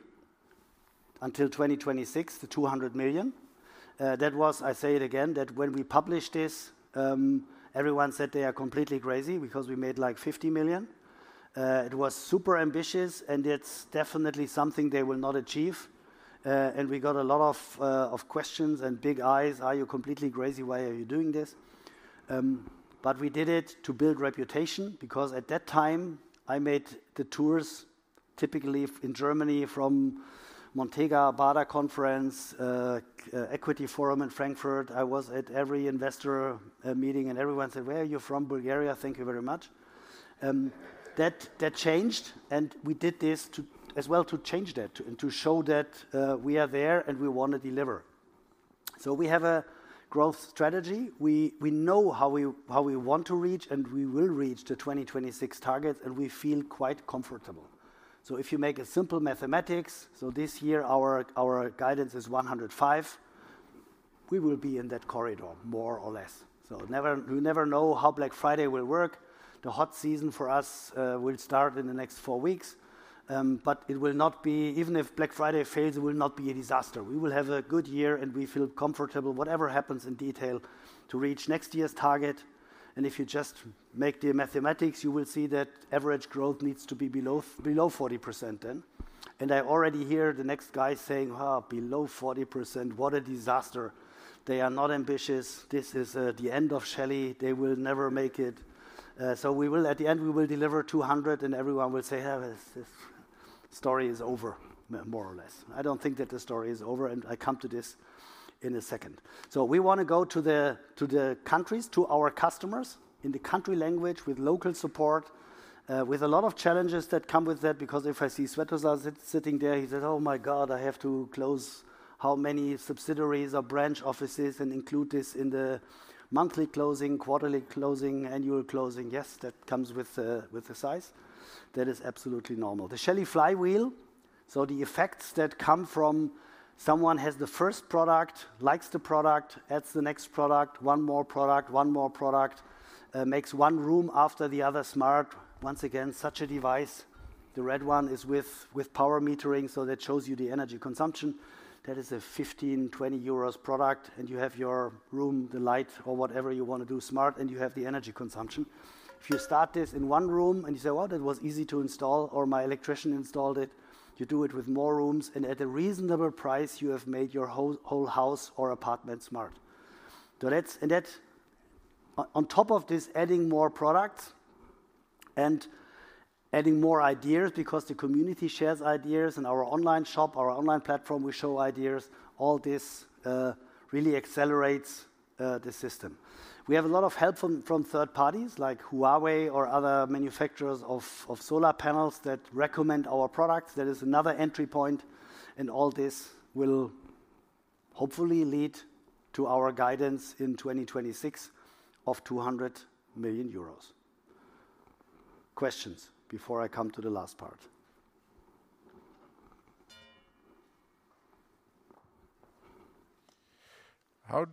until 2026, the 200 million. That was, I say it again, that when we published this, everyone said they are completely crazy because we made like 50 million. It was super ambitious and it's definitely something they will not achieve. And we got a lot of questions and big eyes. "Are you completely crazy? Why are you doing this?" But we did it to build reputation because at that time I made the tours typically in Germany from the Baader Bank Conference, Equity Forum in Frankfurt. I was at every investor meeting and everyone said, "Where are you from?" Bulgaria. Thank you very much. That changed and we did this to as well to change that and to show that we are there and we want to deliver. So, we have a growth strategy. We know how we want to reach and we will reach the 2026 targets and we feel quite comfortable. So, if you make a simple mathematics, this year our guidance is 105. We will be in that corridor more or less. We never know how Black Friday will work. The hot season for us will start in the next four weeks. But it will not be, even if Black Friday fails, it will not be a disaster. We will have a good year and we feel comfortable whatever happens in detail to reach next year's target. If you just make the mathematics, you will see that average growth needs to be below 40% then. And I already hear the next guy saying, "Wow, below 40%. What a disaster. They are not ambitious. This is the end of Shelly. They will never make it." So we will at the end deliver 200 and everyone will say, "Hey, this story is over," more or less. I don't think that the story is over and I come to this in a second. So, we want to go to the countries, to our customers in the country language with local support, with a lot of challenges that come with that because if I see Svetozar sitting there, he says, "Oh my God, I have to close how many subsidiaries or branch offices and include this in the monthly closing, quarterly closing, annual closing." Yes, that comes with the size. That is absolutely normal. The Shelly flywheel. So, the effects that come from someone has the first product, likes the product, adds the next product, one more product, one more product, makes one room after the other smart. Once again, such a device. The red one is with power metering. So, that shows you the energy consumption. That is a 15-20 euros product and you have your room, the light or whatever you want to do smart and you have the energy consumption. If you start this in one room and you say, "Well, that was easy to install or my electrician installed it," you do it with more rooms and at a reasonable price you have made your whole house or apartment smart. So, that's and that on top of this adding more products and adding more ideas because the community shares ideas and our online shop, our online platform, we show ideas. All this really accelerates the system. We have a lot of help from third parties like Huawei or other manufacturers of solar panels that recommend our products. That is another entry point and all this will hopefully lead to our guidance in 2026 of 200 million euros. Questions before I come to the last part. Hey,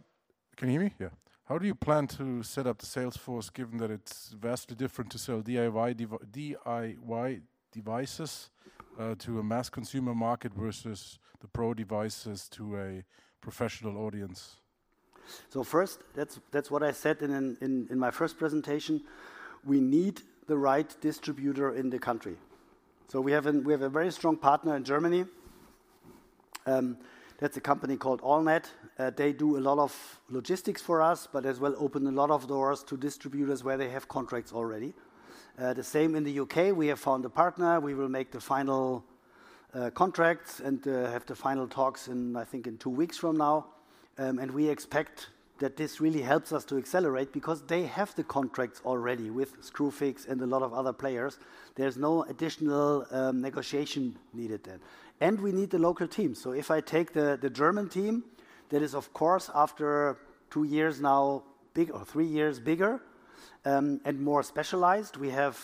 can you hear me? Yeah. How do you plan to set up the sales force given that it's vastly different to sell DIY devices to a mass consumer market versus the Pro devices to a professional audience? So, first, that's what I said in my first presentation. We need the right distributor in the country. So, we have a very strong partner in Germany. That's a company called ALLNET. They do a lot of logistics for us, but as well open a lot of doors to distributors where they have contracts already. The same in the U.K. We have found a partner. We will make the final contracts and have the final talks in, I think, two weeks from now. And we expect that this really helps us to accelerate because they have the contracts already with Screwfix and a lot of other players. There's no additional negotiation needed then. And we need the local team. So, if I take the German team, that is of course after two years now big or three years bigger and more specialized. We have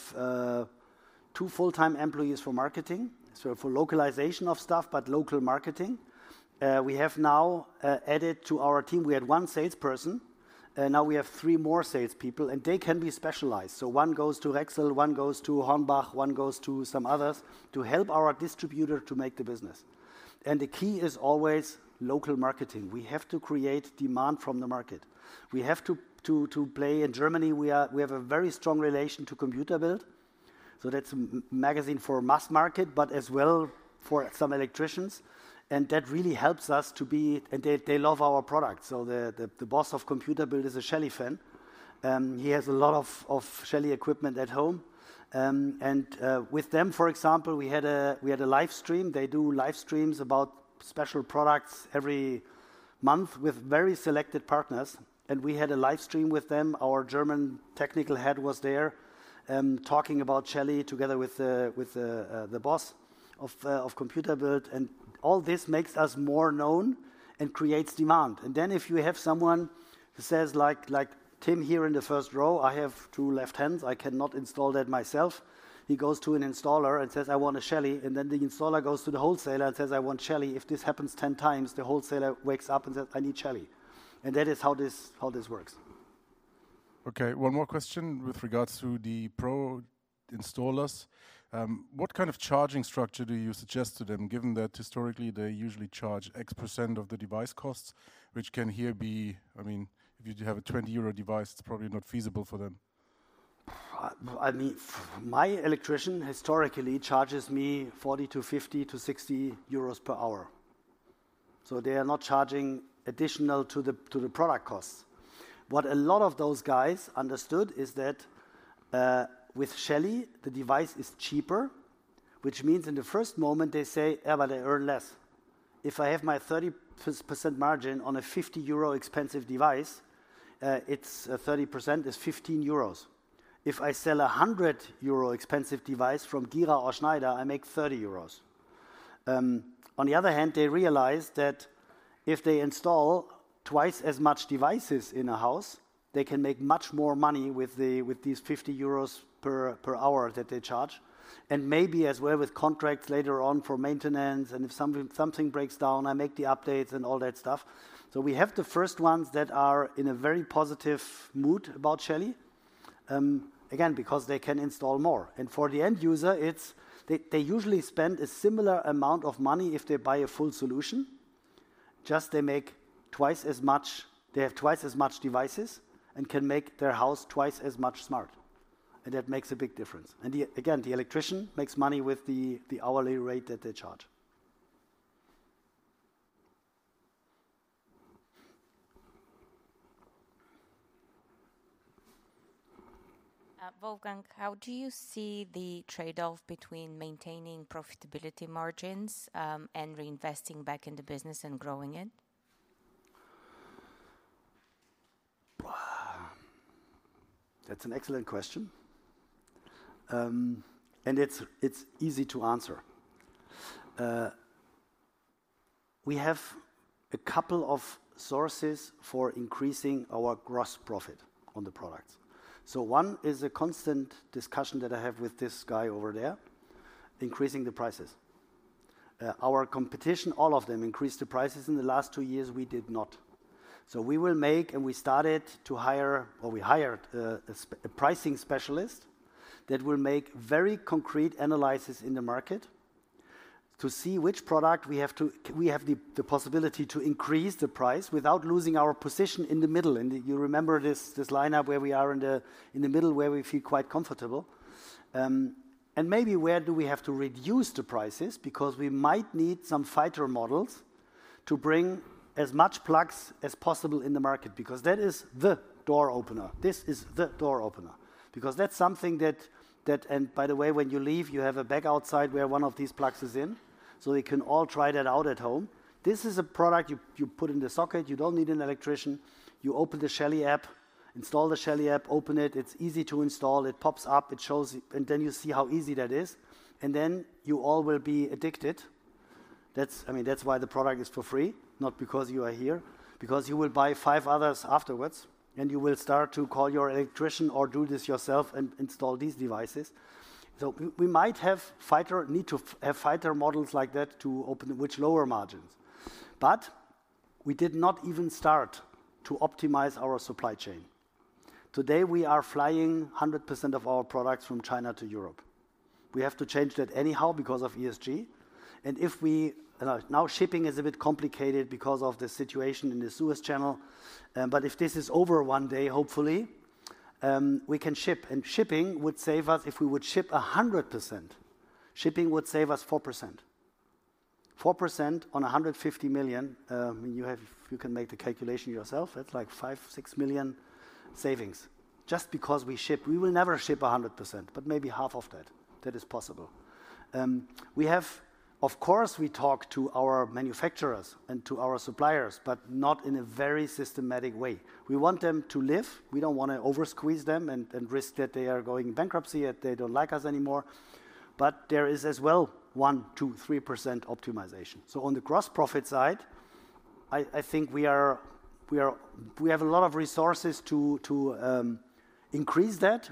two full-time employees for marketing. So, for localization of stuff, but local marketing. We have now added to our team. We had one salesperson. Now we have three more salespeople, and they can be specialized. One goes to Rexel, one goes to HORNBACH, one goes to some others to help our distributor to make the business. The key is always local marketing. We have to create demand from the market. We have to play in Germany. We have a very strong relation to COMPUTER BILD. That's a magazine for mass market, but as well for some electricians. That really helps us to be, and they love our product. The boss of COMPUTER BILD is a Shelly fan. He has a lot of Shelly equipment at home. With them, for example, we had a live stream. They do live streams about special products every month with very selected partners. We had a live stream with them. Our German technical head was there talking about Shelly together with the boss of COMPUTER BILD, and all this makes us more known and creates demand. Then if you have someone who says like Tim here in the first row, I have two left hands. I cannot install that myself. He goes to an installer and says, "I want a Shelly." Then the installer goes to the wholesaler and says, "I want Shelly." If this happens 10 times, the wholesaler wakes up and says, "I need Shelly." That is how this works. Okay. One more question with regards to the Pro installers. What kind of charging structure do you suggest to them given that historically they usually charge X% of the device costs, which can here be, I mean, if you have a 20 euro device, it's probably not feasible for them. I mean, my electrician historically charges me 40 to 50 to 60 euros per hour. So, they are not charging additional to the to the product costs. What a lot of those guys understood is that with Shelly, the device is cheaper, which means in the first moment they say, "Yeah, but I earn less." If I have my 30% margin on a 50 euro expensive device, it's 30% is 15 euros. If I sell a 100 euro expensive device from Gira or Schneider, I make 30 euros. On the other hand, they realize that if they install twice as much devices in a house, they can make much more money with these 50 euros per hour that they charge. And maybe as well with contracts later on for maintenance. And if something breaks down, I make the updates and all that stuff. So we have the first ones that are in a very positive mood about Shelly, again because they can install more. And for the end user, it's they usually spend a similar amount of money if they buy a full solution. Just they make twice as much, they have twice as much devices and can make their house twice as much smart. And that makes a big difference. And again, the electrician makes money with the hourly rate that they charge. Wolfgang, how do you see the trade-off between maintaining profitability margins and reinvesting back in the business and growing it? That's an excellent question. And it's easy to answer. We have a couple of sources for increasing our gross profit on the products. So, one is a constant discussion that I have with this guy over there, increasing the prices. Our competition, all of them increased the prices in the last two years. We did not. So, we will make and we started to hire or we hired a pricing specialist that will make very concrete analysis in the market to see which product we have the possibility to increase the price without losing our position in the middle. And you remember this lineup where we are in the middle where we feel quite comfortable. And maybe where do we have to reduce the prices because we might need some fighter models to bring as many plugs as possible in the market because that is the door opener. This is the door opener because that's something that and by the way, when you leave, you have a bag outside where one of these plugs is in. So, you can all try that out at home. This is a product you put in the socket. You don't need an electrician. You open the Shelly app, install the Shelly app, open it. It's easy to install. It pops up. It shows and then you see how easy that is. And then you all will be addicted. That's, I mean, that's why the product is for free, not because you are here, because you will buy five others afterwards and you will start to call your electrician or do this yourself and install these devices. So, we might have fighter need to have fighter models like that to open which lower margins. But we did not even start to optimize our supply chain. Today, we are flying 100% of our products from China to Europe. We have to change that anyhow because of ESG. And now shipping is a bit complicated because of the situation in the Suez Canal. But if this is over one day, hopefully, we can ship. And shipping would save us if we would ship 100%. Shipping would save us 4%. 4% on 150 million. You can make the calculation yourself. That's like 5-6 million savings just because we ship. We will never ship 100%, but maybe half of that. That is possible. We have, of course, we talk to our manufacturers and to our suppliers, but not in a very systematic way. We want them to live. We don't want to over-squeeze them and risk that they are going bankrupt and they don't like us anymore. But there is as well 1%-3% optimization. So, on the gross profit side, I think we have a lot of resources to increase that,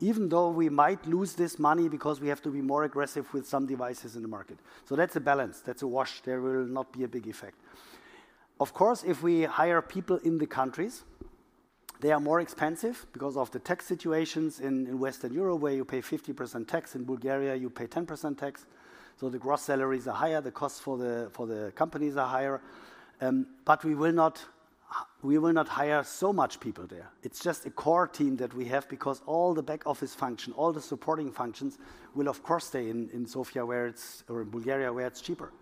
even though we might lose this money because we have to be more aggressive with some devices in the market. So, that's a balance. That's a wash. There will not be a big effect. Of course, if we hire people in the countries, they are more expensive because of the tax situations in Western Europe where you pay 50% tax. In Bulgaria, you pay 10% tax. So, the gross salaries are higher. The costs for the companies are higher, but we will not hire so much people there. It's just a core team that we have because all the back office function, all the supporting functions will of course stay in Sofia where it's or in Bulgaria where it's cheaper.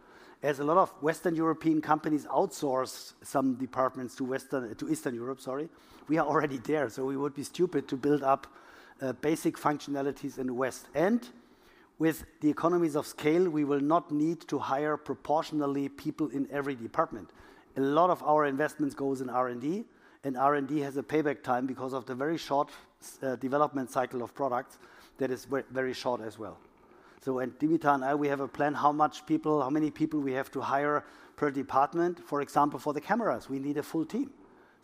As a lot of Western European companies outsource some departments to Eastern Europe, sorry, we are already there. So, we would be stupid to build up basic functionalities in the West, and with the economies of scale, we will not need to hire proportionally people in every department. A lot of our investments goes in R&D and R&D has a payback time because of the very short development cycle of products that is very short as well. So, and Dimitar and I, we have a plan how much people, how many people we have to hire per department. For example, for the cameras, we need a full team.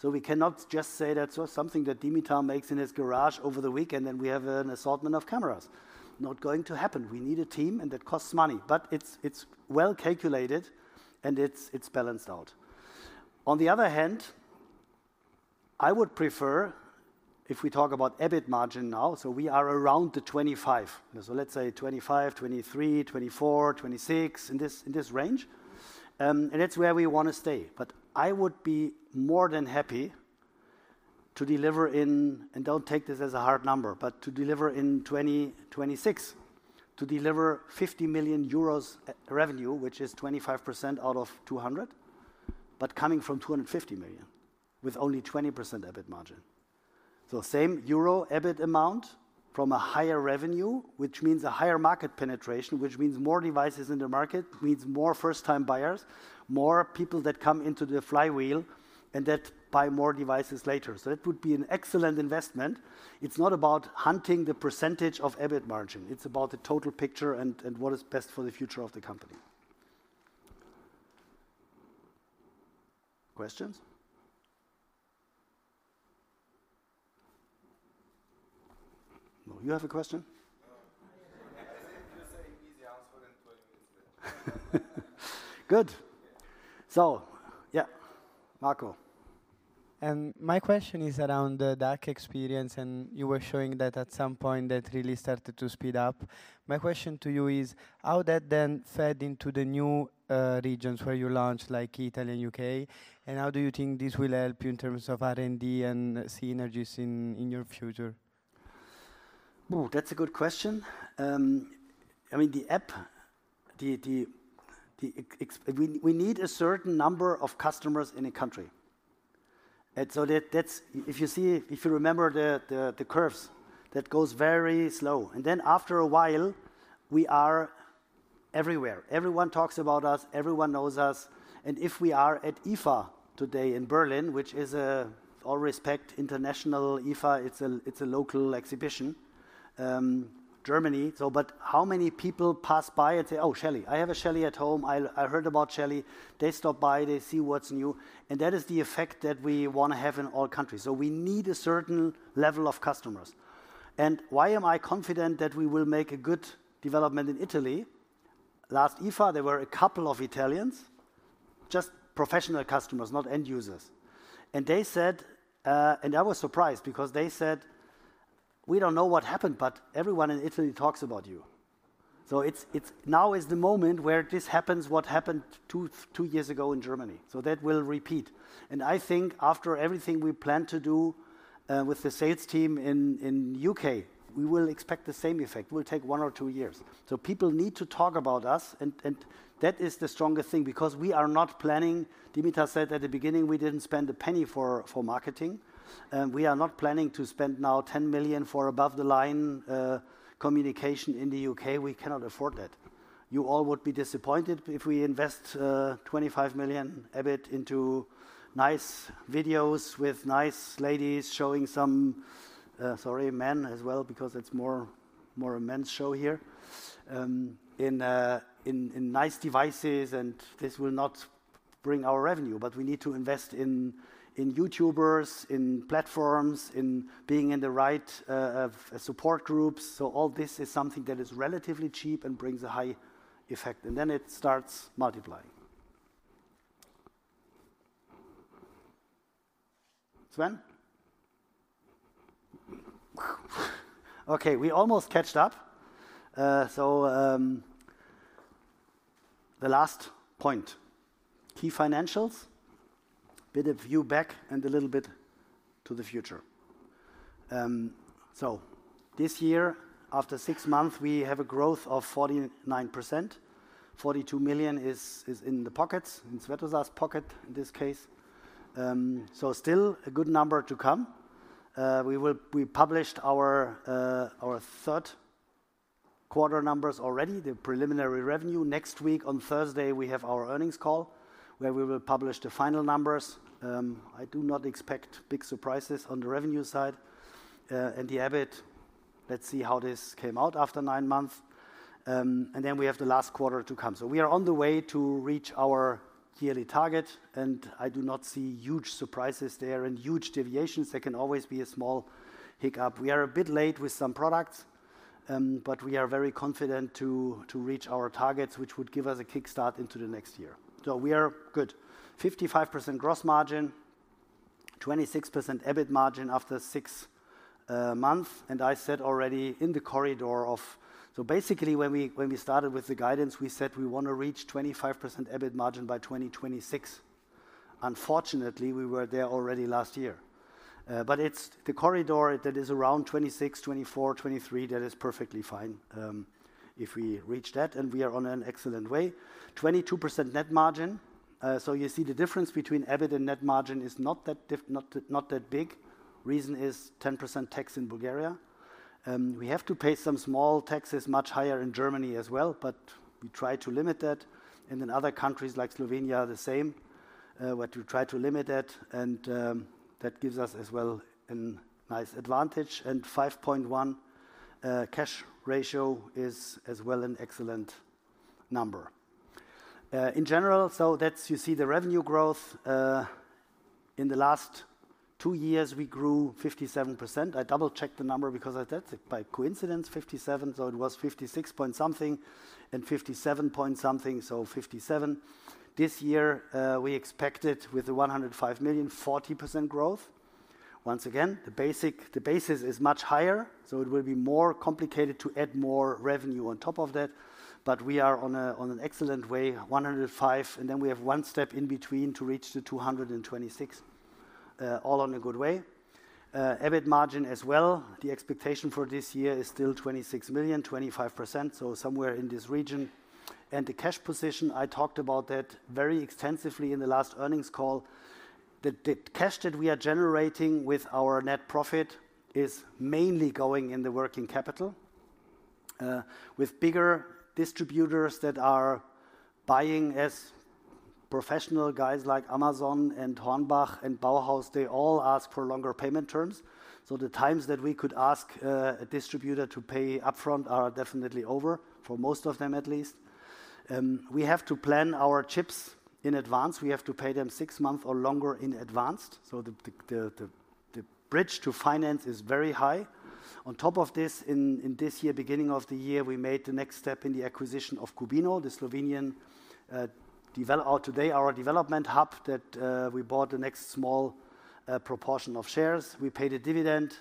So, we cannot just say that's something that Dimitar makes in his garage over the weekend and we have an assortment of cameras. Not going to happen. We need a team and that costs money. But it's well calculated and it's balanced out. On the other hand, I would prefer if we talk about EBIT margin now. So, we are around the 25%. So, let's say 25%, 23%, 24%, 26% in this range. And that's where we want to stay. But I would be more than happy to deliver in and don't take this as a hard number, but to deliver in 2026 to deliver 50 million euros revenue, which is 25% out of 200, but coming from 250 million with only 20% EBIT margin. So, same EUR EBIT amount from a higher revenue, which means a higher market penetration, which means more devices in the market, means more first-time buyers, more people that come into the flywheel and that buy more devices later. So, it would be an excellent investment. It's not about hunting the percentage of EBIT margin. It's about the total picture and what is best for the future of the company. Questions? No, you have a question? I was going to say an easy answer in 20 minutes later. Good. So, yeah, Marco. My question is around the DACH experience and you were showing that at some point that really started to speed up. My question to you is how that then fed into the new regions where you launched like Italy and U.K. and how do you think this will help you in terms of R&D and synergies in your future? Oh, that's a good question. I mean, the app, the we need a certain number of customers in a country. And so that's if you see, if you remember the curves, that goes very slow. And then after a while, we are everywhere. Everyone talks about us. Everyone knows us. And if we are at IFA today in Berlin, which is a world-respected international IFA, it's a local exhibition, Germany. So, but how many people pass by and say, "Oh, Shelly. I have a Shelly at home. I heard about Shelly. They stop by, they see what's new. And that is the effect that we want to have in all countries. We need a certain level of customers. Why am I confident that we will make a good development in Italy? Last IFA, there were a couple of Italians, just professional customers, not end users. They said, and I was surprised because they said, "We don't know what happened, but everyone in Italy talks about you." Now is the moment where this happens what happened two years ago in Germany. That will repeat. After everything we plan to do with the sales team in the U.K., we will expect the same effect. We'll take one or two years. People need to talk about us. That is the strongest thing because we are not planning. Dimitar said at the beginning, we didn't spend a penny for marketing. We are not planning to spend now 10 million for above the line communication in the U.K. We cannot afford that. You all would be disappointed if we invest 25 million EBIT into nice videos with nice ladies showing some, sorry, men as well because it's more a men's show here in nice devices. And this will not bring our revenue, but we need to invest in YouTubers, in platforms, in being in the right support groups. So, all this is something that is relatively cheap and brings a high effect. And then it starts multiplying. Sven? Okay, we almost caught up. So, the last point, key financials, a bit of a look back and a little bit to the future. This year, after six months, we have a growth of 49%. 42 million is in the pockets, in Svetozar's pocket in this case. Still a good number to come. We published our third quarter numbers already, the preliminary revenue. Next week on Thursday, we have our earnings call where we will publish the final numbers. I do not expect big surprises on the revenue side. The EBIT, let's see how this came out after nine months. We have the last quarter to come. We are on the way to reach our yearly target. I do not see huge surprises there and huge deviations. There can always be a small hiccup. We are a bit late with some products, but we are very confident to reach our targets, which would give us a kickstart into the next year. We are good. 55% gross margin, 26% EBIT margin after six months, and I said already in the corridor of, so basically when we started with the guidance, we said we want to reach 25% EBIT margin by 2026. Unfortunately, we were there already last year. But it's the corridor that is around 26%, 24%, 23%, that is perfectly fine if we reach that, and we are on an excellent way. 22% net margin. So, you see the difference between EBIT and net margin is not that big. Reason is 10% tax in Bulgaria. We have to pay some small taxes much higher in Germany as well, but we try to limit that, and in other countries like Slovenia, the same, but we try to limit that, and that gives us as well a nice advantage, and 5.1 cash ratio is as well an excellent number. In general, so that's, you see, the revenue growth. In the last two years, we grew 57%. I double-checked the number because I said it by coincidence, 57%. So, it was 56 point something and 57 point something. So, 57%. This year, we expected with the 105 million, 40% growth. Once again, the basis is much higher. So, it will be more complicated to add more revenue on top of that. But we are on an excellent way, 105. And then we have one step in between to reach the 226, all on a good way. EBIT margin as well. The expectation for this year is still 26 million, 25%. So, somewhere in this region. And the cash position, I talked about that very extensively in the last earnings call. The cash that we are generating with our net profit is mainly going in the working capital with bigger distributors that are buying as professional guys like Amazon and HORNBACH and BAUHAUS. They all ask for longer payment terms. The times that we could ask a distributor to pay upfront are definitely over for most of them at least. We have to plan our chips in advance. We have to pay them six months or longer in advance. The bridge to finance is very high. On top of this, in this year, beginning of the year, we made the next step in the acquisition of Qubino, the Slovenian developer. Today, our development hub that we bought the next small proportion of shares. We paid a dividend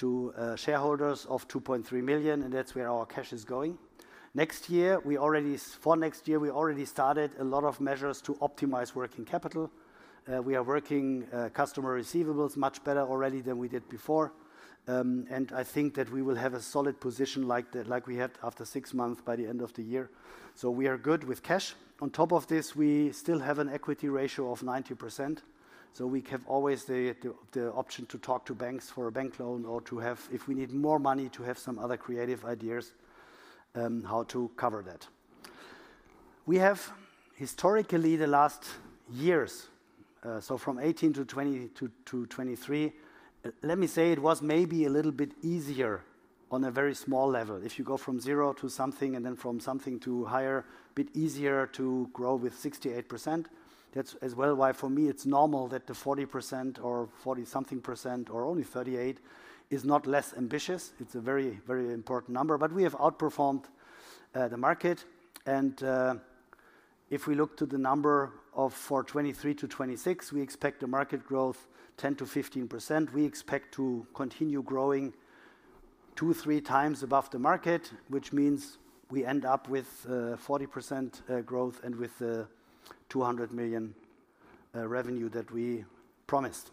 to shareholders of 2.3 million. That's where our cash is going. Next year, we already for next year, we already started a lot of measures to optimize working capital. We are working customer receivables much better already than we did before. And I think that we will have a solid position like that like we had after six months by the end of the year. So, we are good with cash. On top of this, we still have an equity ratio of 90%. So, we have always the option to talk to banks for a bank loan or to have, if we need more money, to have some other creative ideas how to cover that. We have historically the last years, so from 2018 to 2020 to 2023, let me say it was maybe a little bit easier on a very small level. If you go from zero to something and then from something to higher, a bit easier to grow with 68%. That's as well why for me it's normal that the 40% or 40-something percent or only 38% is not less ambitious. It's a very, very important number, but we have outperformed the market. If we look to the numbers for 2023 to 2026, we expect the market growth 10%-15%. We expect to continue growing two, 3x above the market, which means we end up with 40% growth and with the 200 million revenue that we promised.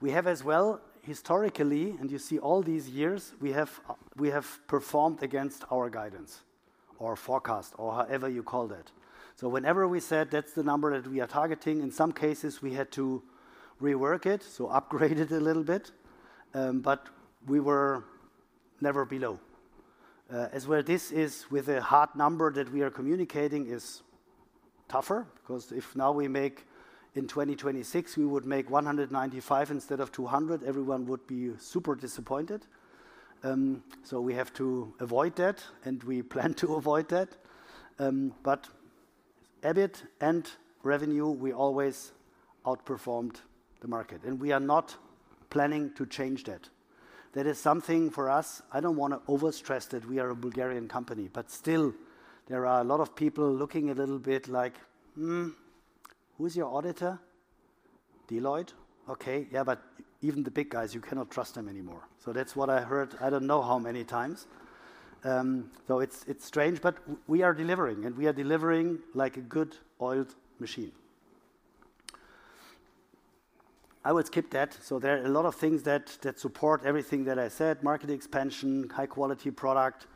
We have as well historically, and you see all these years, we have performed against our guidance or forecast or however you call that. So, whenever we said that's the number that we are targeting, in some cases we had to rework it, so upgrade it a little bit. But we were never below. As well, this is with a hard number that we are communicating is tougher because if now we make in 2026, we would make 195 instead of 200, everyone would be super disappointed. So, we have to avoid that and we plan to avoid that. But EBIT and revenue, we always outperformed the market. And we are not planning to change that. That is something for us. I don't want to overstress that we are a Bulgarian company, but still there are a lot of people looking a little bit like, who's your auditor? Deloitte? Okay, yeah, but even the big guys, you cannot trust them anymore. So, that's what I heard. I don't know how many times. It's strange, but we are delivering and we are delivering like a well-oiled machine. I will skip that. So, there are a lot of things that support everything that I said, market expansion, high-quality product,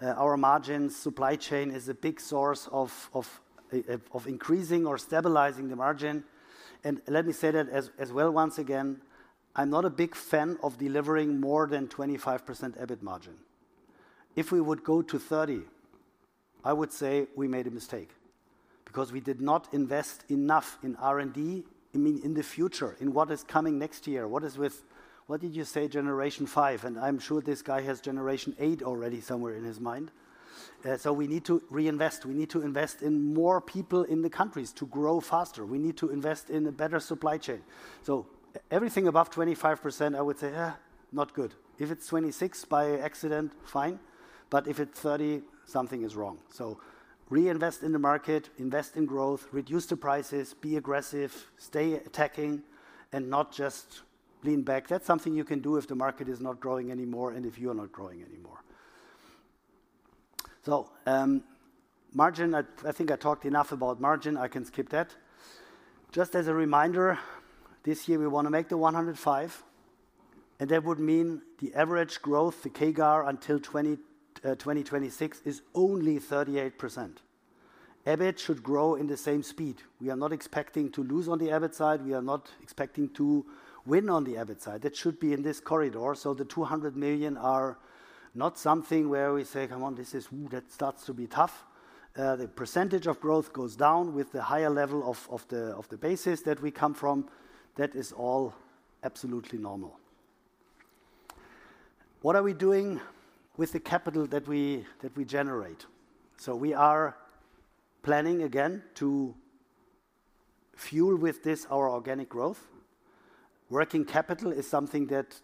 our margins, supply chain is a big source of increasing or stabilizing the margin. And let me say that as well once again, I'm not a big fan of delivering more than 25% EBIT margin. If we would go to 30%, I would say we made a mistake because we did not invest enough in R&D, I mean in the future, in what is coming next year, what is with, what did you say, generation five? And I'm sure this guy has generation eight already somewhere in his mind. So, we need to reinvest. We need to invest in more people in the countries to grow faster. We need to invest in a better supply chain. So, everything above 25%, I would say, not good. If it's 26% by accident, fine. But if it's 30%, something is wrong. So, reinvest in the market, invest in growth, reduce the prices, be aggressive, stay attacking and not just lean back. That's something you can do if the market is not growing anymore and if you are not growing anymore. So, margin, I think I talked enough about margin. I can skip that. Just as a reminder, this year we want to make the 105. And that would mean the average growth, the CAGR until 2026 is only 38%. EBIT should grow in the same speed. We are not expecting to lose on the EBIT side. We are not expecting to win on the EBIT side. That should be in this corridor. So, the 200 million are not something where we say, come on, this is, that starts to be tough. The percentage of growth goes down with the higher level of the basis that we come from. That is all absolutely normal. What are we doing with the capital that we generate? So, we are planning again to fuel with this our organic growth. Working capital is something that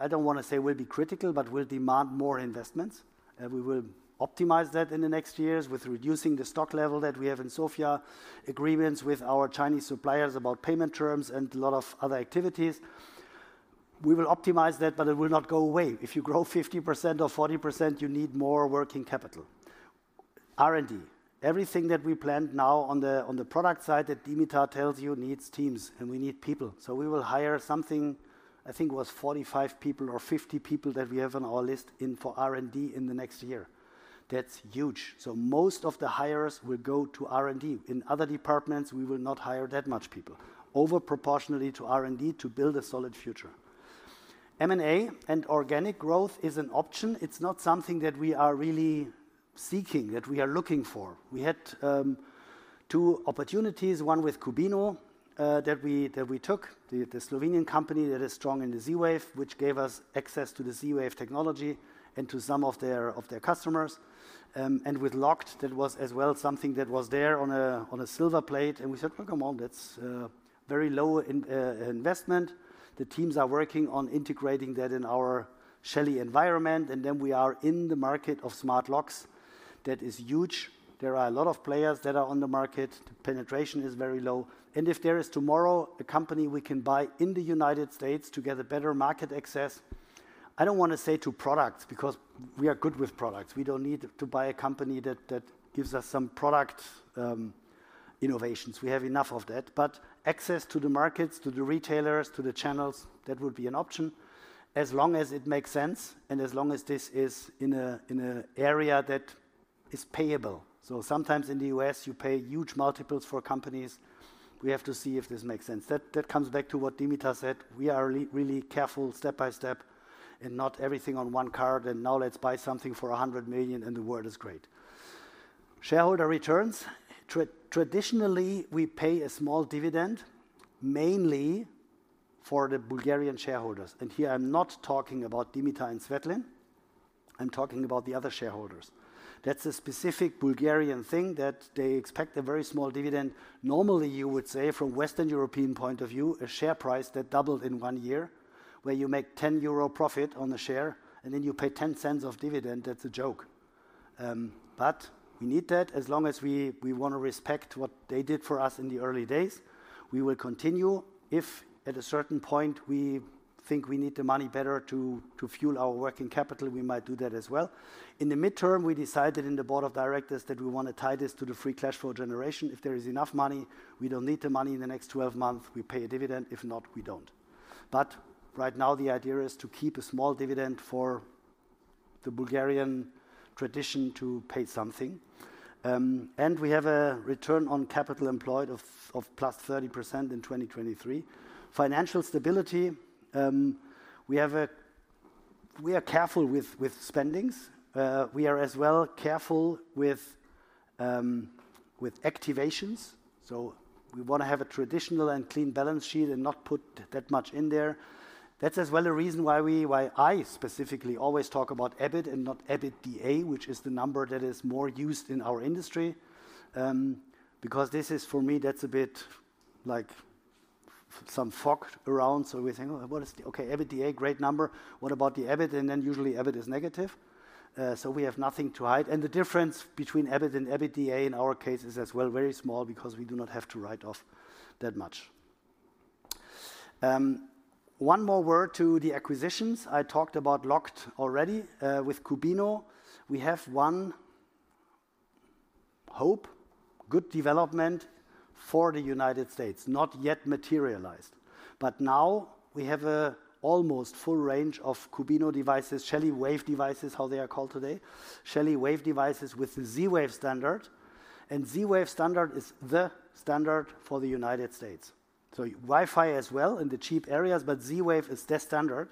I don't want to say will be critical, but will demand more investments. And we will optimize that in the next years with reducing the stock level that we have in Sofia, agreements with our Chinese suppliers about payment terms, and a lot of other activities. We will optimize that, but it will not go away. If you grow 50% or 40%, you need more working capital. R&D, everything that we planned now on the product side that Dimitar tells you needs teams and we need people, so we will hire something, I think it was 45 people or 50 people that we have on our list in for R&D in the next year. That's huge, so most of the hires will go to R&D. In other departments, we will not hire that much people over proportionally to R&D to build a solid future. M&A and organic growth is an option. It's not something that we are really seeking, that we are looking for. We had two opportunities, one with Qubino that we took, the Slovenian company that is strong in the Z-Wave, which gave us access to the Z-Wave technology and to some of their customers, and with LOQED, that was as well something that was there on a silver plate. We said, "Well, come on, that's very low in investment." The teams are working on integrating that in our Shelly environment. Then we are in the market of smart locks. That is huge. There are a lot of players that are on the market. The penetration is very low. If there is tomorrow a company we can buy in the United States to get a better market access, I don't want to say to products because we are good with products. We don't need to buy a company that gives us some product innovations. We have enough of that. But access to the markets, to the retailers, to the channels, that would be an option as long as it makes sense and as long as this is in an area that is viable. So, sometimes in the U.S., you pay huge multiples for companies. We have to see if this makes sense. That comes back to what Dimitar said. We are really careful step by step and not everything on one card, and now let's buy something for 100 million and the world is great. Shareholder returns, traditionally we pay a small dividend mainly for the Bulgarian shareholders, and here I'm not talking about Dimitar and Svetozar. I'm talking about the other shareholders. That's a specific Bulgarian thing that they expect a very small dividend. Normally you would say from Western European point of view, a share price that doubled in one year where you make 10 euro profit on the share and then you pay 0.10 of dividend. That's a joke, but we need that as long as we want to respect what they did for us in the early days. We will continue if at a certain point we think we need the money better to fuel our working capital. We might do that as well. In the medium term, we decided in the Board of Directors that we want to tie this to the free cash flow generation. If there is enough money, we don't need the money in the next 12 months, we pay a dividend. If not, we don't, but right now the idea is to keep a small dividend for the Bulgarian tradition to pay something. We have a return on capital employed of 30% in 2023. For financial stability, we are careful with spending. We are as well careful with acquisitions. We want to have a traditional and clean balance sheet and not put that much in there. That's as well a reason why I specifically always talk about EBIT and not EBITDA, which is the number that is more used in our industry. Because this is for me, that's a bit like some fog around. So, we think, okay, EBITDA, great number. What about the EBIT? And then usually EBIT is negative. So, we have nothing to hide. And the difference between EBIT and EBITDA in our case is as well very small because we do not have to write off that much. One more word to the acquisitions. I talked about LOQED already with Qubino. We have one hope, good development for the United States, not yet materialized. But now we have an almost full range of Qubino devices, Shelly Wave devices, how they are called today, Shelly Wave devices with the Z-Wave standard. And Z-Wave standard is the standard for the United States. So, Wi-Fi as well in the cheap areas, but Z-Wave is the standard.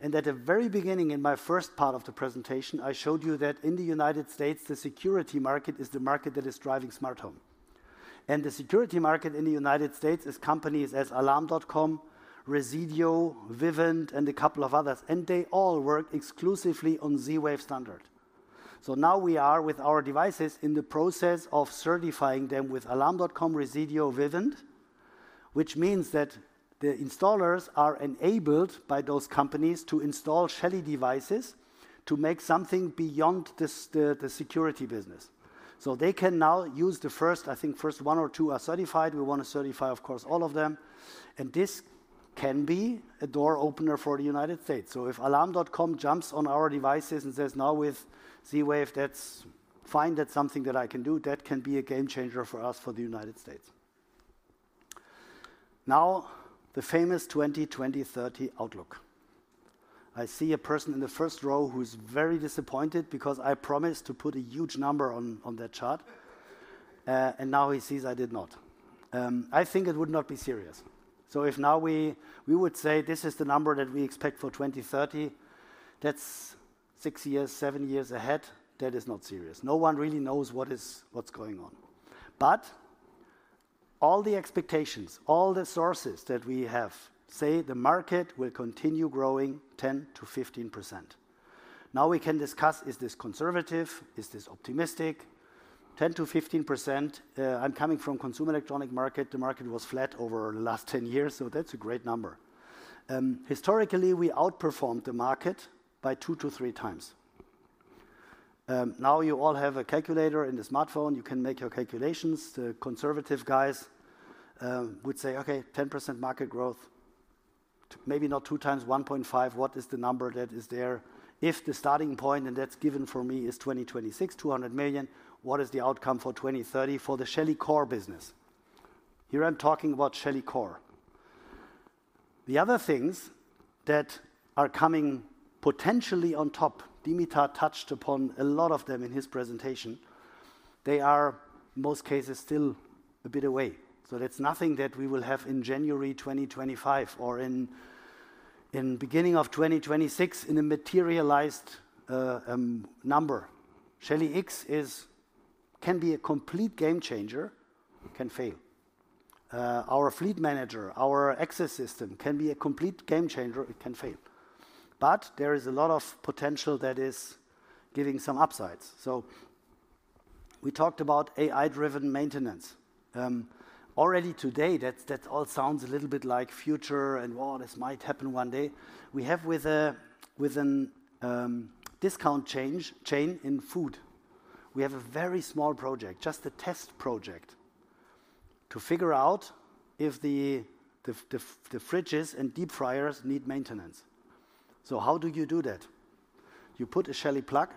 And at the very beginning in my first part of the presentation, I showed you that in the United States, the security market is the market that is driving smart home. And the security market in the United States is companies as Alarm.com, Resideo, Vivint, and a couple of others. And they all work exclusively on Z-Wave standard. So, now we are with our devices in the process of certifying them with Alarm.com, Resideo, Vivint, which means that the installers are enabled by those companies to install Shelly devices to make something beyond the security business. So, they can now use the first, I think first one or two are certified. We want to certify, of course, all of them. And this can be a door opener for the United States. So, if Alarm.com jumps on our devices and says now with Z-Wave, that's fine. That's something that I can do. That can be a game changer for us for the United States. Now, the famous 2020-2030 outlook. I see a person in the first row who's very disappointed because I promised to put a huge number on that chart. And now he sees I did not. I think it would not be serious. If now we would say this is the number that we expect for 2030, that's six years, seven years ahead. That is not serious. No one really knows what's going on. But all the expectations, all the sources that we have, say the market will continue growing 10%-15%. Now we can discuss, is this conservative? Is this optimistic? 10%-15%, I'm coming from consumer electronic market. The market was flat over the last 10 years. So, that's a great number. Historically, we outperformed the market by 2-3x. Now you all have a calculator in the smartphone. You can make your calculations. The conservative guys would say, okay, 10% market growth, maybe not 2x, 1.5x. What is the number that is there? If the starting point, and that's given for me, is 2026, 200 million, what is the outcome for 2030 for the Shelly Core business? Here I'm talking about Shelly Core. The other things that are coming potentially on top, Dimitar touched upon a lot of them in his presentation, they are in most cases still a bit away. So, that's nothing that we will have in January 2025 or in the beginning of 2026 in a materialized number. Shelly X can be a complete game changer, it can fail. Our Fleet Manager, our access system can be a complete game changer. It can fail, but there is a lot of potential that is giving some upsides, so we talked about AI-driven maintenance. Already today, that all sounds a little bit like future and, well, this might happen one day. We have with a discount chain in food. We have a very small project, just a test project to figure out if the fridges and deep fryers need maintenance. So, how do you do that? You put a Shelly Plug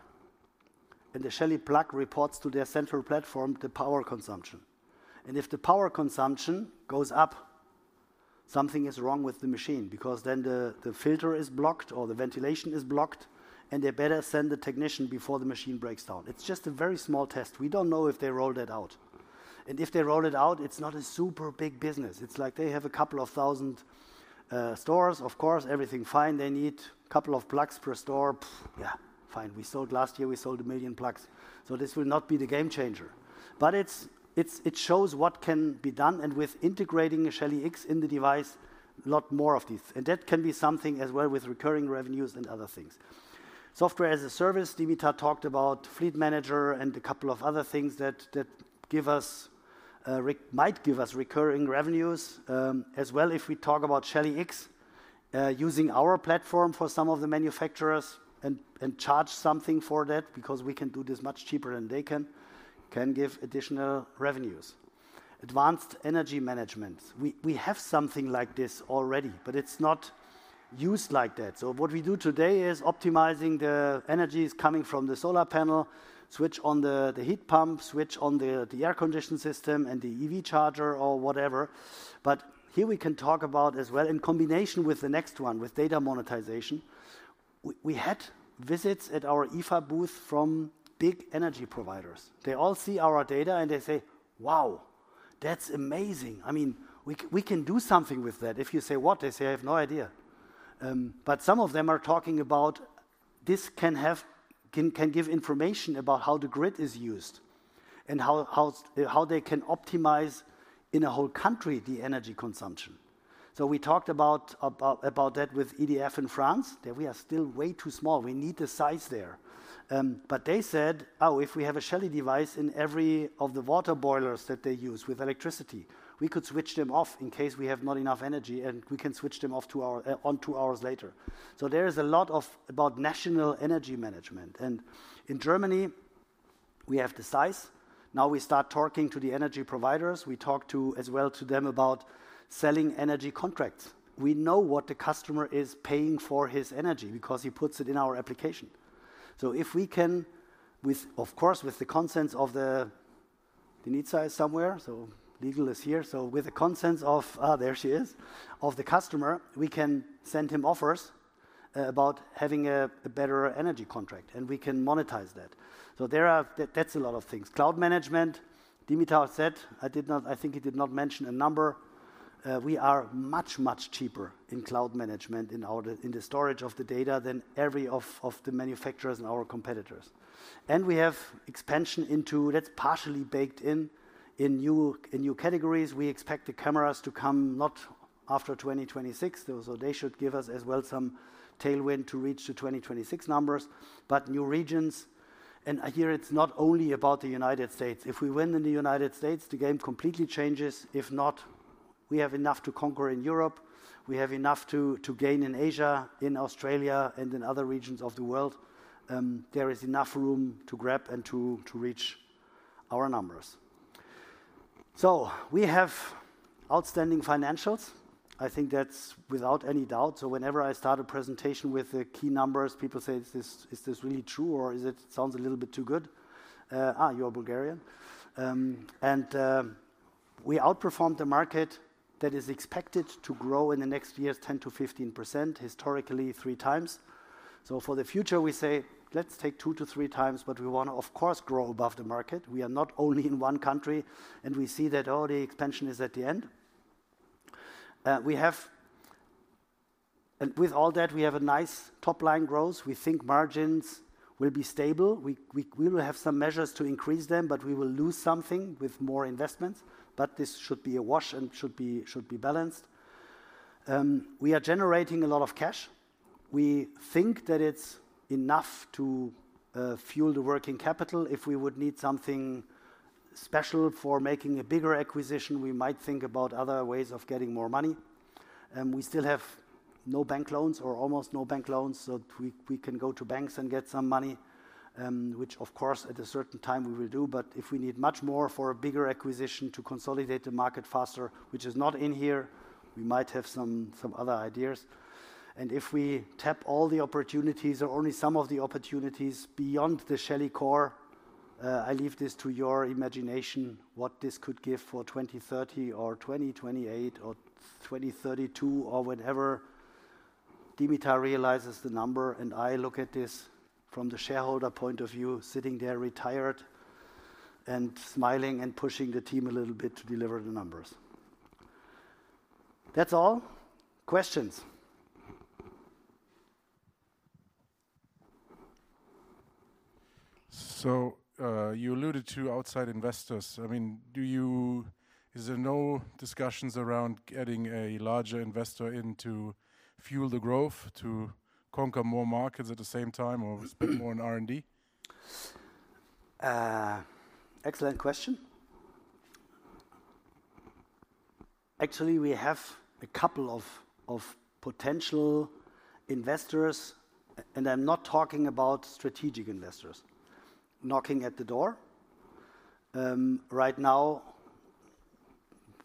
and the Shelly Plug reports to their central platform the power consumption. And if the power consumption goes up, something is wrong with the machine because then the filter is blocked or the ventilation is blocked and they better send the technician before the machine breaks down. It's just a very small test. We don't know if they roll that out. If they roll it out, it's not a super big business. It's like they have a couple of thousand stores. Of course, everything fine. They need a couple of plugs per store. Yeah, fine. We sold last year, we sold 1 million plugs. This will not be the game changer. It shows what can be done, and with integrating a Shelly X in the device, a lot more of these. That can be something as well with recurring revenues and other things. Software as a service, Dimitar talked about Fleet Manager and a couple of other things that might give us recurring revenues as well. If we talk about Shelly X using our platform for some of the manufacturers and charge something for that because we can do this much cheaper than they can, that can give additional revenues. Advanced energy management. We have something like this already, but it's not used like that. So, what we do today is optimizing the energy is coming from the solar panel, switch on the heat pump, switch on the air conditioning system and the EV charger or whatever. But here we can talk about as well in combination with the next one with data monetization. We had visits at our IFA booth from big energy providers. They all see our data and they say, wow, that's amazing. I mean, we can do something with that. If you say what, they say, I have no idea. But some of them are talking about this can give information about how the grid is used and how they can optimize in a whole country the energy consumption. So, we talked about that with EDF in France. We are still way too small. We need the size there. But they said, oh, if we have a Shelly device in every of the water boilers that they use with electricity, we could switch them off in case we have not enough energy and we can switch them off on two hours later. So, there is a lot about national energy management. And in Germany, we have the size. Now we start talking to the energy providers. We talk to as well to them about selling energy contracts. We know what the customer is paying for his energy because he puts it in our application. So, if we can, of course, with the consents of Denitsa is somewhere, so legal is here. So, with the consents of, there she is, of the customer, we can send him offers about having a better energy contract and we can monetize that. That's a lot of things. Cloud management, Dimitar said, I think he did not mention a number. We are much, much cheaper in cloud management in the storage of the data than every of the manufacturers and our competitors. We have expansion into, that's partially baked in in new categories. We expect the cameras to come not after 2026. They should give us as well some tailwind to reach the 2026 numbers. New regions. Here it's not only about the United States. If we win in the United States, the game completely changes. If not, we have enough to conquer in Europe. We have enough to gain in Asia, in Australia and in other regions of the world. There is enough room to grab and to reach our numbers. We have outstanding financials. I think that's without any doubt. Whenever I start a presentation with the key numbers, people say, "Is this really true, or does it sound a little bit too good? You're Bulgarian." We outperformed the market that is expected to grow in the next year 10%-15%, historically three times. For the future, we say, let's take 2-3x, but we want to, of course, grow above the market. We are not only in one country, and we see that all the expansion is ahead. With all that, we have a nice top line growth. We think margins will be stable. We will have some measures to increase them, but we will lose something with more investments. This should be a wash and should be balanced. We are generating a lot of cash. We think that it's enough to fuel the working capital. If we would need something special for making a bigger acquisition, we might think about other ways of getting more money. We still have no bank loans or almost no bank loans. So, we can go to banks and get some money, which of course at a certain time we will do. But if we need much more for a bigger acquisition to consolidate the market faster, which is not in here, we might have some other ideas, and if we tap all the opportunities or only some of the opportunities beyond the Shelly Core, I leave this to your imagination what this could give for 2030 or 2028 or 2032 or whatever. Dimitar realizes the number and I look at this from the shareholder point of view, sitting there retired and smiling and pushing the team a little bit to deliver the numbers. That's all. Questions? So, you alluded to outside investors. I mean, is there no discussions around getting a larger investor in to fuel the growth, to conquer more markets at the same time or spend more in R&D? Excellent question. Actually, we have a couple of potential investors, and I'm not talking about strategic investors knocking at the door. Right now,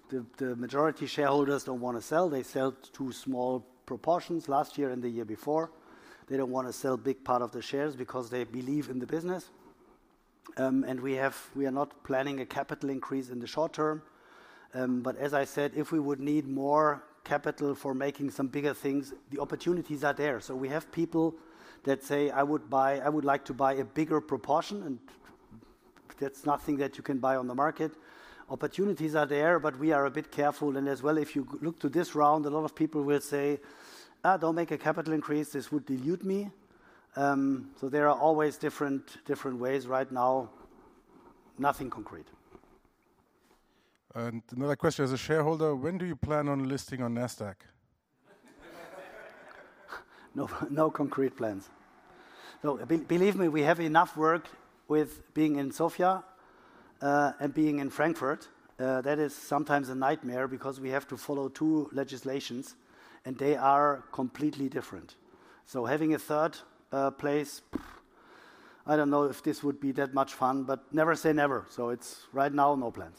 the majority shareholders don't want to sell. They sell to small proportions last year and the year before. They don't want to sell a big part of the shares because they believe in the business. And we are not planning a capital increase in the short term. But as I said, if we would need more capital for making some bigger things, the opportunities are there. So, we have people that say, I would like to buy a bigger proportion, and that's nothing that you can buy on the market. Opportunities are there, but we are a bit careful. And as well, if you look to this round, a lot of people will say, don't make a capital increase. This would dilute me. So, there are always different ways right now. Nothing concrete. And another question as a shareholder, when do you plan on listing on NASDAQ? No concrete plans. So, believe me, we have enough work with being in Sofia and being in Frankfurt. That is sometimes a nightmare because we have to follow two legislations, and they are completely different. So, having a third place, I don't know if this would be that much fun, but never say never. So, it's right now no plans.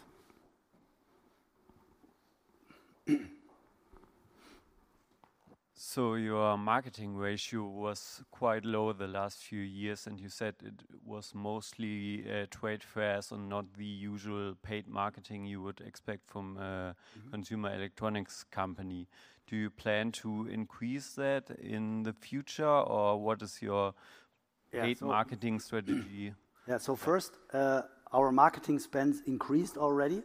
So, your marketing ratio was quite low the last few years, and you said it was mostly trade fairs and not the usual paid marketing you would expect from a consumer electronics company. Do you plan to increase that in the future, or what is your paid marketing strategy? Yeah, so first, our marketing spends increased already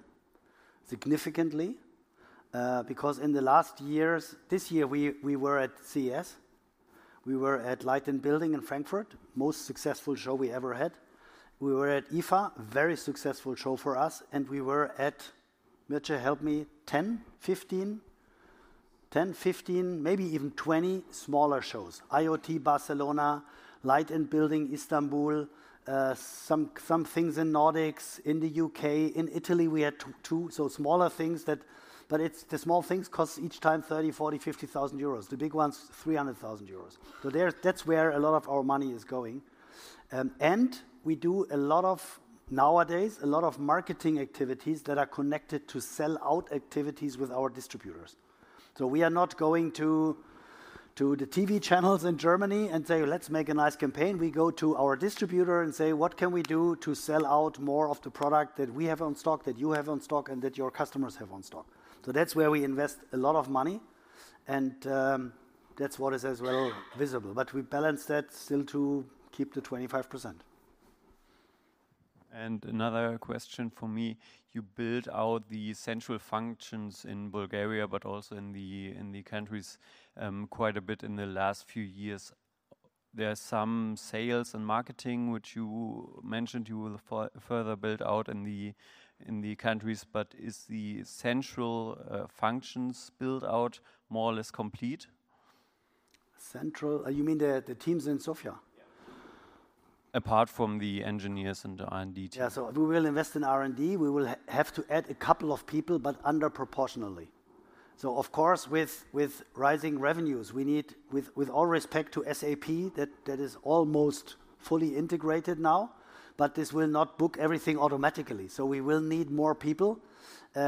significantly because in the last years, this year we were at CES. We were at Light + Building in Frankfurt, most successful show we ever had. We were at IFA, very successful show for us, and we were at, Mirche, help me, 10, 15, 10, 15, maybe even 20 smaller shows. IoT Barcelona, Light + Building Istanbul, some things in Nordics, in the U.K., in Italy we had two, so smaller things that, but the small things cost each time 30,000, 40,000, 50,000 euros. The big ones, 300,000 euros. So, that's where a lot of our money is going. And we do a lot of nowadays, a lot of marketing activities that are connected to sell out activities with our distributors. So, we are not going to the TV channels in Germany and say, let's make a nice campaign. We go to our distributor and say, what can we do to sell out more of the product that we have on stock, that you have on stock, and that your customers have on stock? So, that's where we invest a lot of money, and that's what is as well visible. But we balance that still to keep the 25%. And another question for me, you build out the central functions in Bulgaria, but also in the countries quite a bit in the last few years. There are some sales and marketing, which you mentioned you will further build out in the countries, but is the central functions built out more or less complete? Central, you mean the teams in Sofia? Apart from the engineers and the R&D team. Yeah, so we will invest in R&D. We will have to add a couple of people, but underproportionally. So, of course, with rising revenues, we need, with all respect to SAP, that is almost fully integrated now, but this will not book everything automatically. So, we will need more people.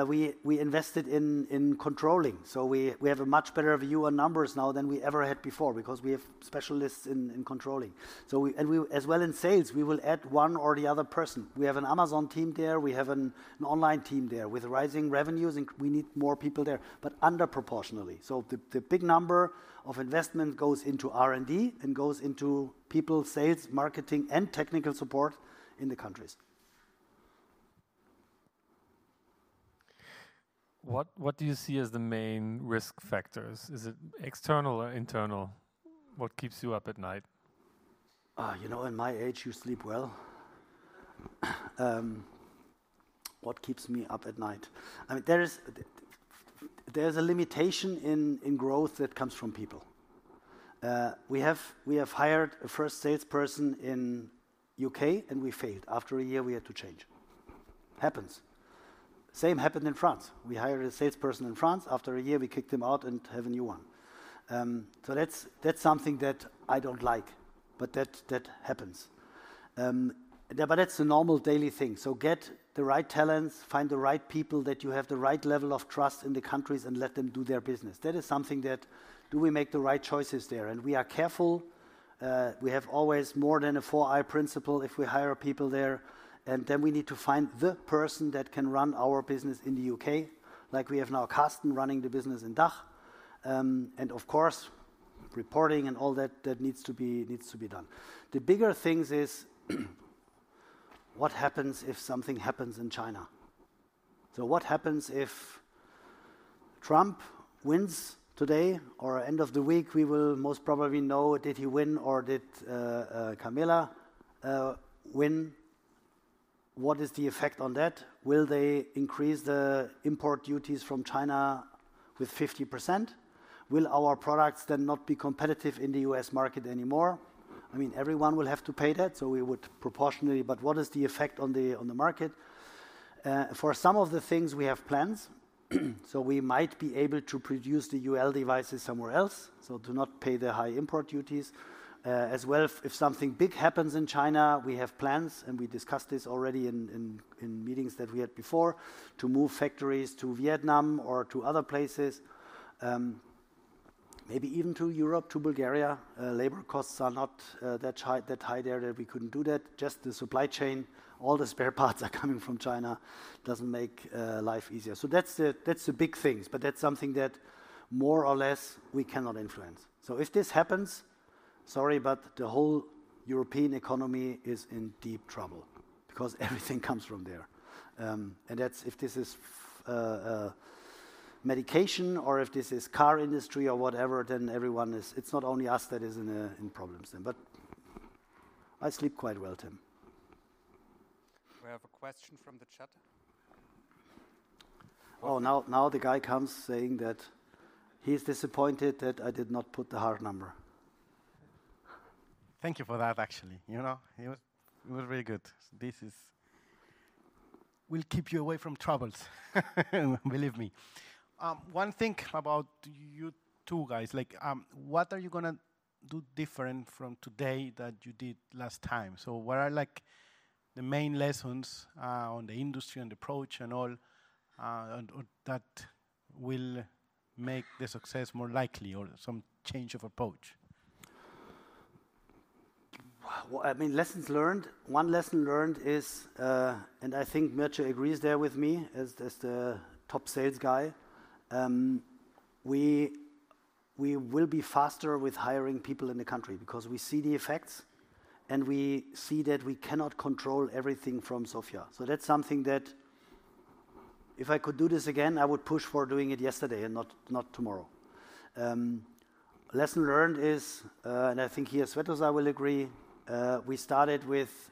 We invested in controlling. So, we have a much better view on numbers now than we ever had before because we have specialists in controlling. So, and as well in sales, we will add one or the other person. We have an Amazon team there. We have an online team there with rising revenues, and we need more people there, but underproportionally. So, the big number of investment goes into R&D and goes into people, sales, marketing, and technical support in the countries. What do you see as the main risk factors? Is it external or internal? What keeps you up at night? You know, at my age, you sleep well. What keeps me up at night? I mean, there is a limitation in growth that comes from people. We have hired a first salesperson in the U.K., and we failed. After a year, we had to change. Happens. Same happened in France. We hired a salesperson in France. After a year, we kicked them out and have a new one, so that's something that I don't like, but that happens, but that's a normal daily thing, so get the right talents, find the right people that you have the right level of trust in the countries and let them do their business. That is something that, do we make the right choices there, and we are careful. We have always more than a four-eyed principle if we hire people there. And then we need to find the person that can run our business in the U.K., like we have now Karsten running the business in DACH. And of course, reporting and all that needs to be done. The bigger thing is what happens if something happens in China. So, what happens if Trump wins today or at the end of the week, we will most probably know, did he win or did Kamala win? What is the effect on that? Will they increase the import duties from China with 50%? Will our products then not be competitive in the U.S. market anymore? I mean, everyone will have to pay that, so we would proportionally, but what is the effect on the market? For some of the things, we have plans. So, we might be able to produce the UL devices somewhere else, so to not pay the high import duties. As well, if something big happens in China, we have plans, and we discussed this already in meetings that we had before, to move factories to Vietnam or to other places, maybe even to Europe, to Bulgaria. Labor costs are not that high there that we couldn't do that. Just the supply chain, all the spare parts are coming from China, doesn't make life easier. So, that's the big things, but that's something that more or less we cannot influence. So, if this happens, sorry, but the whole European economy is in deep trouble because everything comes from there. And if this is medication or if this is car industry or whatever, then everyone is, it's not only us that is in problems then. But I sleep quite well, Tim. We have a question from the chat. Oh, now the guy comes saying that he's disappointed that I did not put the hard number. Thank you for that, actually. You know, it was really good. This will keep you away from troubles, believe me. One thing about you two guys, like what are you going to do different from today that you did last time? So, what are like the main lessons on the industry and the approach and all that will make the success more likely or some change of approach? I mean, lessons learned. One lesson learned is, and I think Mirche agrees there with me as the top sales guy, we will be faster with hiring people in the country because we see the effects and we see that we cannot control everything from Sofia. So, that's something that if I could do this again, I would push for doing it yesterday and not tomorrow. Lesson learned is, and I think here Svetozar will agree, we started with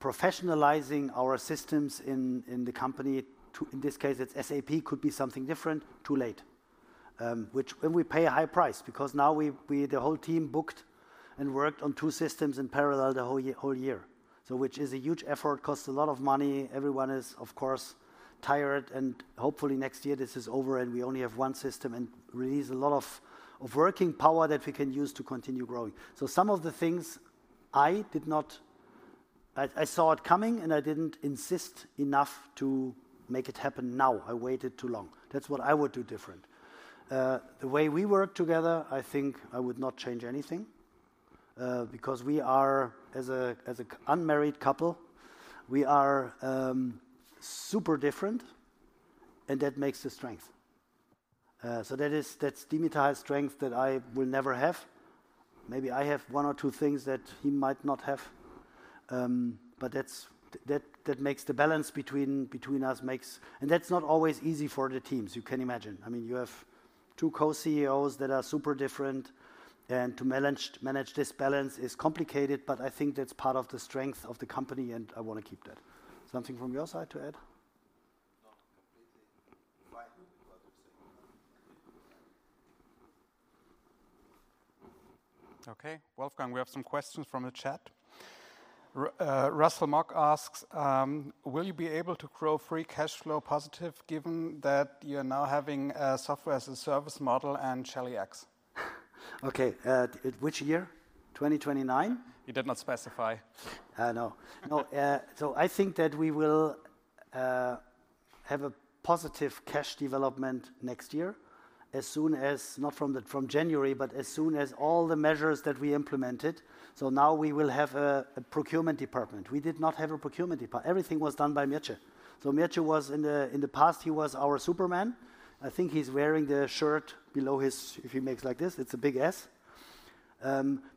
professionalizing our systems in the company. In this case, it's SAP, could be something different, too late, which we pay a high price because now the whole team booked and worked on two systems in parallel the whole year. So, which is a huge effort, costs a lot of money. Everyone is, of course, tired, and hopefully next year this is over and we only have one system and release a lot of working power that we can use to continue growing. So, some of the things I did not, I saw it coming and I didn't insist enough to make it happen now. I waited too long. That's what I would do different. The way we work together, I think I would not change anything because we are as an unmarried couple, we are super different, and that makes the strength. So, that's Dimitar's strength that I will never have. Maybe I have one or two things that he might not have, but that makes the balance between us, and that's not always easy for the teams, you can imagine. I mean, you have two co-CEOs that are super different, and to manage this balance is complicated, but I think that's part of the strength of the company, and I want to keep that. Something from your side to add? No, completely fine with what you're saying. Okay, Wolfgang, we have some questions from the chat. Russell Mock asks, will you be able to grow free cash flow positive given that you're now having a software as a service model and Shelly X? Okay, which year? 2029? He did not specify. I know. So, I think that we will have a positive cash development next year, as soon as, not from January, but as soon as all the measures that we implemented. So, now we will have a procurement department. We did not have a procurement department. Everything was done by Mirche. So, Mirche was in the past, he was our Superman. I think he's wearing the shirt below his, if he makes like this, it's a big S,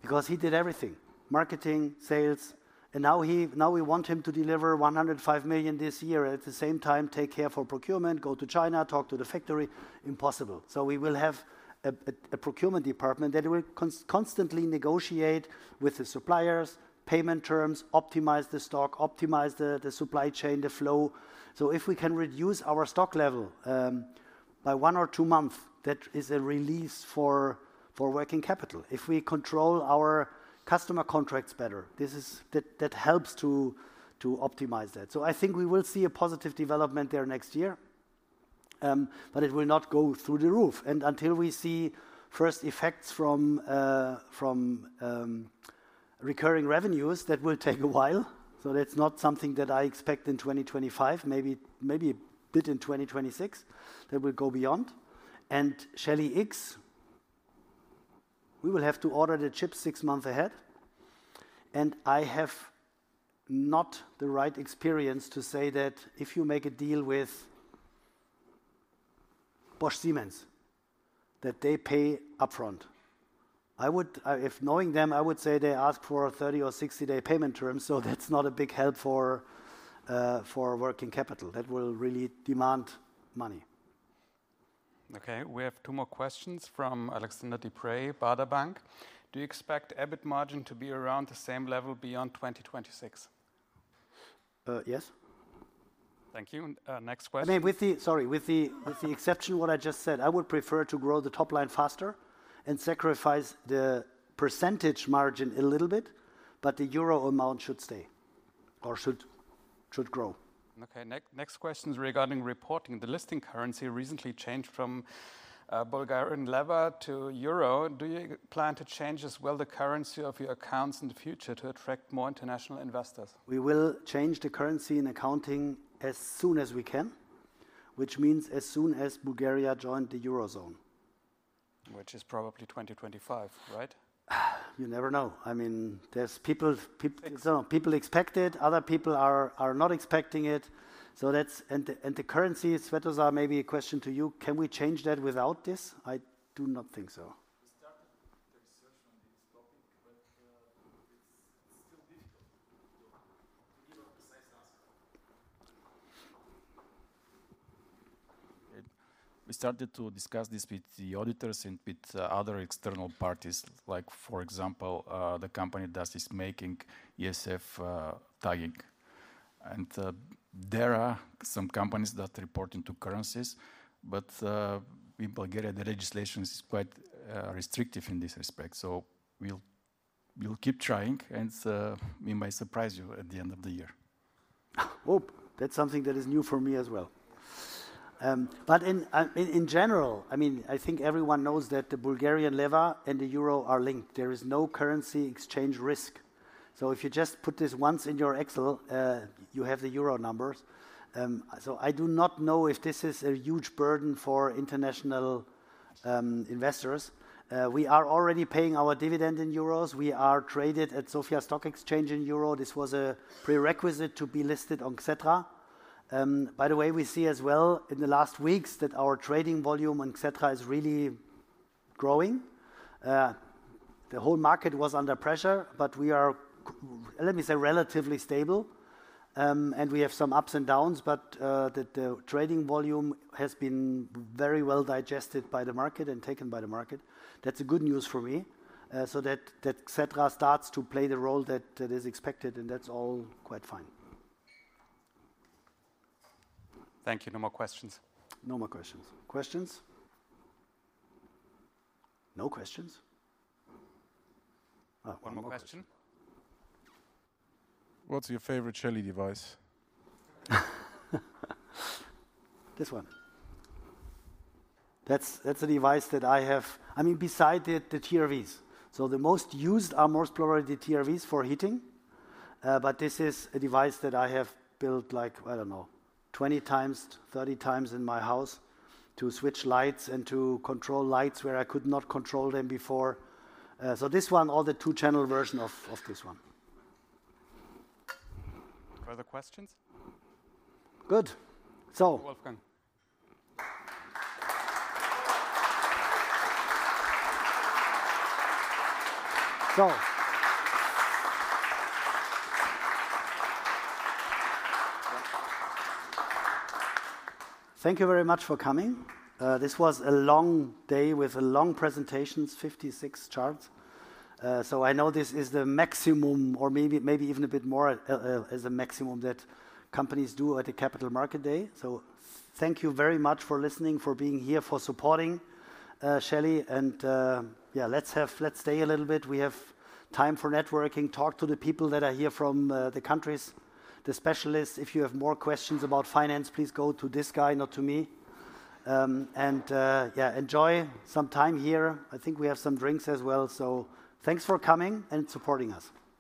because he did everything, marketing, sales, and now we want him to deliver 105 million this year at the same time, take care for procurement, go to China, talk to the factory, impossible. So, we will have a procurement department that will constantly negotiate with the suppliers, payment terms, optimize the stock, optimize the supply chain, the flow. So, if we can reduce our stock level by one or two months, that is a release for working capital. If we control our customer contracts better, that helps to optimize that. So, I think we will see a positive development there next year, but it will not go through the roof. And until we see first effects from recurring revenues, that will take a while. So, that's not something that I expect in 2025, maybe a bit in 2026, that will go beyond. And Shelly X, we will have to order the chips six months ahead. And I have not the right experience to say that if you make a deal with Bosch Siemens, that they pay upfront. If knowing them, I would say they ask for 30 or 60-day payment terms, so that's not a big help for working capital. That will really demand money. Okay, we have two more questions from Alexander Dupre, Baader Bank. Do you expect EBIT margin to be around the same level beyond 2026? Yes. Thank you. Next question. Sorry, with the exception of what I just said, I would prefer to grow the top line faster and sacrifice the percentage margin a little bit, but the euro amount should stay or should grow. Okay, next question is regarding reporting. The listing currency recently changed from Bulgarian lev to euro. Do you plan to change as well the currency of your accounts in the future to attract more international investors? We will change the currency in accounting as soon as we can, which means as soon as Bulgaria joins the eurozone. Which is probably 2025, right? You never know. I mean, people expect it, other people are not expecting it. And the currency, Svetozar, maybe a question to you. Can we change that without this? I do not think so. We started research on this topic, but it's still difficult to give a precise answer. We started to discuss this with the auditors and with other external parties, like for example, the company that is making ESG tagging. And there are some companies that report into currencies, but in Bulgaria, the legislation is quite restrictive in this respect. We'll keep trying, and we may surprise you at the end of the year. Oh, that's something that is new for me as well. But in general, I mean, I think everyone knows that the Bulgarian lev and the euro are linked. There is no currency exchange risk. So, if you just put this once in your Excel, you have the euro numbers. So, I do not know if this is a huge burden for international investors. We are already paying our dividend in euros. We are traded at Sofia Stock Exchange in euro. This was a prerequisite to be listed on Xetra. By the way, we see as well in the last weeks that our trading volume on Xetra is really growing. The whole market was under pressure, but we are, let me say, relatively stable. And we have some ups and downs, but the trading volume has been very well digested by the market and taken by the market. That's good news for me. So, that Xetra starts to play the role that is expected, and that's all quite fine. Thank you. No more questions. No more questions. Questions? No questions. One more question. What's your favorite Shelly device? This one. That's a device that I have. I mean, besides the TRVs. So, the most used are most probably the TRVs for heating. But this is a device that I have built like, I don't know, 20x, 30x in my house to switch lights and to control lights where I could not control them before. So, this one, all the two-channel version of this one. Further questions? Good. Wolfgang. So, thank you very much for coming. This was a long day with long presentations, 56 charts. I know this is the maximum or maybe even a bit more as a maximum that companies do at a capital market day. So, thank you very much for listening, for being here, for supporting Shelly. And yeah, let's stay a little bit. We have time for networking, talk to the people that are here from the countries, the specialists. If you have more questions about finance, please go to this guy, not to me, and yeah, enjoy some time here. I think we have some drinks as well, so thanks for coming and supporting us.